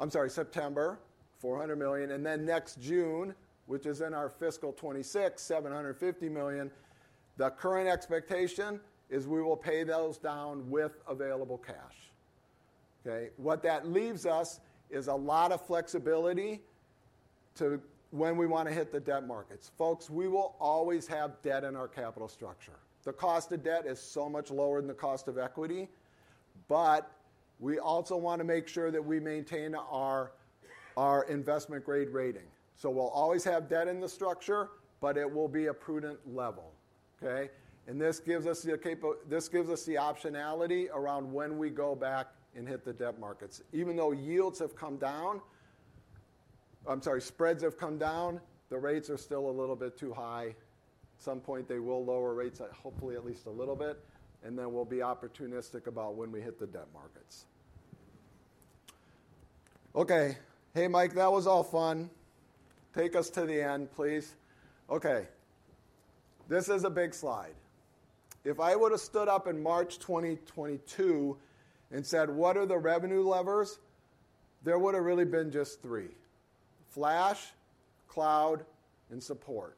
I'm sorry, September, $400 million, and then next June, which is in our fiscal 2026, $750 million. The current expectation is we will pay those down with available cash. Okay. What that leaves us is a lot of flexibility to when we want to hit the debt markets. Folks, we will always have debt in our capital structure. The cost of debt is so much lower than the cost of equity, but we also want to make sure that we maintain our investment-grade rating. So we'll always have debt in the structure, but it will be a prudent level. Okay. And this gives us the optionality around when we go back and hit the debt markets. Even though yields have come down, I'm sorry, spreads have come down, the rates are still a little bit too high. At some point, they will lower rates, hopefully at least a little bit, and then we'll be opportunistic about when we hit the debt markets. Okay. Hey, Mike, that was all fun. Take us to the end, please. Okay. This is a big slide. If I would have stood up in March 2022 and said, "What are the revenue levers?" there would have really been just three: flash, cloud, and support.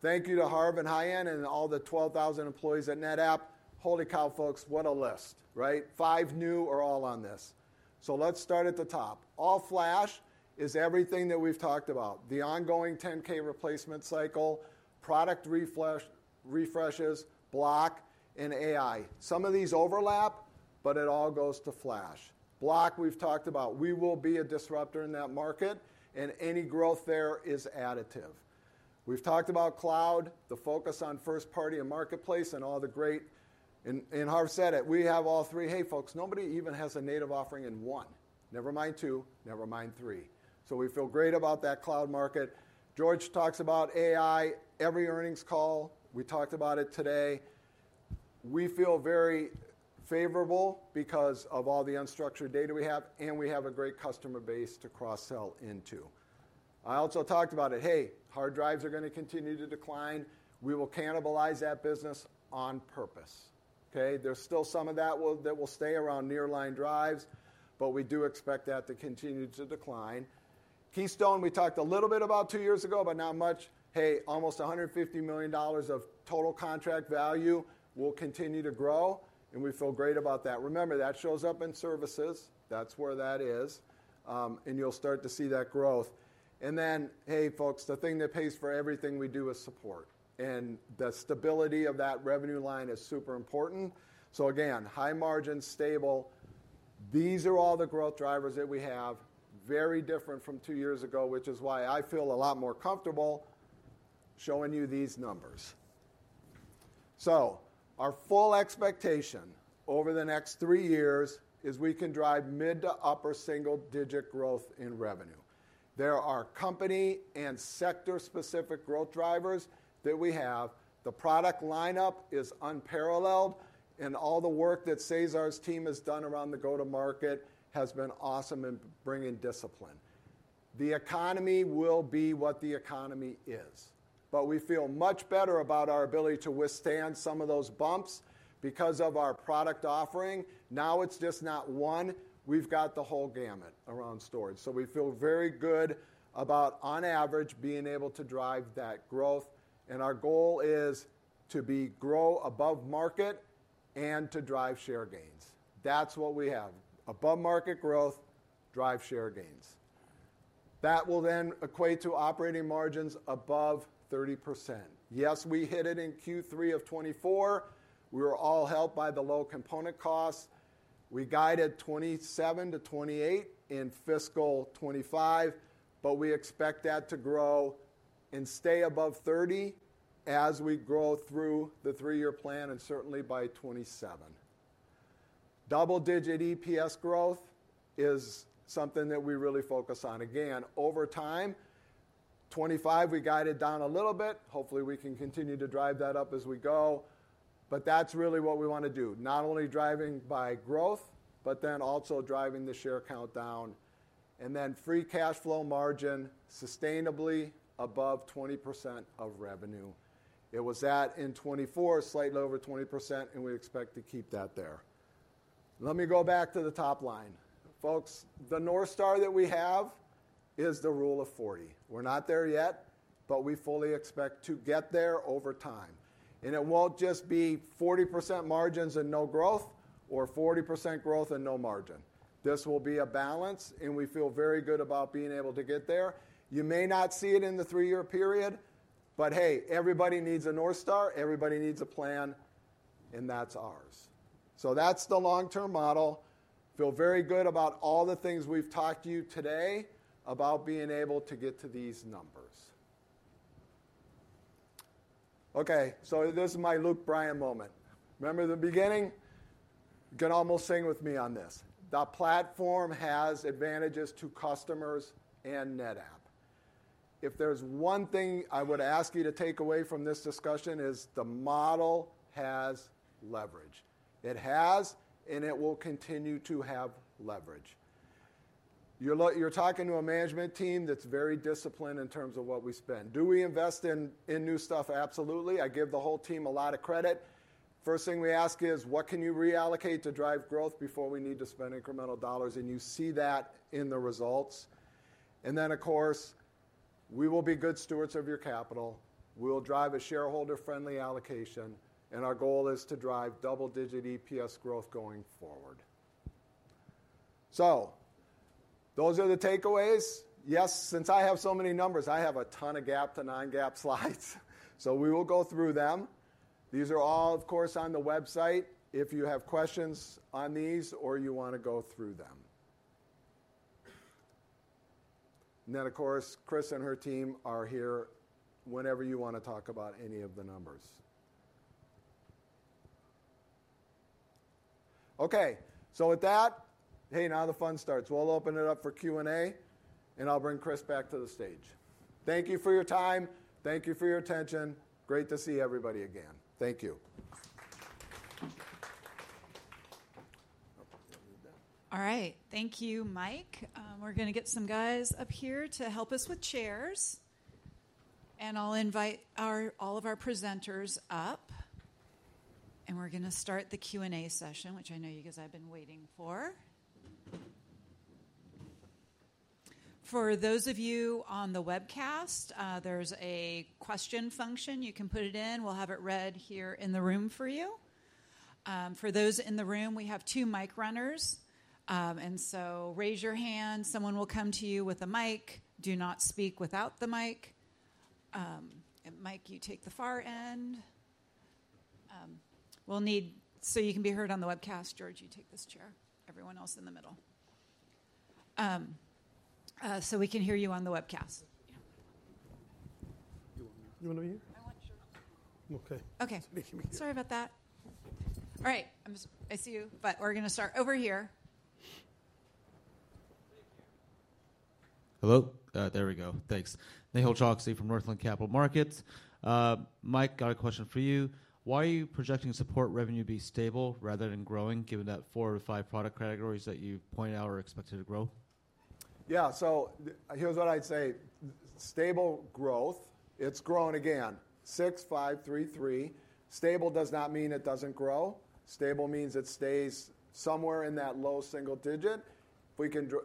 Thank you to Harv and Haiyan and all the 12,000 employees at NetApp. Holy cow, folks, what a list, right? Five new are all on this. So let's start at the top. All flash is everything that we've talked about: the ongoing 10,000 replacement cycle, product refreshes, block, and AI. Some of these overlap, but it all goes to flash. Block, we've talked about. We will be a disruptor in that market, and any growth there is additive. We've talked about cloud, the focus on first party and marketplace, and all the great, and Harv said it. We have all three. Hey, folks, nobody even has a native offering in one. Never mind two, never mind three. So we feel great about that cloud market. George talks about AI every earnings call. We talked about it today. We feel very favorable because of all the unstructured data we have, and we have a great customer base to cross-sell into. I also talked about it. Hey, hard drives are going to continue to decline. We will cannibalize that business on purpose. Okay. There's still some of that that will stay around nearline drives, but we do expect that to continue to decline. Keystone, we talked a little bit about two years ago, but not much. Hey, almost $150 million of total contract value will continue to grow, and we feel great about that. Remember, that shows up in services. That's where that is, and you'll start to see that growth. And then, hey, folks, the thing that pays for everything we do is support, and the stability of that revenue line is super important. So again, high margin, stable. These are all the growth drivers that we have, very different from two years ago, which is why I feel a lot more comfortable showing you these numbers. So our full expectation over the next three years is we can drive mid- to upper-single-digit growth in revenue. There are company and sector-specific growth drivers that we have. The product lineup is unparalleled, and all the work that César's team has done around the go-to-market has been awesome and bringing discipline. The economy will be what the economy is, but we feel much better about our ability to withstand some of those bumps because of our product offering. Now it's just not one; we've got the whole gamut around storage. So we feel very good about, on average, being able to drive that growth, and our goal is to grow above market and to drive share gains. That's what we have: above market growth, drive share gains. That will then equate to operating margins above 30%. Yes, we hit it in Q3 of 2024. We were all helped by the low component costs. We guided 27%-28% in fiscal 2025, but we expect that to grow and stay above 30% as we grow through the three-year plan and certainly by 2027. Double-digit EPS growth is something that we really focus on. Again, over time, 2025 we guided down a little bit. Hopefully, we can continue to drive that up as we go, but that's really what we want to do: not only driving by growth, but then also driving the share count down, and then free cash flow margin sustainably above 20% of revenue. It was at in 2024, slightly over 20%, and we expect to keep that there. Let me go back to the top line. Folks, the North Star that we have is the Rule of 40. We're not there yet, but we fully expect to get there over time. And it won't just be 40% margins and no growth or 40% growth and no margin. This will be a balance, and we feel very good about being able to get there. You may not see it in the three-year period, but hey, everybody needs a North Star. Everybody needs a plan, and that's ours. So that's the long-term model. Feel very good about all the things we've talked to you today about being able to get to these numbers. Okay. So this is my Luke Bryan moment. Remember the beginning? You can almost sing with me on this. The platform has advantages to customers and NetApp. If there's one thing I would ask you to take away from this discussion, it is the model has leverage. It has, and it will continue to have leverage. You're talking to a management team that's very disciplined in terms of what we spend. Do we invest in new stuff? Absolutely. I give the whole team a lot of credit. First thing we ask is, what can you reallocate to drive growth before we need to spend incremental dollars? And you see that in the results. And then, of course, we will be good stewards of your capital. We'll drive a shareholder-friendly allocation, and our goal is to drive double-digit EPS growth going forward. So those are the takeaways. Yes, since I have so many numbers, I have a ton of GAAP to non-GAAP slides, so we will go through them. These are all, of course, on the website. If you have questions on these or you want to go through them. And then, of course, Kris and her team are here whenever you want to talk about any of the numbers. Okay. So with that, hey, now the fun starts. We'll open it up for Q&A, and I'll bring Kris back to the stage. Thank you for your time. Thank you for your attention. Great to see everybody again. Thank you. All right. Thank you, Mike. We're going to get some guys up here to help us with chairs, and I'll invite all of our presenters up, and we're going to start the Q&A session, which I know you guys have been waiting for. For those of you on the webcast, there's a question function. You can put it in. We'll have it read here in the room for you. For those in the room, we have two mic runners, and so raise your hand. Someone will come to you with a mic. Do not speak without the mic. Mike, you take the far end. We'll need so you can be heard on the webcast. George, you take this chair. Everyone else in the middle. So we can hear you on the webcast. You want me here? I want yours. Okay. Okay. Sorry about that. All right. I see you, but we're going to start over here. Thank you. Hello. There we go. Thanks. Nehal Chokshi from Northland Capital Markets. Mike got a question for you. Why are you projecting support revenue to be stable rather than growing, given that four or five product categories that you point out are expected to grow? Yeah. So here's what I'd say: stable growth. It's grown again. Six, five, three, three Stable does not mean it doesn't grow. Stable means it stays somewhere in that low single digit.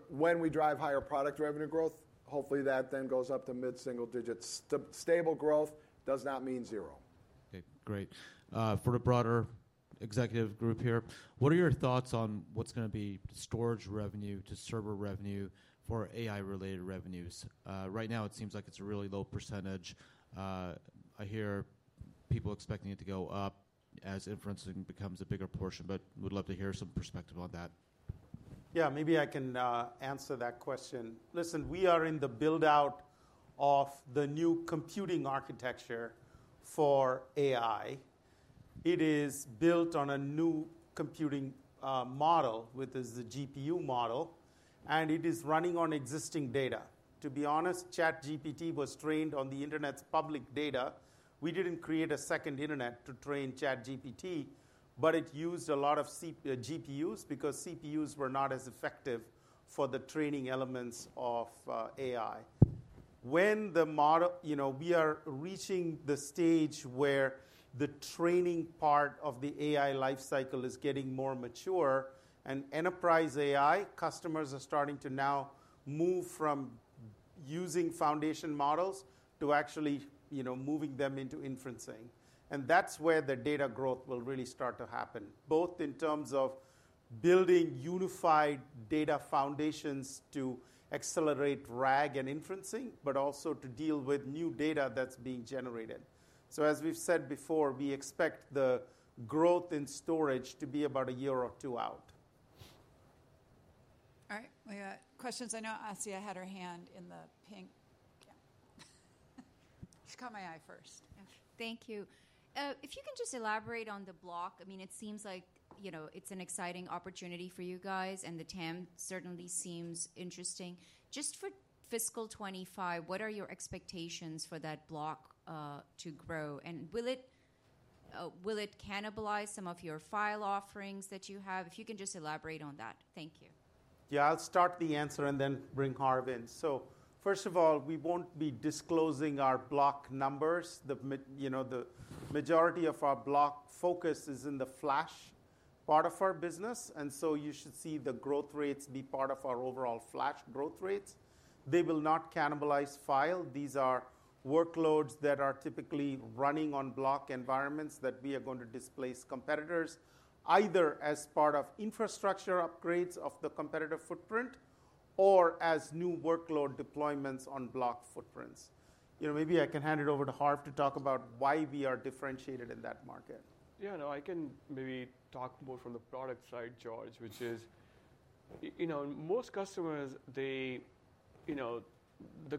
When we drive higher product revenue growth, hopefully that then goes up to mid-single digits. Stable growth does not mean zero. Okay. Great. For the broader executive group here, what are your thoughts on what's going to be storage revenue to server revenue for AI-related revenues? Right now, it seems like it's a really low percentage. I hear people expecting it to go up as inferencing becomes a bigger portion, but we'd love to hear some perspective on that. Yeah. Maybe I can answer that question. Listen, we are in the build-out of the new computing architecture for AI. It is built on a new computing model with the GPU model, and it is running on existing data. To be honest, ChatGPT was trained on the internet's public data. We didn't create a second internet to train ChatGPT, but it used a lot of GPUs because CPUs were not as effective for the training elements of AI. When the model—we are reaching the stage where the training part of the AI lifecycle is getting more mature, and enterprise AI customers are starting to now move from using foundation models to actually moving them into inferencing. And that's where the data growth will really start to happen, both in terms of building unified data foundations to accelerate RAG and inferencing, but also to deal with new data that's being generated. As we've said before, we expect the growth in storage to be about a year or two out. All right. We got questions. I know Asiya had her hand in the pink. She caught my eye first. Thank you. If you can just elaborate on the block, I mean, it seems like it's an exciting opportunity for you guys, and the TAM certainly seems interesting. Just for fiscal 2025, what are your expectations for that block to grow? And will it cannibalize some of your file offerings that you have? If you can just elaborate on that. Thank you. Yeah. I'll start the answer and then bring Harv in. So first of all, we won't be disclosing our block numbers. The majority of our block focus is in the flash part of our business, and so you should see the growth rates be part of our overall flash growth rates. They will not cannibalize file. These are workloads that are typically running on block environments that we are going to displace competitors, either as part of infrastructure upgrades of the competitor footprint or as new workload deployments on block footprints. Maybe I can hand it over to Harv to talk about why we are differentiated in that market. Yeah. No, I can maybe talk more from the product side, George, which most customers, the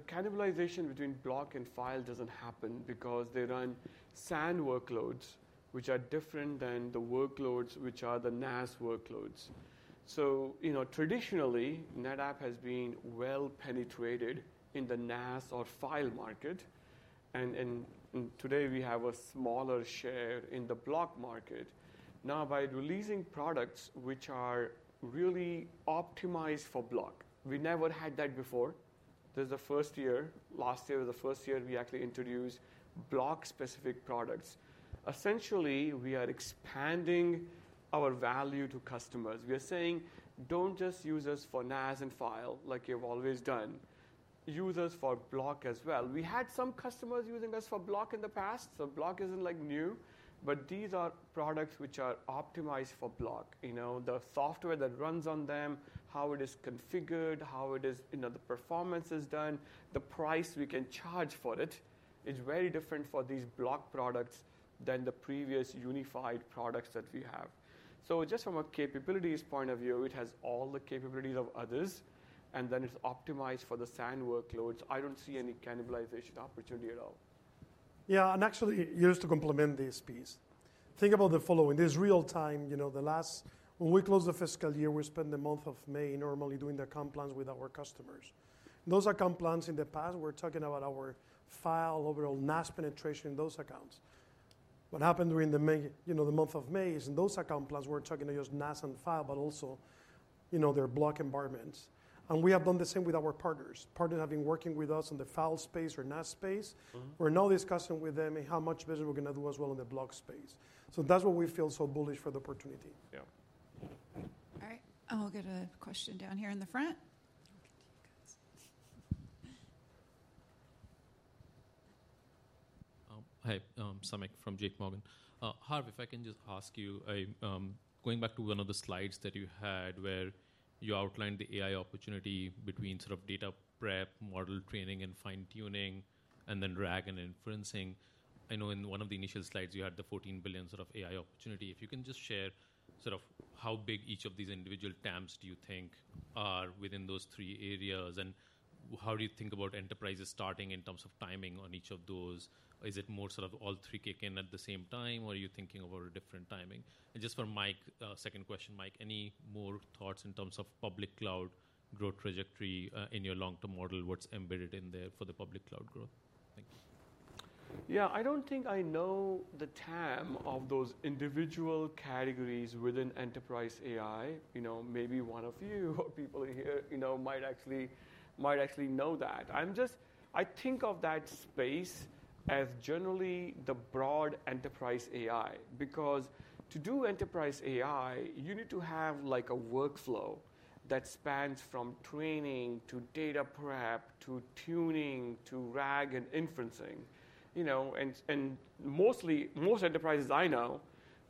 cannibalization between block and file doesn't happen because they run SAN workloads, which are different than the workloads which are the NAS workloads. So traditionally, NetApp has been well-penetrated in the NAS or file market, and today we have a smaller share in the block market. Now, by releasing products which are really optimized for block, we never had that before. This is the first year. Last year was the first year we actually introduced block-specific products. Essentially, we are expanding our value to customers. We are saying, "Don't just use us for NAS and file like you've always done. Use us for block as well." We had some customers using us for block in the past, so block isn't new, but these are products which are optimized for block. The software that runs on them, how it is configured, how the performance is done, the price we can charge for it is very different for these block products than the previous unified products that we have. So just from a capabilities point of view, it has all the capabilities of others, and then it's optimized for the SAN workloads. I don't see any cannibalization opportunity at all. Yeah. And actually, just to complement this piece, think about the following. There's real time. When we close the fiscal year, we spend the month of May normally doing the account plans with our customers. Those account plans in the past, we're talking about our file, overall NAS penetration in those accounts. What happened during the month of May is in those account plans, we're talking not just NAS and file, but also their block environments. And we have done the same with our partners. Partners have been working with us on the file space or NAS space. We're now discussing with them how much business we're going to do as well in the block space. So that's why we feel so bullish for the opportunity. Yeah. All right. I'll get a question down here in the front. Hi. Samik from JPMorgan. Harv, if I can just ask you, going back to one of the slides that you had where you outlined the AI opportunity between data prep, model training, and fine-tuning, and then RAG and inferencing. I know in one of the initial slides, you had the $14 billion AI opportunity. If you can just share how big each of these individual TAMs do you think are within those three areas, and how do you think about enterprises starting in terms of timing on each of those? Is it more all three kick in at the same time, or are you thinking about a different timing? And just for Mike, second question, Mike, any more thoughts in terms of public cloud growth trajectory in your long-term model? What's embedded in there for the public cloud growth? Thank you. Yeah. I don't think I know the TAM of those individual categories within enterprise AI. Maybe one of you or people in here might actually know that. I think of that space as generally the broad enterprise AI because to do enterprise AI, you need to have a workflow that spans from training to data prep to tuning to RAG and inferencing. And most enterprises I know,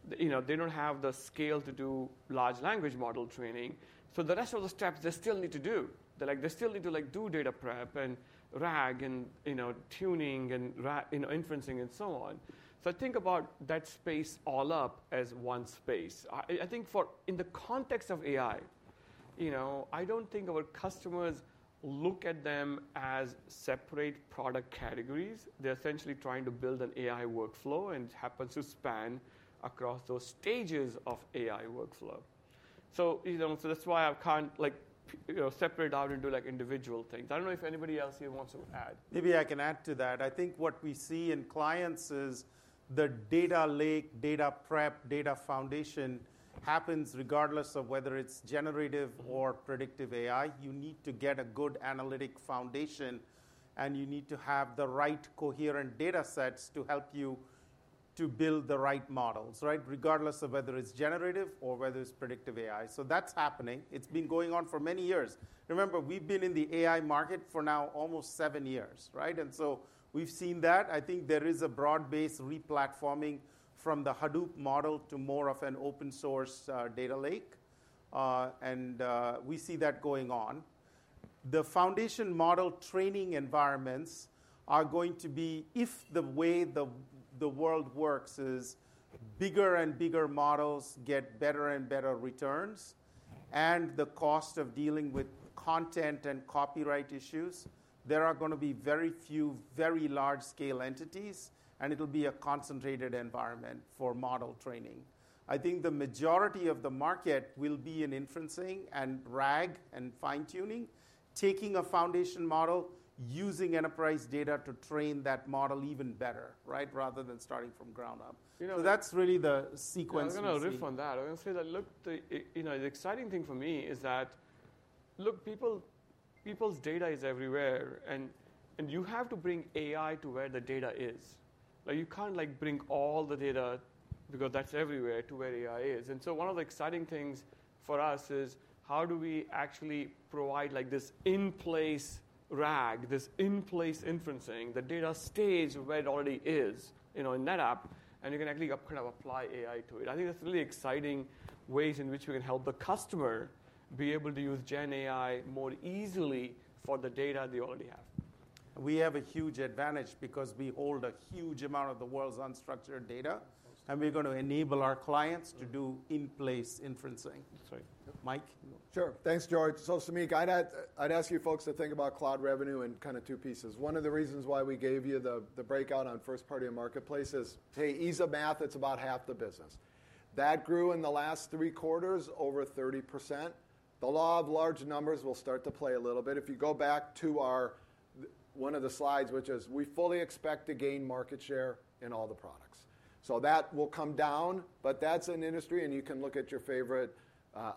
they don't have the scale to do large language model training. So the rest of the steps they still need to do. They still need to do data prep and RAG and tuning and inferencing and so on. So I think about that space all up as one space. I think in the context of AI, I don't think our customers look at them as separate product categories. They're essentially trying to build an AI workflow, and it happens to span across those stages of AI workflow. So that's why I can't separate out into individual things. I don't know if anybody else here wants to add. Maybe I can add to that. I think what we see in clients is the data lake, data prep, data foundation happens regardless of whether it's generative or predictive AI. You need to get a good analytic foundation, and you need to have the right coherent data sets to help you to build the right models, regardless of whether it's generative or whether it's predictive AI. So that's happening. It's been going on for many years. Remember, we've been in the AI market for now almost seven years. And so we've seen that. I think there is a broad-based replatforming from the Hadoop model to more of an open-source data lake, and we see that going on. The foundation model training environments are going to be, if the way the world works is bigger and bigger models get better and better returns, and the cost of dealing with content and copyright issues, there are going to be very few very large-scale entities, and it'll be a concentrated environment for model training. I think the majority of the market will be in inferencing and RAG and fine-tuning, taking a foundation model, using enterprise data to train that model even better rather than starting from ground up. So that's really the sequence. I'm going to riff on that. I'm going to say that, look, the exciting thing for me is that, look, people's data is everywhere, and you have to bring AI to where the data is. You can't bring all the data because that's everywhere to where AI is. And so one of the exciting things for us is how do we actually provide this in-place RAG, this in-place inferencing. The data stays where it already is in NetApp, and you can actually kind of apply AI to it. I think that's really exciting ways in which we can help the customer be able to use GenAI more easily for the data they already have. We have a huge advantage because we hold a huge amount of the world's unstructured data, and we're going to enable our clients to do in-place inferencing. That's right. Mike? Sure. Thanks, George. So, Samik, I'd ask you folks to think about cloud revenue in kind of two pieces. One of the reasons why we gave you the breakout on first-party marketplace is, hey, ease of math, it's about half the business. That grew in the last three quarters over 30%. The law of large numbers will start to play a little bit. If you go back to one of the slides, which is we fully expect to gain market share in all the products. So that will come down, but that's an industry, and you can look at your favorite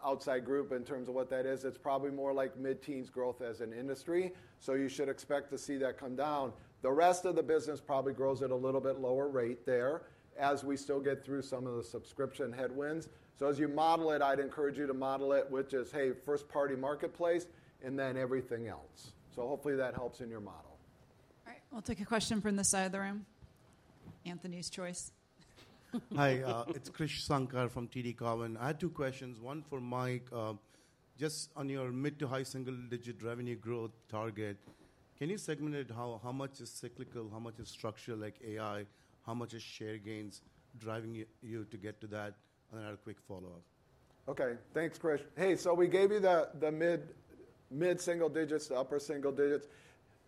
outside group in terms of what that is. It's probably more like mid-teens growth as an industry, so you should expect to see that come down. The rest of the business probably grows at a little bit lower rate there as we still get through some of the subscription headwinds. So as you model it, I'd encourage you to model it, which is, hey, first-party marketplace, and then everything else. So hopefully that helps in your model. All right. We'll take a question from the side of the room. Anthony's choice. Hi. It's Krish Sankar from TD Cowen. I had two questions. One for Mike. Just on your mid to high single-digit revenue growth target, can you segment it? How much is cyclical? How much is structural like AI? How much is share gains driving you to get to that? And then I have a quick follow-up. Okay. Thanks, Krish. Hey, so we gave you the mid single digits, the upper single digits.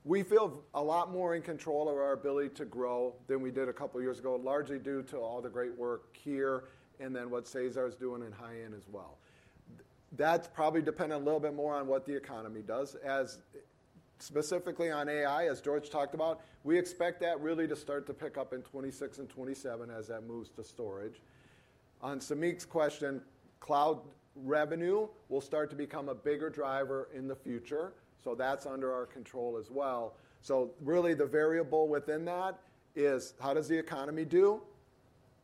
We feel a lot more in control of our ability to grow than we did a couple of years ago, largely due to all the great work here and then what César is doing in high-end as well. That's probably dependent a little bit more on what the economy does. Specifically on AI, as George talked about, we expect that really to start to pick up in 2026 and 2027 as that moves to storage. On Samik's question, cloud revenue will start to become a bigger driver in the future, so that's under our control as well. So really, the variable within that is how does the economy do?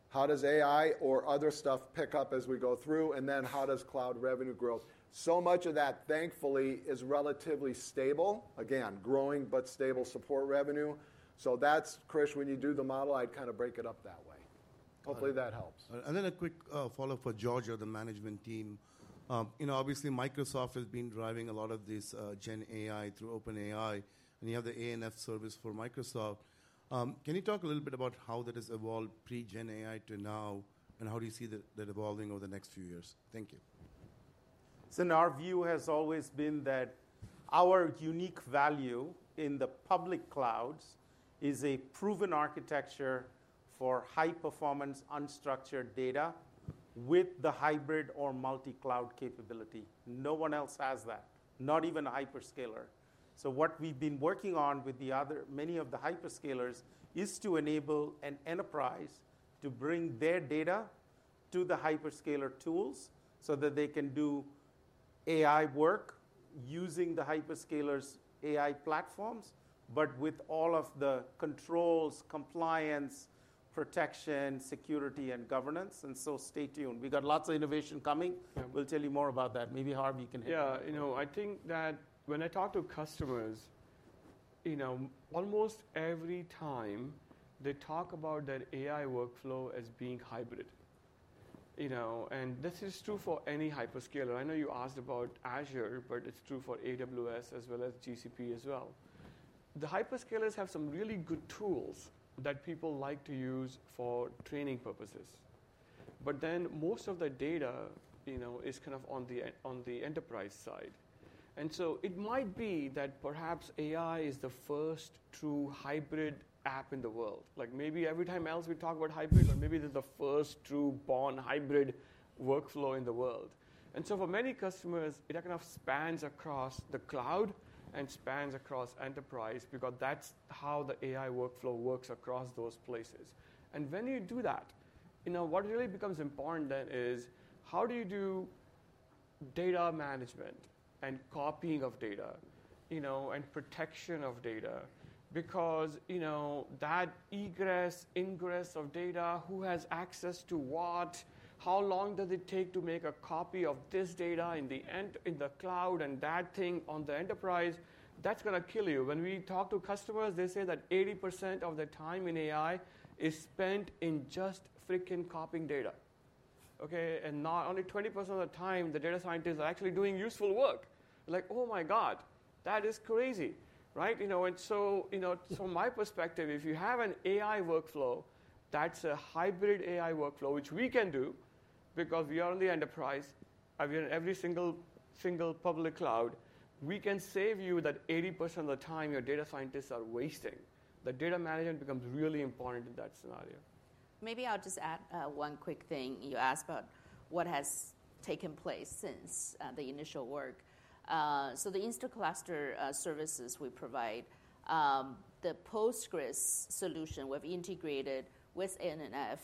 How does AI or other stuff pick up as we go through? And then how does cloud revenue grow? So much of that, thankfully, is relatively stable. Again, growing but stable support revenue. So that's, Krish, when you do the model, I'd kind of break it up that way. Hopefully that helps. Then a quick follow-up for George or the management team. Obviously, Microsoft has been driving a lot of this GenAI through OpenAI, and you have the ANF service for Microsoft. Can you talk a little bit about how that has evolved pre-GenAI to now, and how do you see that evolving over the next few years? Thank you. So our view has always been that our unique value in the public clouds is a proven architecture for high-performance unstructured data with the hybrid or multi-cloud capability. No one else has that, not even a hyperscaler. So what we've been working on with many of the hyperscalers is to enable an enterprise to bring their data to the hyperscaler tools so that they can do AI work using the hyperscalers' AI platforms, but with all of the controls, compliance, protection, security, and governance. And so stay tuned. We got lots of innovation coming. We'll tell you more about that. Maybe Harv, you can hit that. Yeah. I think that when I talk to customers, almost every time they talk about their AI workflow as being hybrid. This is true for any hyperscaler. I know you asked about Azure, but it's true for AWS as well as GCP as well. The hyperscalers have some really good tools that people like to use for training purposes. But then most of the data is kind of on the enterprise side. And so it might be that perhaps AI is the first true hybrid app in the world. Maybe every time else we talk about hybrid, or maybe this is the first true born hybrid workflow in the world. And so for many customers, it kind of spans across the cloud and spans across enterprise because that's how the AI workflow works across those places. When you do that, what really becomes important then is how do you do data management and copying of data and protection of data? Because that egress, ingress of data, who has access to what, how long does it take to make a copy of this data in the cloud and that thing on the enterprise? That's going to kill you. When we talk to customers, they say that 80% of their time in AI is spent in just fricking copying data. Only 20% of the time, the data scientists are actually doing useful work. They're like, "Oh my God, that is crazy." And so from my perspective, if you have an AI workflow that's a hybrid AI workflow, which we can do because we are on the enterprise, we're in every single public cloud, we can save you that 80% of the time your data scientists are wasting. The data management becomes really important in that scenario. Maybe I'll just add one quick thing. You asked about what has taken place since the initial work. So the Instaclustr services we provide, the Postgres solution we've integrated with ANF,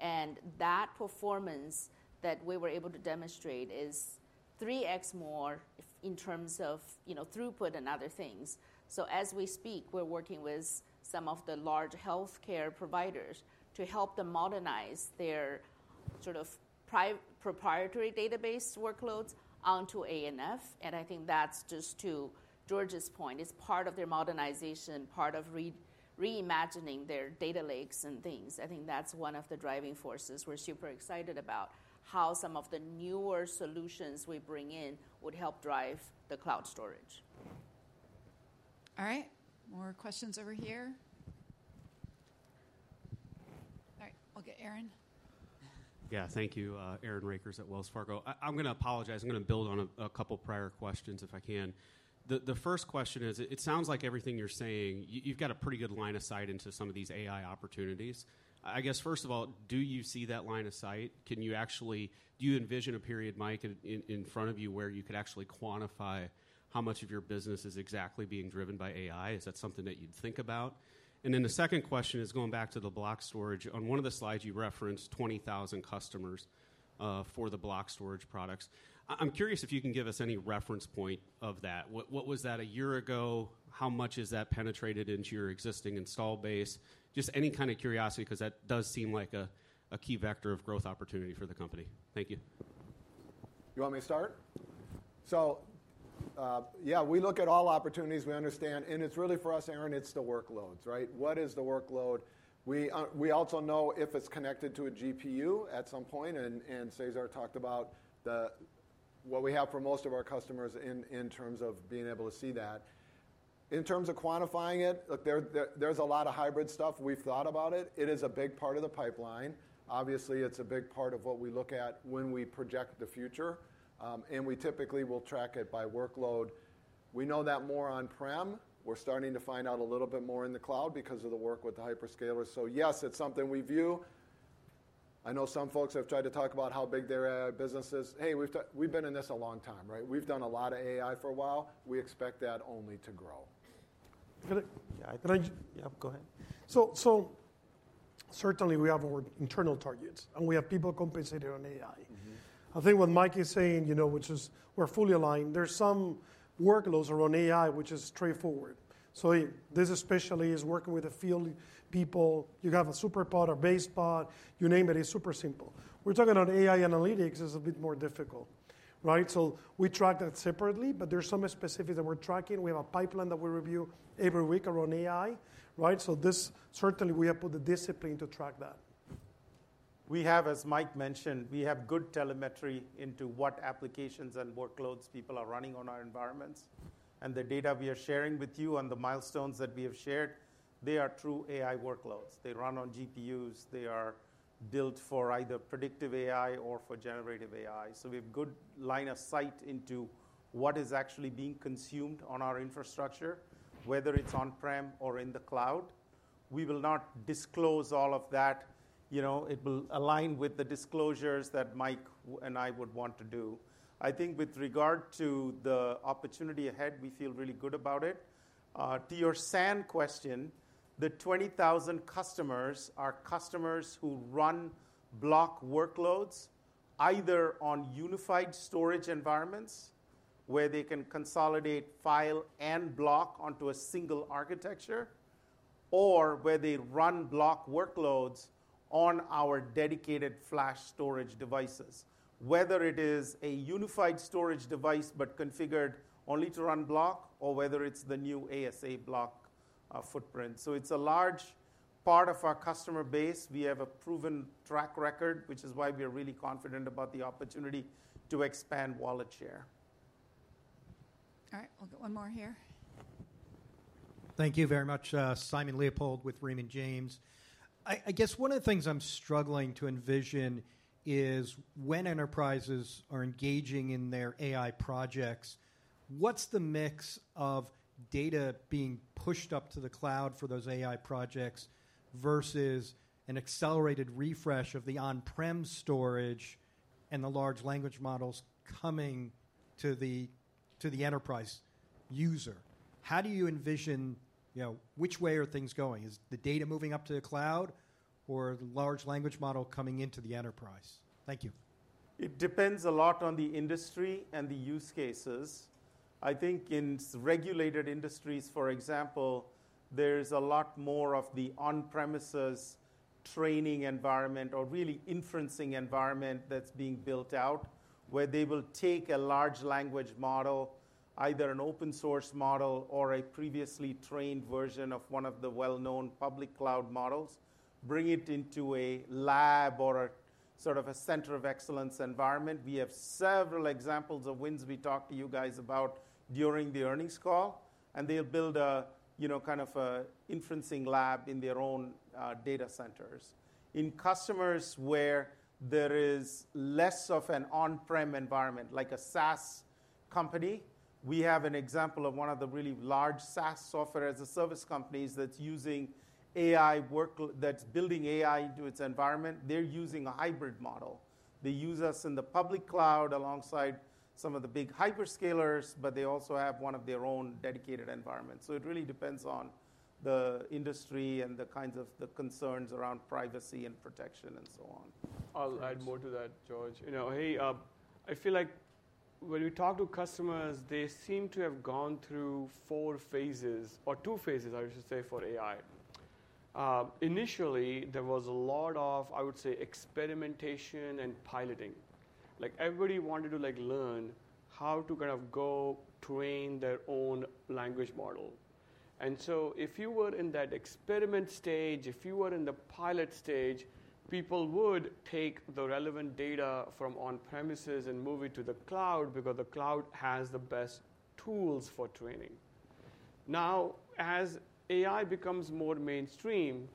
and that performance that we were able to demonstrate is 3x more in terms of throughput and other things. So as we speak, we're working with some of the large healthcare providers to help them modernize their proprietary database workloads onto ANF. And I think that's just to George's point. It's part of their modernization, part of reimagining their data lakes and things. I think that's one of the driving forces. We're super excited about how some of the newer solutions we bring in would help drive the cloud storage. All right. More questions over here. All right. We'll get Aaron. Yeah. Thank you, Aaron Rakers at Wells Fargo. I'm going to apologize. I'm going to build on a couple of prior questions if I can. The first question is, it sounds like everything you're saying, you've got a pretty good line of sight into some of these AI opportunities. I guess, first of all, do you see that line of sight? Can you actually do you envision a period, Mike, in front of you where you could actually quantify how much of your business is exactly being driven by AI? Is that something that you'd think about? And then the second question is going back to the block storage. On one of the slides, you referenced 20,000 customers for the block storage products. I'm curious if you can give us any reference point of that. What was that a year ago? How much has that penetrated into your existing installed base? Just any kind of curiosity because that does seem like a key vector of growth opportunity for the company. Thank you. You want me to start? So yeah, we look at all opportunities. We understand. And it's really for us, Aaron, it's the workloads. What is the workload? We also know if it's connected to a GPU at some point. And César talked about what we have for most of our customers in terms of being able to see that. In terms of quantifying it, there's a lot of hybrid stuff. We've thought about it. It is a big part of the pipeline. Obviously, it's a big part of what we look at when we project the future. And we typically will track it by workload. We know that more on-prem. We're starting to find out a little bit more in the cloud because of the work with the hyperscalers. So yes, it's something we view. I know some folks have tried to talk about how big their business is. Hey, we've been in this a long time. We've done a lot of AI for a while. We expect that only to grow. Can I? Yeah, go ahead. So certainly, we have our internal targets, and we have people compensated on AI. I think what Mike is saying, which is we're fully aligned. There's some workloads around AI, which is straightforward. So this especially is working with the field people. You have a SuperPOD or BasePOD. You name it, it's super simple. We're talking about AI analytics is a bit more difficult. So we track that separately, but there's some specifics that we're tracking. We have a pipeline that we review every week around AI. So this certainly, we have put the discipline to track that. We have, as Mike mentioned, we have good telemetry into what applications and workloads people are running on our environments. The data we are sharing with you and the milestones that we have shared, they are true AI workloads. They run on GPUs. They are built for either predictive AI or for generative AI. We have a good line of sight into what is actually being consumed on our infrastructure, whether it's on-prem or in the cloud. We will not disclose all of that. It will align with the disclosures that Mike and I would want to do. I think with regard to the opportunity ahead, we feel really good about it. To your SAN question, the 20,000 customers are customers who run block workloads either on unified storage environments where they can consolidate file and block onto a single architecture, or where they run block workloads on our dedicated flash storage devices, whether it is a unified storage device but configured only to run block, or whether it's the new ASA block footprint. So it's a large part of our customer base. We have a proven track record, which is why we are really confident about the opportunity to expand wallet share. All right. We'll get one more here. Thank you very much. Simon Leopold with Raymond James. I guess one of the things I'm struggling to envision is when enterprises are engaging in their AI projects, what's the mix of data being pushed up to the cloud for those AI projects versus an accelerated refresh of the on-prem storage and the large language models coming to the enterprise user? How do you envision which way are things going? Is the data moving up to the cloud or the large language model coming into the enterprise? Thank you. It depends a lot on the industry and the use cases. I think in regulated industries, for example, there's a lot more of the on-premises training environment or really inferencing environment that's being built out where they will take a large language model, either an open-source model or a previously trained version of one of the well-known public cloud models, bring it into a lab or a sort of a center of excellence environment. We have several examples of wins we talked to you guys about during the earnings call. And they'll build a kind of an inferencing lab in their own data centers. In customers where there is less of an on-prem environment, like a SaaS company, we have an example of one of the really large SaaS software as a service companies that's using AI work that's building AI into its environment. They're using a hybrid model. They use us in the public cloud alongside some of the big hyperscalers, but they also have one of their own dedicated environments. It really depends on the industry and the kinds of concerns around privacy and protection and so on. I'll add more to that, George. Hey, I feel like when we talk to customers, they seem to have gone through four phases or two phases, I should say, for AI. Initially, there was a lot of, I would say, experimentation and piloting. Everybody wanted to learn how to kind of go train their own language model. And so if you were in that experiment stage, if you were in the pilot stage, people would take the relevant data from on-premises and move it to the cloud because the cloud has the best tools for training. Now, as AI becomes more mainstream,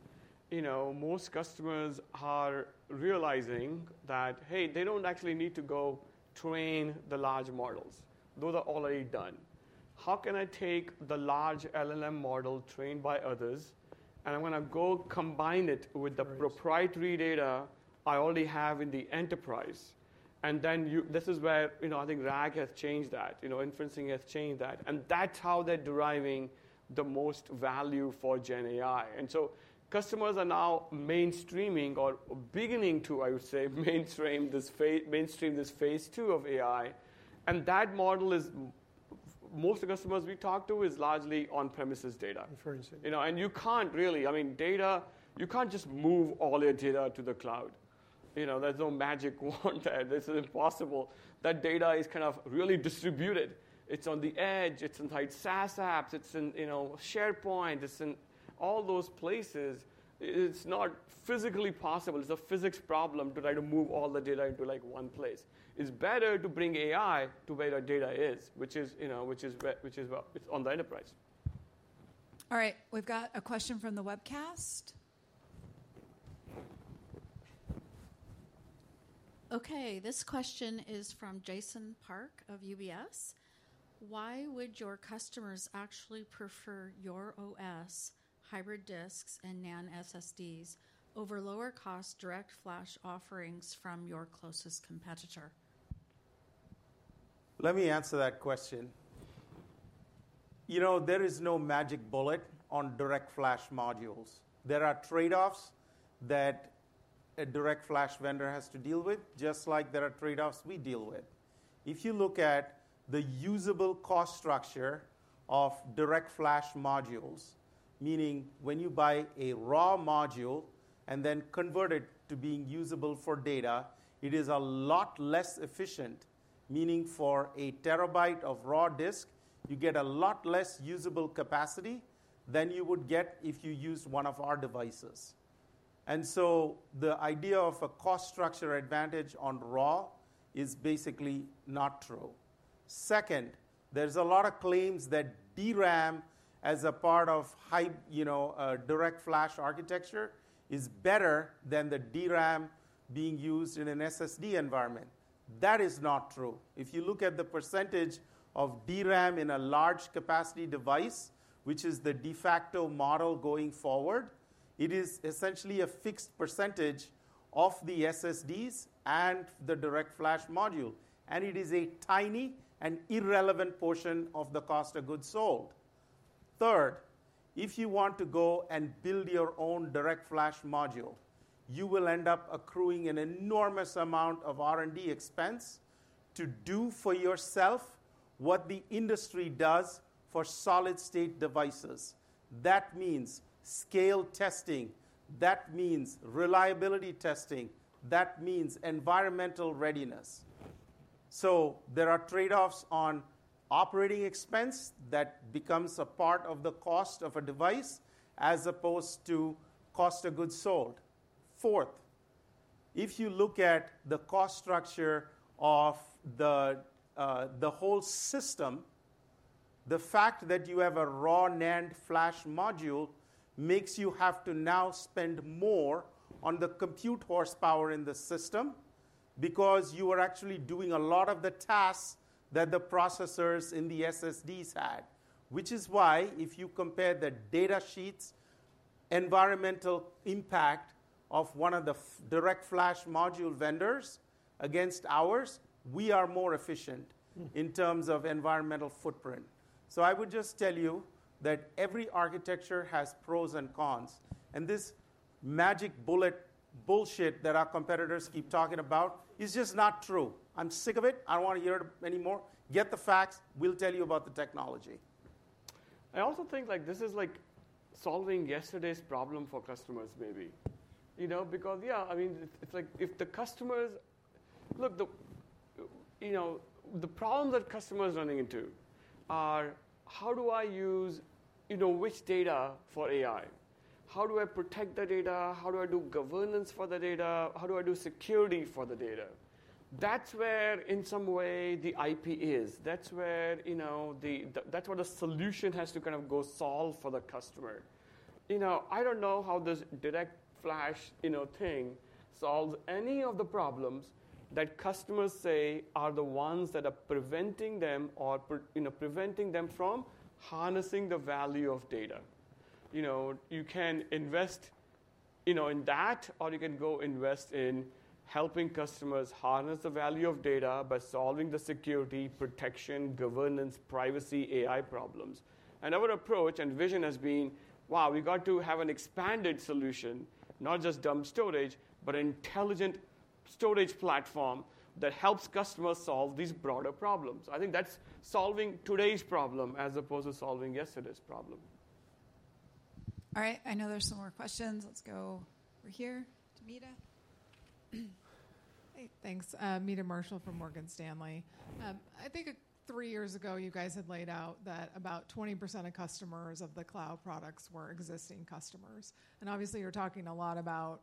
most customers are realizing that, hey, they don't actually need to go train the large models. Those are already done. How can I take the large LLM model trained by others, and I'm going to go combine it with the proprietary data I already have in the enterprise? And then this is where I think RAG has changed that. Inferencing has changed that. And that's how they're deriving the most value for GenAI. And so customers are now mainstreaming or beginning to, I would say, mainstream this Phase II of AI. And that model is most of the customers we talk to is largely on-premises data. Inferencing. You can't really I mean, data, you can't just move all your data to the cloud. There's no magic wand. This is impossible. That data is kind of really distributed. It's on the edge. It's inside SaaS apps. It's in SharePoint. It's in all those places. It's not physically possible. It's a physics problem to try to move all the data into one place. It's better to bring AI to where your data is, which is on the enterprise. All right. We've got a question from the webcast. OK. This question is from Jason Park of UBS. Why would your customers actually prefer your OS, hybrid disks, and NAND SSDs over lower-cost direct flash offerings from your closest competitor? Let me answer that question. There is no magic bullet on direct flash modules. There are trade-offs that a direct flash vendor has to deal with, just like there are trade-offs we deal with. If you look at the usable cost structure of direct flash modules, meaning when you buy a raw module and then convert it to being usable for data, it is a lot less efficient, meaning for 1 terabyte of raw disk, you get a lot less usable capacity than you would get if you used one of our devices. And so the idea of a cost structure advantage on raw is basically not true. Second, there's a lot of claims that DRAM as a part of direct flash architecture is better than the DRAM being used in an SSD environment. That is not true. If you look at the percentage of DRAM in a large capacity device, which is the de facto model going forward, it is essentially a fixed percentage of the SSDs and the direct flash module. It is a tiny and irrelevant portion of the cost of goods sold. Third, if you want to go and build your own direct flash module, you will end up accruing an enormous amount of R&D expense to do for yourself what the industry does for solid-state devices. That means scale testing. That means reliability testing. That means environmental readiness. So there are trade-offs on operating expense that becomes a part of the cost of a device as opposed to cost of goods sold. Fourth, if you look at the cost structure of the whole system, the fact that you have a raw NAND flash module makes you have to now spend more on the compute horsepower in the system because you are actually doing a lot of the tasks that the processors in the SSDs had, which is why if you compare the data sheets environmental impact of one of the direct flash module vendors against ours, we are more efficient in terms of environmental footprint. I would just tell you that every architecture has pros and cons. This magic bullet bullshit that our competitors keep talking about is just not true. I'm sick of it. I don't want to hear it anymore. Get the facts. We'll tell you about the technology. I also think this is like solving yesterday's problem for customers, maybe. Because yeah, I mean, it's like if the customers look, the problem that customers are running into are how do I use which data for AI? How do I protect the data? How do I do governance for the data? How do I do security for the data? That's where in some way the IP is. That's where that's what a solution has to kind of go solve for the customer. I don't know how this direct flash thing solves any of the problems that customers say are the ones that are preventing them or preventing them from harnessing the value of data. You can invest in that, or you can go invest in helping customers harness the value of data by solving the security, protection, governance, privacy, AI problems. Our approach and vision has been, wow, we've got to have an expanded solution, not just dump storage, but an intelligent storage platform that helps customers solve these broader problems. I think that's solving today's problem as opposed to solving yesterday's problem. All right. I know there's some more questions. Let's go over here to Meta. Hey, thanks. Meta Marshall from Morgan Stanley. I think three years ago, you guys had laid out that about 20% of customers of the cloud products were existing customers. And obviously, you're talking a lot about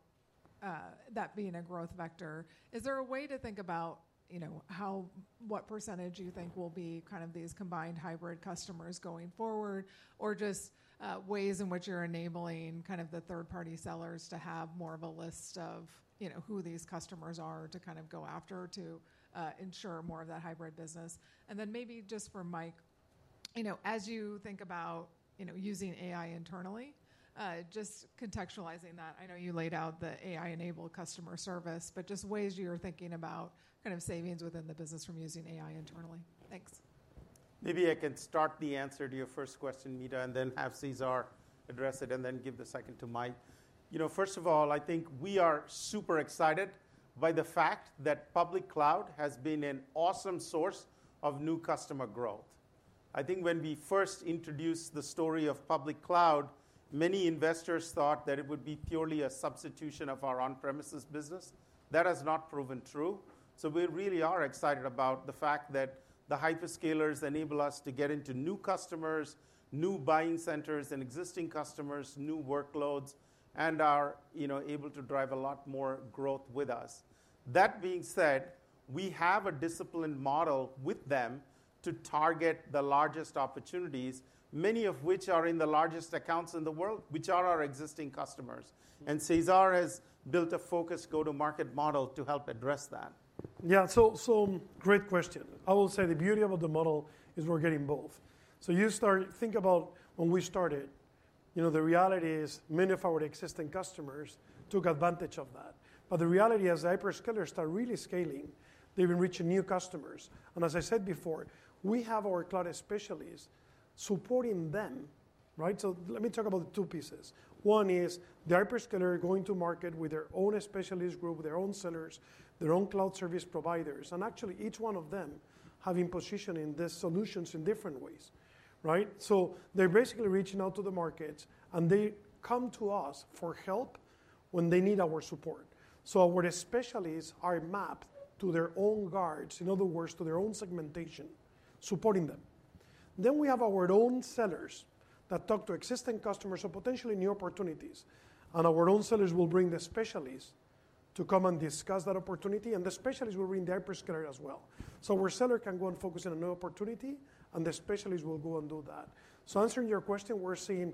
that being a growth vector. Is there a way to think about what percentage you think will be kind of these combined hybrid customers going forward, or just ways in which you're enabling kind of the third-party sellers to have more of a list of who these customers are to kind of go after to ensure more of that hybrid business? And then maybe just for Mike, as you think about using AI internally, just contextualizing that, I know you laid out the AI-enabled customer service, but just ways you're thinking about kind of savings within the business from using AI internally. Thanks. Maybe I can start the answer to your first question, Meta, and then have César address it, and then give the second to Mike. First of all, I think we are super excited by the fact that public cloud has been an awesome source of new customer growth. I think when we first introduced the story of public cloud, many investors thought that it would be purely a substitution of our on-premises business. That has not proven true. We really are excited about the fact that the hyperscalers enable us to get into new customers, new buying centers in existing customers, new workloads, and are able to drive a lot more growth with us. That being said, we have a disciplined model with them to target the largest opportunities, many of which are in the largest accounts in the world, which are our existing customers. César has built a focused go-to-market model to help address that. Yeah. So great question. I will say the beauty about the model is we're getting both. So you start think about when we started, the reality is many of our existing customers took advantage of that. But the reality is the hyperscalers are really scaling. They've been reaching new customers. And as I said before, we have our cloud specialists supporting them. So let me talk about the two pieces. One is the hyperscaler going to market with their own specialist group, their own sellers, their own cloud service providers. And actually, each one of them having position in these solutions in different ways. So they're basically reaching out to the markets, and they come to us for help when they need our support. So our specialists are mapped to their own guards, in other words, to their own segmentation, supporting them. Then we have our own sellers that talk to existing customers of potentially new opportunities. And our own sellers will bring the specialists to come and discuss that opportunity. And the specialists will bring the hyperscaler as well. So our seller can go and focus on an opportunity, and the specialist will go and do that. So answering your question, we're seeing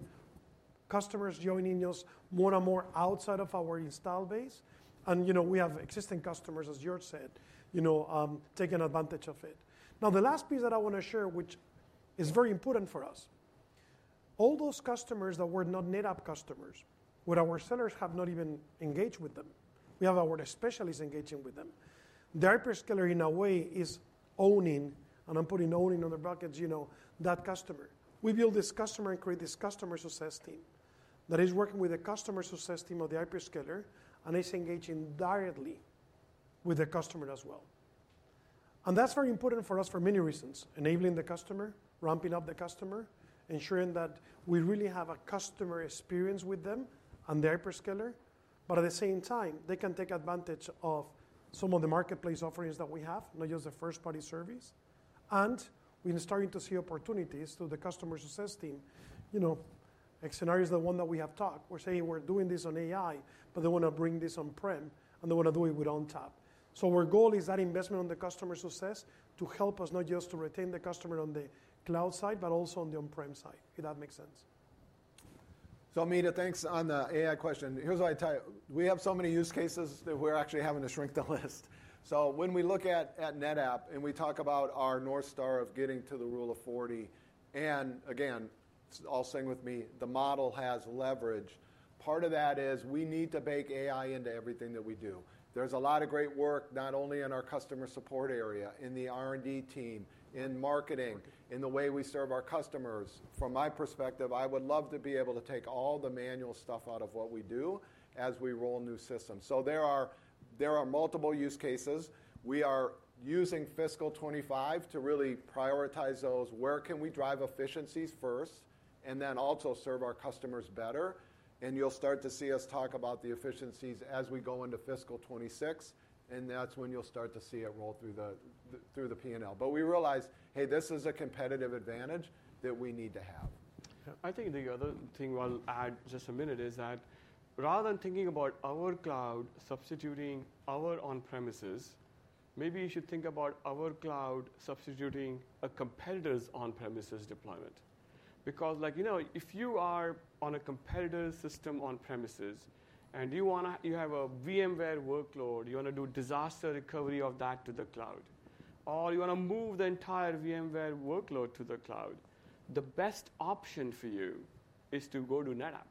customers joining us more and more outside of our install base. And we have existing customers, as George said, taking advantage of it. Now, the last piece that I want to share, which is very important for us, all those customers that were not NetApp customers, where our sellers have not even engaged with them, we have our specialists engaging with them. The hyperscaler, in a way, is owning, and I'm putting owning in other brackets, that customer. We build this customer and create this customer success team that is working with the customer success team of the hyperscaler, and it's engaging directly with the customer as well. That's very important for us for many reasons, enabling the customer, ramping up the customer, ensuring that we really have a customer experience with them and the hyperscaler. But at the same time, they can take advantage of some of the marketplace offerings that we have, not just the first-party service. We're starting to see opportunities through the customer success team. Like scenarios, the one that we have talked, we're saying we're doing this on AI, but they want to bring this on-prem, and they want to do it with ONTAP. Our goal is that investment on the customer success to help us not just to retain the customer on the cloud side, but also on the on-prem side, if that makes sense. Meta, thanks on the AI question. Here's what I tell you. We have so many use cases that we're actually having to shrink the list. When we look at NetApp, and we talk about our North Star of getting to the Rule of 40, and again, all sing with me, the model has leverage. Part of that is we need to bake AI into everything that we do. There's a lot of great work, not only in our customer support area, in the R&D team, in marketing, in the way we serve our customers. From my perspective, I would love to be able to take all the manual stuff out of what we do as we roll new systems. There are multiple use cases. We are using fiscal 2025 to really prioritize those. Where can we drive efficiencies first and then also serve our customers better? You'll start to see us talk about the efficiencies as we go into fiscal 2026. That's when you'll start to see it roll through the P&L. But we realize, hey, this is a competitive advantage that we need to have. I think the other thing I'll add just a minute is that rather than thinking about our cloud substituting our on-premises, maybe you should think about our cloud substituting a competitor's on-premises deployment. Because if you are on a competitor's system on-premises, and you have a VMware workload, you want to do disaster recovery of that to the cloud, or you want to move the entire VMware workload to the cloud, the best option for you is to go to NetApp.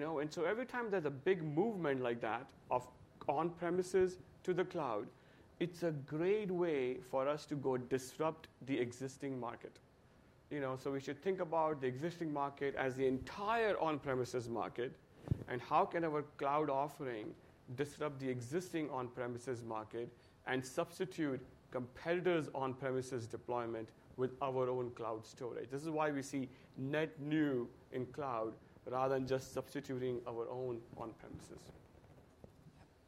And so every time there's a big movement like that of on-premises to the cloud, it's a great way for us to go disrupt the existing market. So we should think about the existing market as the entire on-premises market, and how can our cloud offering disrupt the existing on-premises market and substitute competitors' on-premises deployment with our own cloud storage? This is why we see net new in cloud rather than just substituting our own on-premises.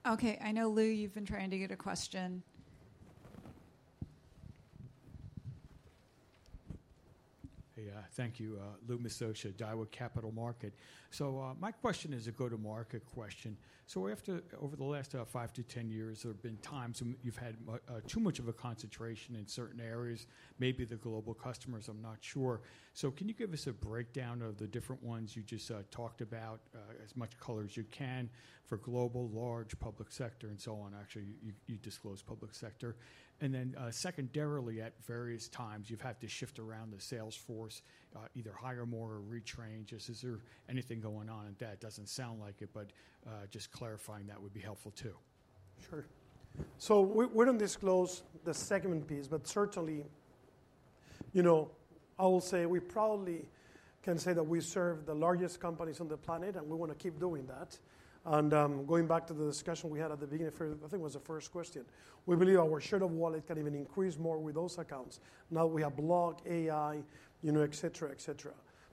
OK. I know, Lou, you've been trying to get a question. Hey, thank you. Lou Miscioscia, Daiwa Capital Markets. So my question is a go-to-market question. So over the last five to 10 years, there have been times when you've had too much of a concentration in certain areas, maybe the global customers. I'm not sure. So can you give us a breakdown of the different ones you just talked about, as much color as you can, for global, large, public sector, and so on? Actually, you disclosed public sector. And then secondarily, at various times, you've had to shift around the sales force, either hire more or retrain. Just, is there anything going on that doesn't sound like it? But just clarifying that would be helpful too. Sure. So we didn't disclose the segment piece, but certainly, I will say we probably can say that we serve the largest companies on the planet, and we want to keep doing that. Going back to the discussion we had at the beginning, I think it was the first question, we believe our share of wallet can even increase more with those accounts. Now we have block, AI, et cetera, et cetera.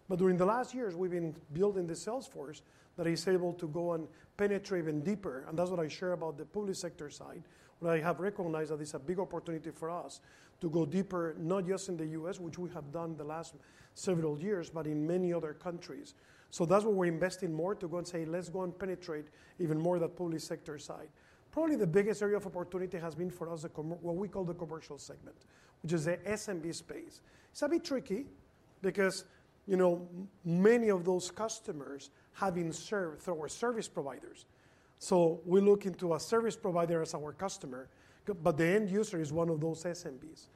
But during the last years, we've been building the sales force that is able to go and penetrate even deeper. And that's what I share about the public sector side. I have recognized that it's a big opportunity for us to go deeper, not just in the U.S., which we have done the last several years, but in many other countries. So that's why we're investing more to go and say, let's go and penetrate even more that public sector side. Probably the biggest area of opportunity has been for us what we call the commercial segment, which is the SMB space. It's a bit tricky because many of those customers have been served through our service providers. So we look into a service provider as our customer, but the end user is one of those SMBs.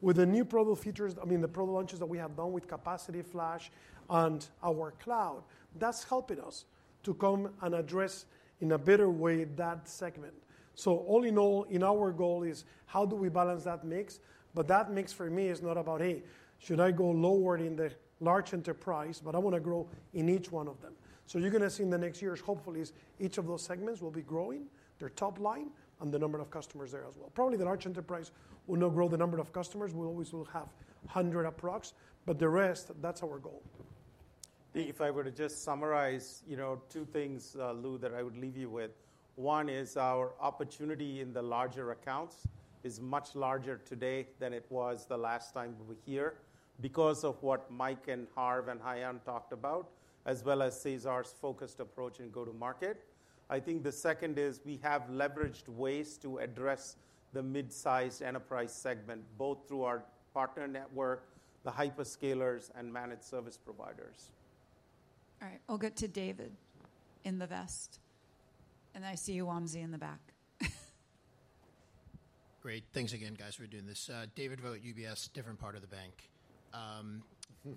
With the new product features, I mean, the product launches that we have done with capacity flash and our cloud, that's helping us to come and address in a better way that segment. So all in all, our goal is how do we balance that mix? But that mix for me is not about, hey, should I go lower in the large enterprise? But I want to grow in each one of them. You're going to see in the next years, hopefully, each of those segments will be growing, their top line, and the number of customers there as well. Probably the large enterprise will not grow the number of customers. We always will have 100 approx, but the rest, that's our goal. If I were to just summarize two things, Lou, that I would leave you with, one is our opportunity in the larger accounts is much larger today than it was the last time we were here because of what Mike and Harv and Haiyan talked about, as well as César's focused approach and go-to-market. I think the second is we have leveraged ways to address the mid-sized enterprise segment, both through our partner network, the hyperscalers, and managed service providers. All right. I'll get to David in the vest. And I see you, Wamsi, in the back. Great. Thanks again, guys, for doing this. David Vogt, UBS, different part of the bank.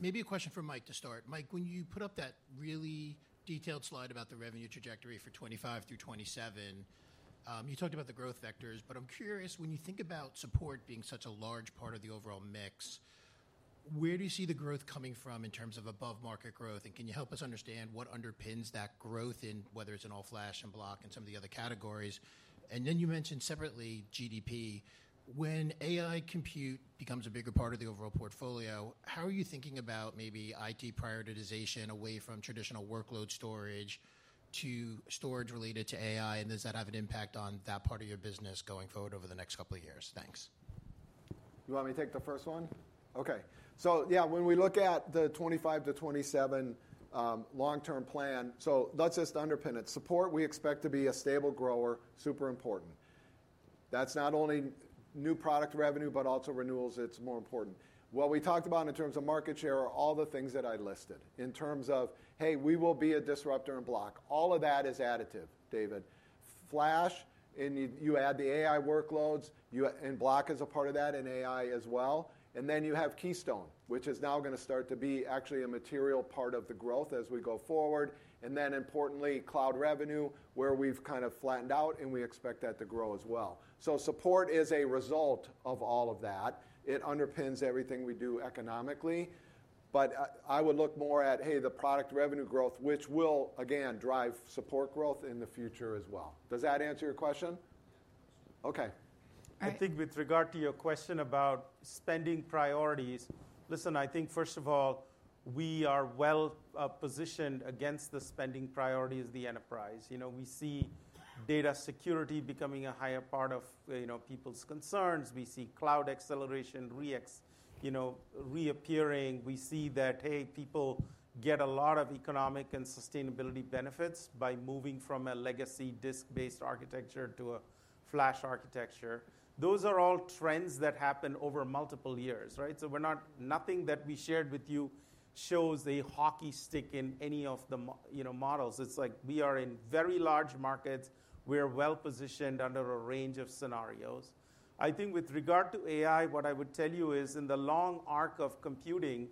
Maybe a question for Mike to start. Mike, when you put up that really detailed slide about the revenue trajectory for 2025 through 2027, you talked about the growth vectors. But I'm curious, when you think about support being such a large part of the overall mix, where do you see the growth coming from in terms of above-market growth? And can you help us understand what underpins that growth, whether it's in all flash and block and some of the other categories? And then you mentioned separately GDP. When AI compute becomes a bigger part of the overall portfolio, how are you thinking about maybe IT prioritization away from traditional workload storage to storage related to AI? Does that have an impact on that part of your business going forward over the next couple of years? Thanks. You want me to take the first one? OK. So yeah, when we look at the 2025 to 2027 long-term plan, so that's just the underpinnings. Support we expect to be a stable grower, super important. That's not only new product revenue, but also renewals, it's more important. What we talked about in terms of market share are all the things that I listed. In terms of, hey, we will be a disruptor in block, all of that is additive, David. Flash, you add the AI workloads, and block is a part of that, and AI as well. And then you have Keystone, which is now going to start to be actually a material part of the growth as we go forward. And then importantly, cloud revenue, where we've kind of flattened out, and we expect that to grow as well. So support is a result of all of that. It underpins everything we do economically. But I would look more at, hey, the product revenue growth, which will, again, drive support growth in the future as well. Does that answer your question? OK. I think with regard to your question about spending priorities, listen, I think first of all, we are well positioned against the spending priority as the enterprise. We see data security becoming a higher part of people's concerns. We see cloud acceleration, VDI reappearing. We see that, hey, people get a lot of economic and sustainability benefits by moving from a legacy disk-based architecture to a flash architecture. Those are all trends that happen over multiple years. So nothing that we shared with you shows a hockey stick in any of the models. It's like we are in very large markets. We are well positioned under a range of scenarios. I think with regard to AI, what I would tell you is in the long arc of computing,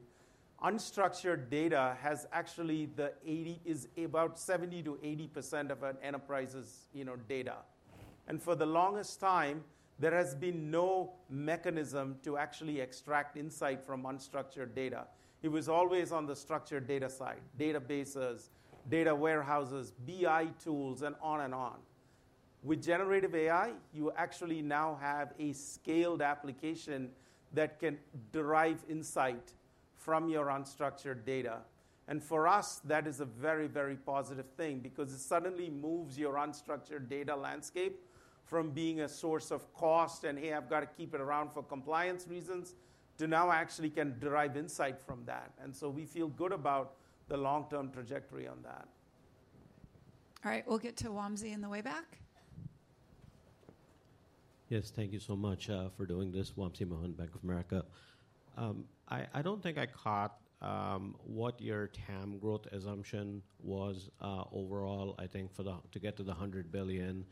unstructured data has actually about 70%-80% of an enterprise's data. And for the longest time, there has been no mechanism to actually extract insight from unstructured data. It was always on the structured data side, databases, data warehouses, BI tools, and on and on. With generative AI, you actually now have a scaled application that can derive insight from your unstructured data. And for us, that is a very, very positive thing because it suddenly moves your unstructured data landscape from being a source of cost and, hey, I've got to keep it around for compliance reasons, to now actually can derive insight from that. And so we feel good about the long-term trajectory on that. All right. We'll get to Wamsi in the way back. Yes, thank you so much for doing this. Wamsi Mohan, Bank of America. I don't think I caught what your TAM growth assumption was overall, I think, to get to the $100 billion.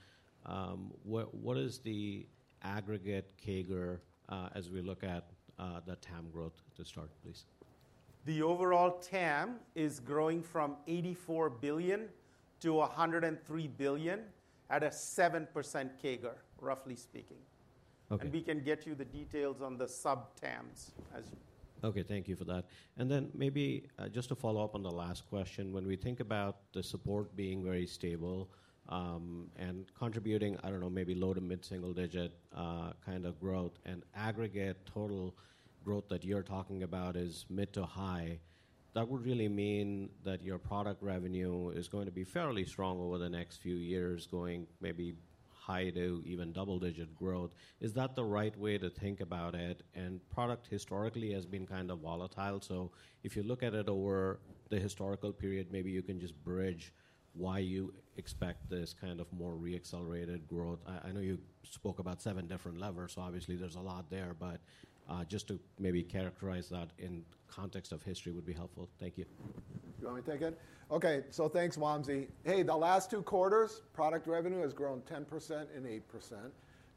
What is the aggregate CAGR as we look at the TAM growth to start, please? The overall TAM is growing from $84 billion to $103 billion at a 7% CAGR, roughly speaking. We can get you the details on the sub-TAMs. OK, thank you for that. Then maybe just to follow up on the last question, when we think about the support being very stable and contributing, I don't know, maybe low- to mid-single-digit kind of growth, and aggregate total growth that you're talking about is mid- to high-, that would really mean that your product revenue is going to be fairly strong over the next few years, going maybe high- to even double-digit growth. Is that the right way to think about it? Product historically has been kind of volatile. So if you look at it over the historical period, maybe you can just bridge why you expect this kind of more re-accelerated growth. I know you spoke about seven different levers, so obviously there's a lot there. But just to maybe characterize that in context of history would be helpful. Thank you. You want me to take it? OK, so thanks, Wamsi. Hey, the last two quarters, product revenue has grown 10% and 8%.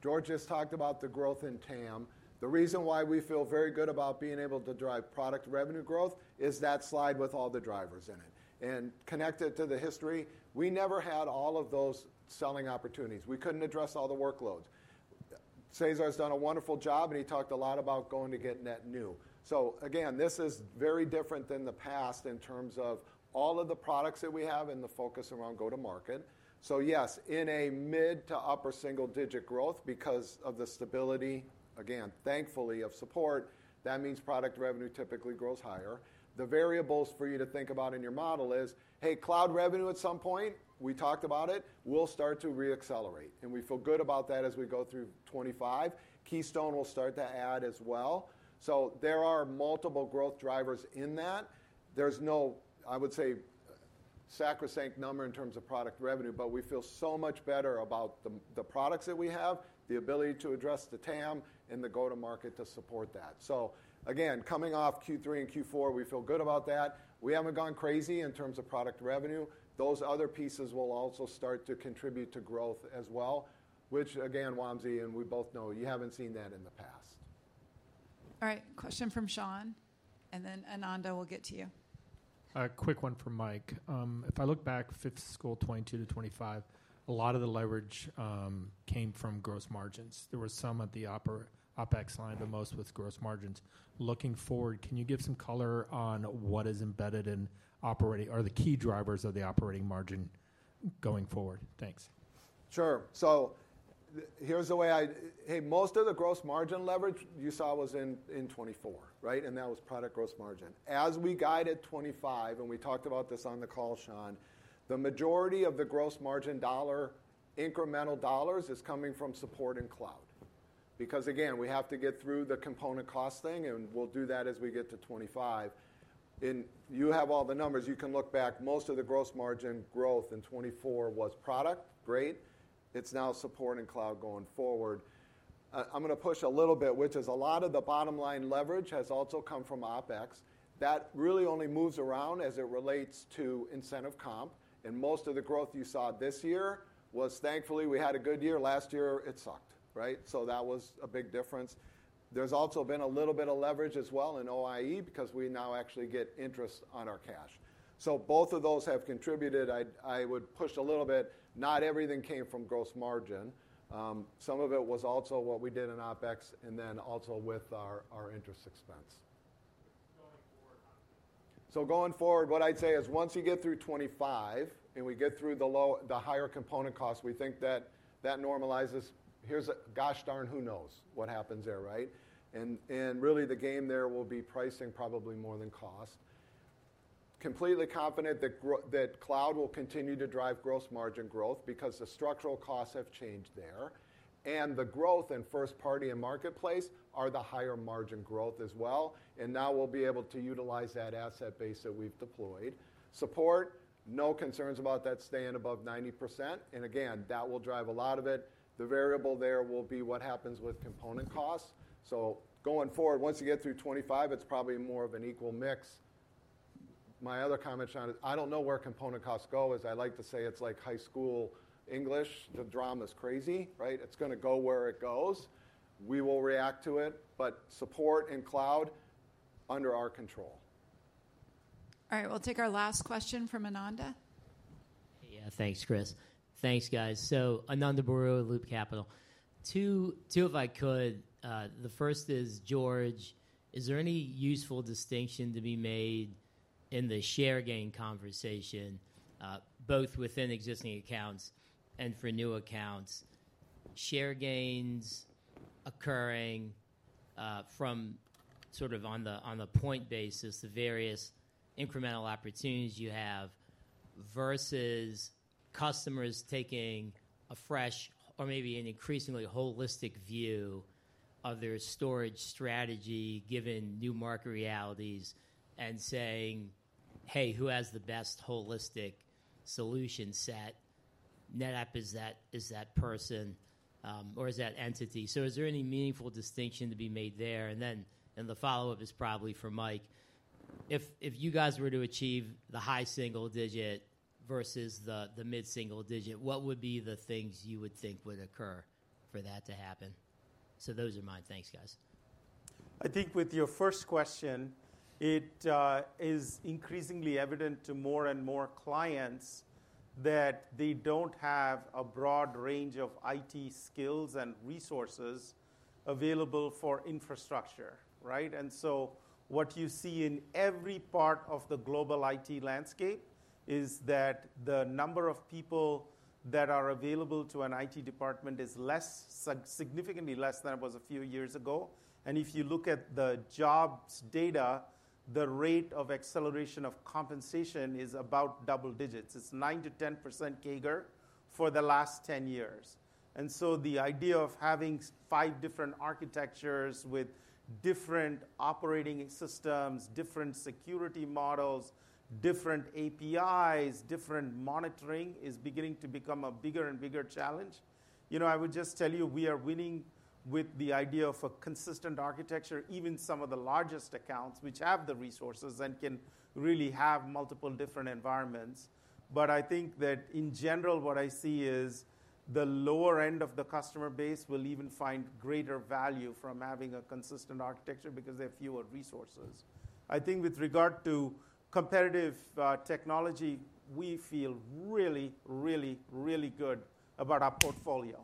George just talked about the growth in TAM. The reason why we feel very good about being able to drive product revenue growth is that slide with all the drivers in it. Connect it to the history. We never had all of those selling opportunities. We couldn't address all the workloads. César has done a wonderful job, and he talked a lot about going to get net new. Again, this is very different than the past in terms of all of the products that we have and the focus around go-to-market. Yes, in a mid- to upper single-digit growth because of the stability, again, thankfully, of support, that means product revenue typically grows higher. The variables for you to think about in your model is, hey, cloud revenue at some point, we talked about it, we'll start to re-accelerate. We feel good about that as we go through 2025. Keystone will start to add as well. So there are multiple growth drivers in that. There's no, I would say, sacrosanct number in terms of product revenue, but we feel so much better about the products that we have, the ability to address the TAM, and the go-to-market to support that. So again, coming off Q3 and Q4, we feel good about that. We haven't gone crazy in terms of product revenue. Those other pieces will also start to contribute to growth as well, which again, Wamsi, and we both know you haven't seen that in the past. All right. Question from Sean. And then Ananda, we'll get to you. Quick one for Mike. If I look back fiscal 2022 to 2025, a lot of the leverage came from gross margins. There was some at the OpEx line, but most was gross margins. Looking forward, can you give some color on what is embedded in operating or the key drivers of the operating margin going forward? Thanks. Sure. So here's the way I, most of the gross margin leverage you saw was in 2024, right? And that was product gross margin. As we guided 2025, and we talked about this on the call, Sean, the majority of the gross margin dollar incremental dollars is coming from support in cloud. Because again, we have to get through the component cost thing, and we'll do that as we get to 2025. And you have all the numbers. You can look back. Most of the gross margin growth in 2024 was product. Great. It's now support in cloud going forward. I'm going to push a little bit, which is a lot of the bottom line leverage has also come from OpEx. That really only moves around as it relates to incentive comp. And most of the growth you saw this year was, thankfully, we had a good year. Last year, it sucked, right? So that was a big difference. There's also been a little bit of leverage as well in OIE because we now actually get interest on our cash. So both of those have contributed. I would push a little bit. Not everything came from gross margin. Some of it was also what we did in OpEx and then also with our interest expense. So going forward, what I'd say is once you get through 2025 and we get through the higher component costs, we think that that normalizes. Here's a gosh darn who knows what happens there, right? And really the game there will be pricing probably more than cost. Completely confident that cloud will continue to drive gross margin growth because the structural costs have changed there. And the growth in first-party and marketplace are the higher margin growth as well. Now we'll be able to utilize that asset base that we've deployed. Support, no concerns about that staying above 90%. Again, that will drive a lot of it. The variable there will be what happens with component costs. So going forward, once you get through 2025, it's probably more of an equal mix. My other comment, Sean, is I don't know where component costs go. As I like to say, it's like high school English. The drama is crazy, right? It's going to go where it goes. We will react to it. Support in cloud, under our control. All right. We'll take our last question from Ananda. Yeah, thanks, Kris. Thanks, guys. So Ananda Baruah at Loop Capital. Two if I could. The first is George. Is there any useful distinction to be made in the share gain conversation, both within existing accounts and for new accounts, share gains occurring from sort of on the point basis, the various incremental opportunities you have versus customers taking a fresh or maybe an increasingly holistic view of their storage strategy given new market realities and saying, hey, who has the best holistic solution set? NetApp is that person or is that entity. So is there any meaningful distinction to be made there? And then the follow-up is probably for Mike. If you guys were to achieve the high single digit versus the mid-single digit, what would be the things you would think would occur for that to happen? So those are mine. Thanks, guys. I think with your first question, it is increasingly evident to more and more clients that they don't have a broad range of IT skills and resources available for infrastructure, right? So what you see in every part of the global IT landscape is that the number of people that are available to an IT department is less, significantly less than it was a few years ago. If you look at the jobs data, the rate of acceleration of compensation is about double digits. It's 9%-10% CAGR for the last 10 years. So the idea of having five different architectures with different operating systems, different security models, different APIs, different monitoring is beginning to become a bigger and bigger challenge. You know, I would just tell you we are winning with the idea of a consistent architecture, even some of the largest accounts, which have the resources and can really have multiple different environments. But I think that in general, what I see is the lower end of the customer base will even find greater value from having a consistent architecture because they have fewer resources. I think with regard to competitive technology, we feel really, really, really good about our portfolio.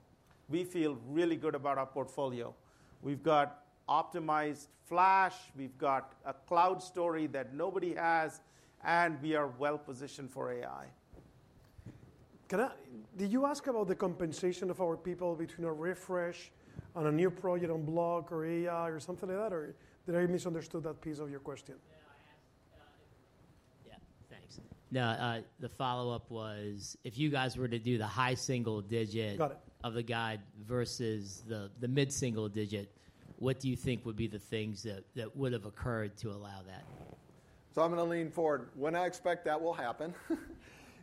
We feel really good about our portfolio. We've got optimized flash. We've got a cloud story that nobody has. And we are well positioned for AI. Did you ask about the compensation of our people between a refresh on a new project on block or AI or something like that? Or did I misunderstand that piece of your question? Yeah, thanks. Now, the follow-up was if you guys were to do the high single digit of the guide versus the mid-single digit, what do you think would be the things that would have occurred to allow that? So I'm going to lean forward. When I expect that will happen,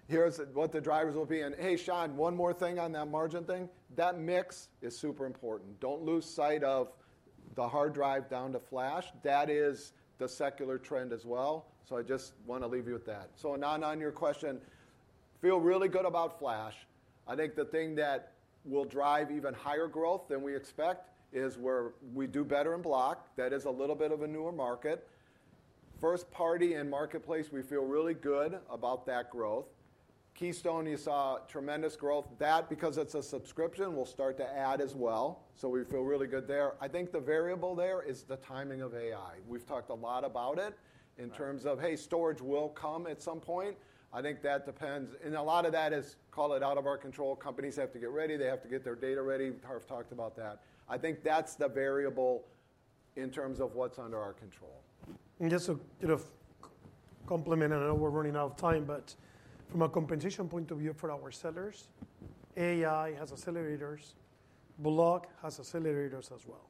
here's what the drivers will be. And hey, Sean, one more thing on that margin thing. That mix is super important. Don't lose sight of the hard drive down to flash. That is the secular trend as well. So I just want to leave you with that. So Ananda, on your question, feel really good about flash. I think the thing that will drive even higher growth than we expect is where we do better in block. That is a little bit of a newer market. First-party and marketplace, we feel really good about that growth. Keystone, you saw tremendous growth. That's because it's a subscription, we'll start to add as well. So we feel really good there. I think the variable there is the timing of AI. We've talked a lot about it in terms of, hey, storage will come at some point. I think that depends. And a lot of that is, call it out of our control. Companies have to get ready. They have to get their data ready. We've talked about that. I think that's the variable in terms of what's under our control. Just to comment, and I know we're running out of time, but from a compensation point of view for our sellers, AI has accelerators. Block has accelerators as well.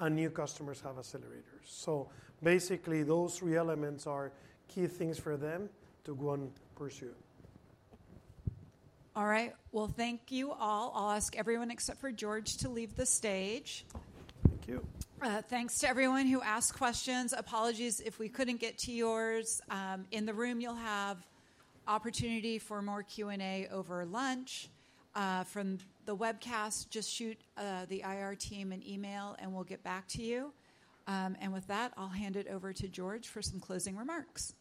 And new customers have accelerators. So basically, those three elements are key things for them to go and pursue. All right. Well, thank you all. I'll ask everyone except for George to leave the stage. Thank you. Thanks to everyone who asked questions. Apologies if we couldn't get to yours. In the room, you'll have opportunity for more Q&A over lunch. From the webcast, just shoot the IR team an email, and we'll get back to you. With that, I'll hand it over to George for some closing remarks.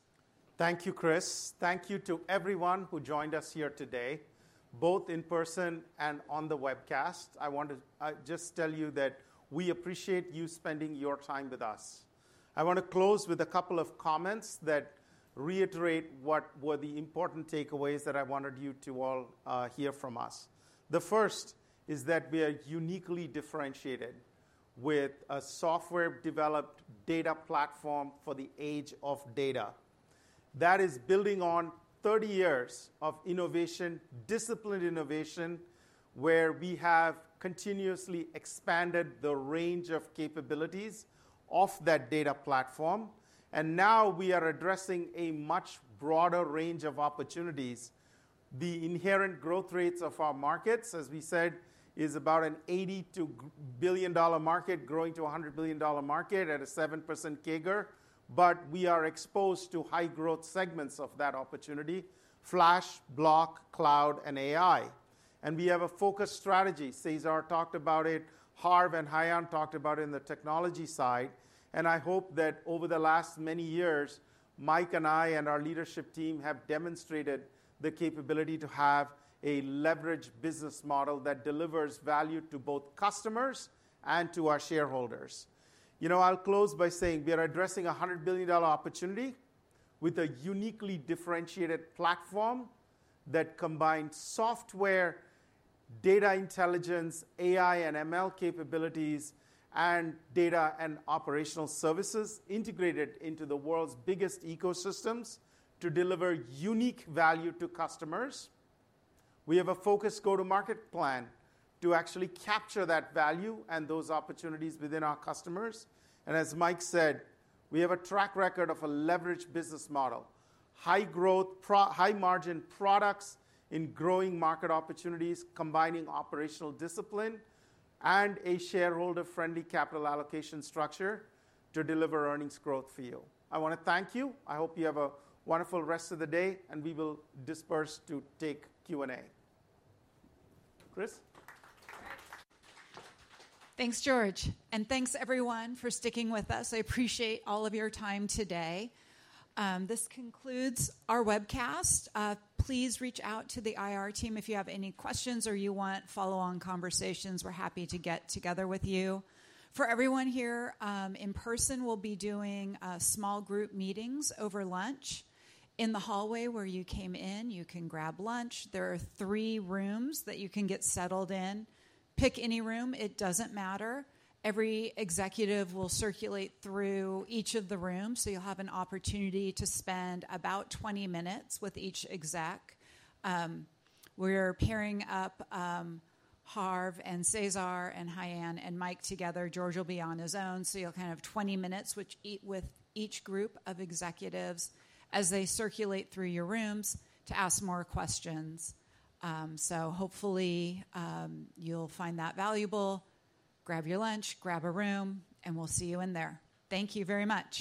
Thank you, Kris. Thank you to everyone who joined us here today, both in person and on the webcast. I want to just tell you that we appreciate you spending your time with us. I want to close with a couple of comments that reiterate what were the important takeaways that I wanted you to all hear from us. The first is that we are uniquely differentiated with a software-developed data platform for the age of data. That is building on 30 years of innovation, disciplined innovation, where we have continuously expanded the range of capabilities of that data platform. And now we are addressing a much broader range of opportunities. The inherent growth rates of our markets, as we said, is about an $80 billion market growing to a $100 billion market at a 7% CAGR. But we are exposed to high-growth segments of that opportunity: flash, block, cloud, and AI. And we have a focused strategy. César talked about it. Harv and Haiyan talked about it in the technology side. And I hope that over the last many years, Mike and I and our leadership team have demonstrated the capability to have a leveraged business model that delivers value to both customers and to our shareholders. You know, I'll close by saying we are addressing a $100 billion opportunity with a uniquely differentiated platform that combines software, data intelligence, AI and ML capabilities, and data and operational services integrated into the world's biggest ecosystems to deliver unique value to customers. We have a focused go-to-market plan to actually capture that value and those opportunities within our customers. As Mike said, we have a track record of a leveraged business model, high-growth, high-margin products in growing market opportunities, combining operational discipline and a shareholder-friendly capital allocation structure to deliver earnings growth for you. I want to thank you. I hope you have a wonderful rest of the day. We will disperse to take Q&A. Kris? Thanks, George. Thanks, everyone, for sticking with us. I appreciate all of your time today. This concludes our webcast. Please reach out to the IR team if you have any questions or you want follow-on conversations. We're happy to get together with you. For everyone here in person, we'll be doing small group meetings over lunch in the hallway where you came in. You can grab lunch. There are three rooms that you can get settled in. Pick any room. It doesn't matter. Every executive will circulate through each of the rooms. You'll have an opportunity to spend about 20 minutes with each exec. We're pairing up Harv and César and Haiyan and Mike together. George will be on his own. You'll kind of have 20 minutes with each group of executives as they circulate through your rooms to ask more questions. Hopefully, you'll find that valuable. Grab your lunch. Grab a room. We'll see you in there. Thank you very much.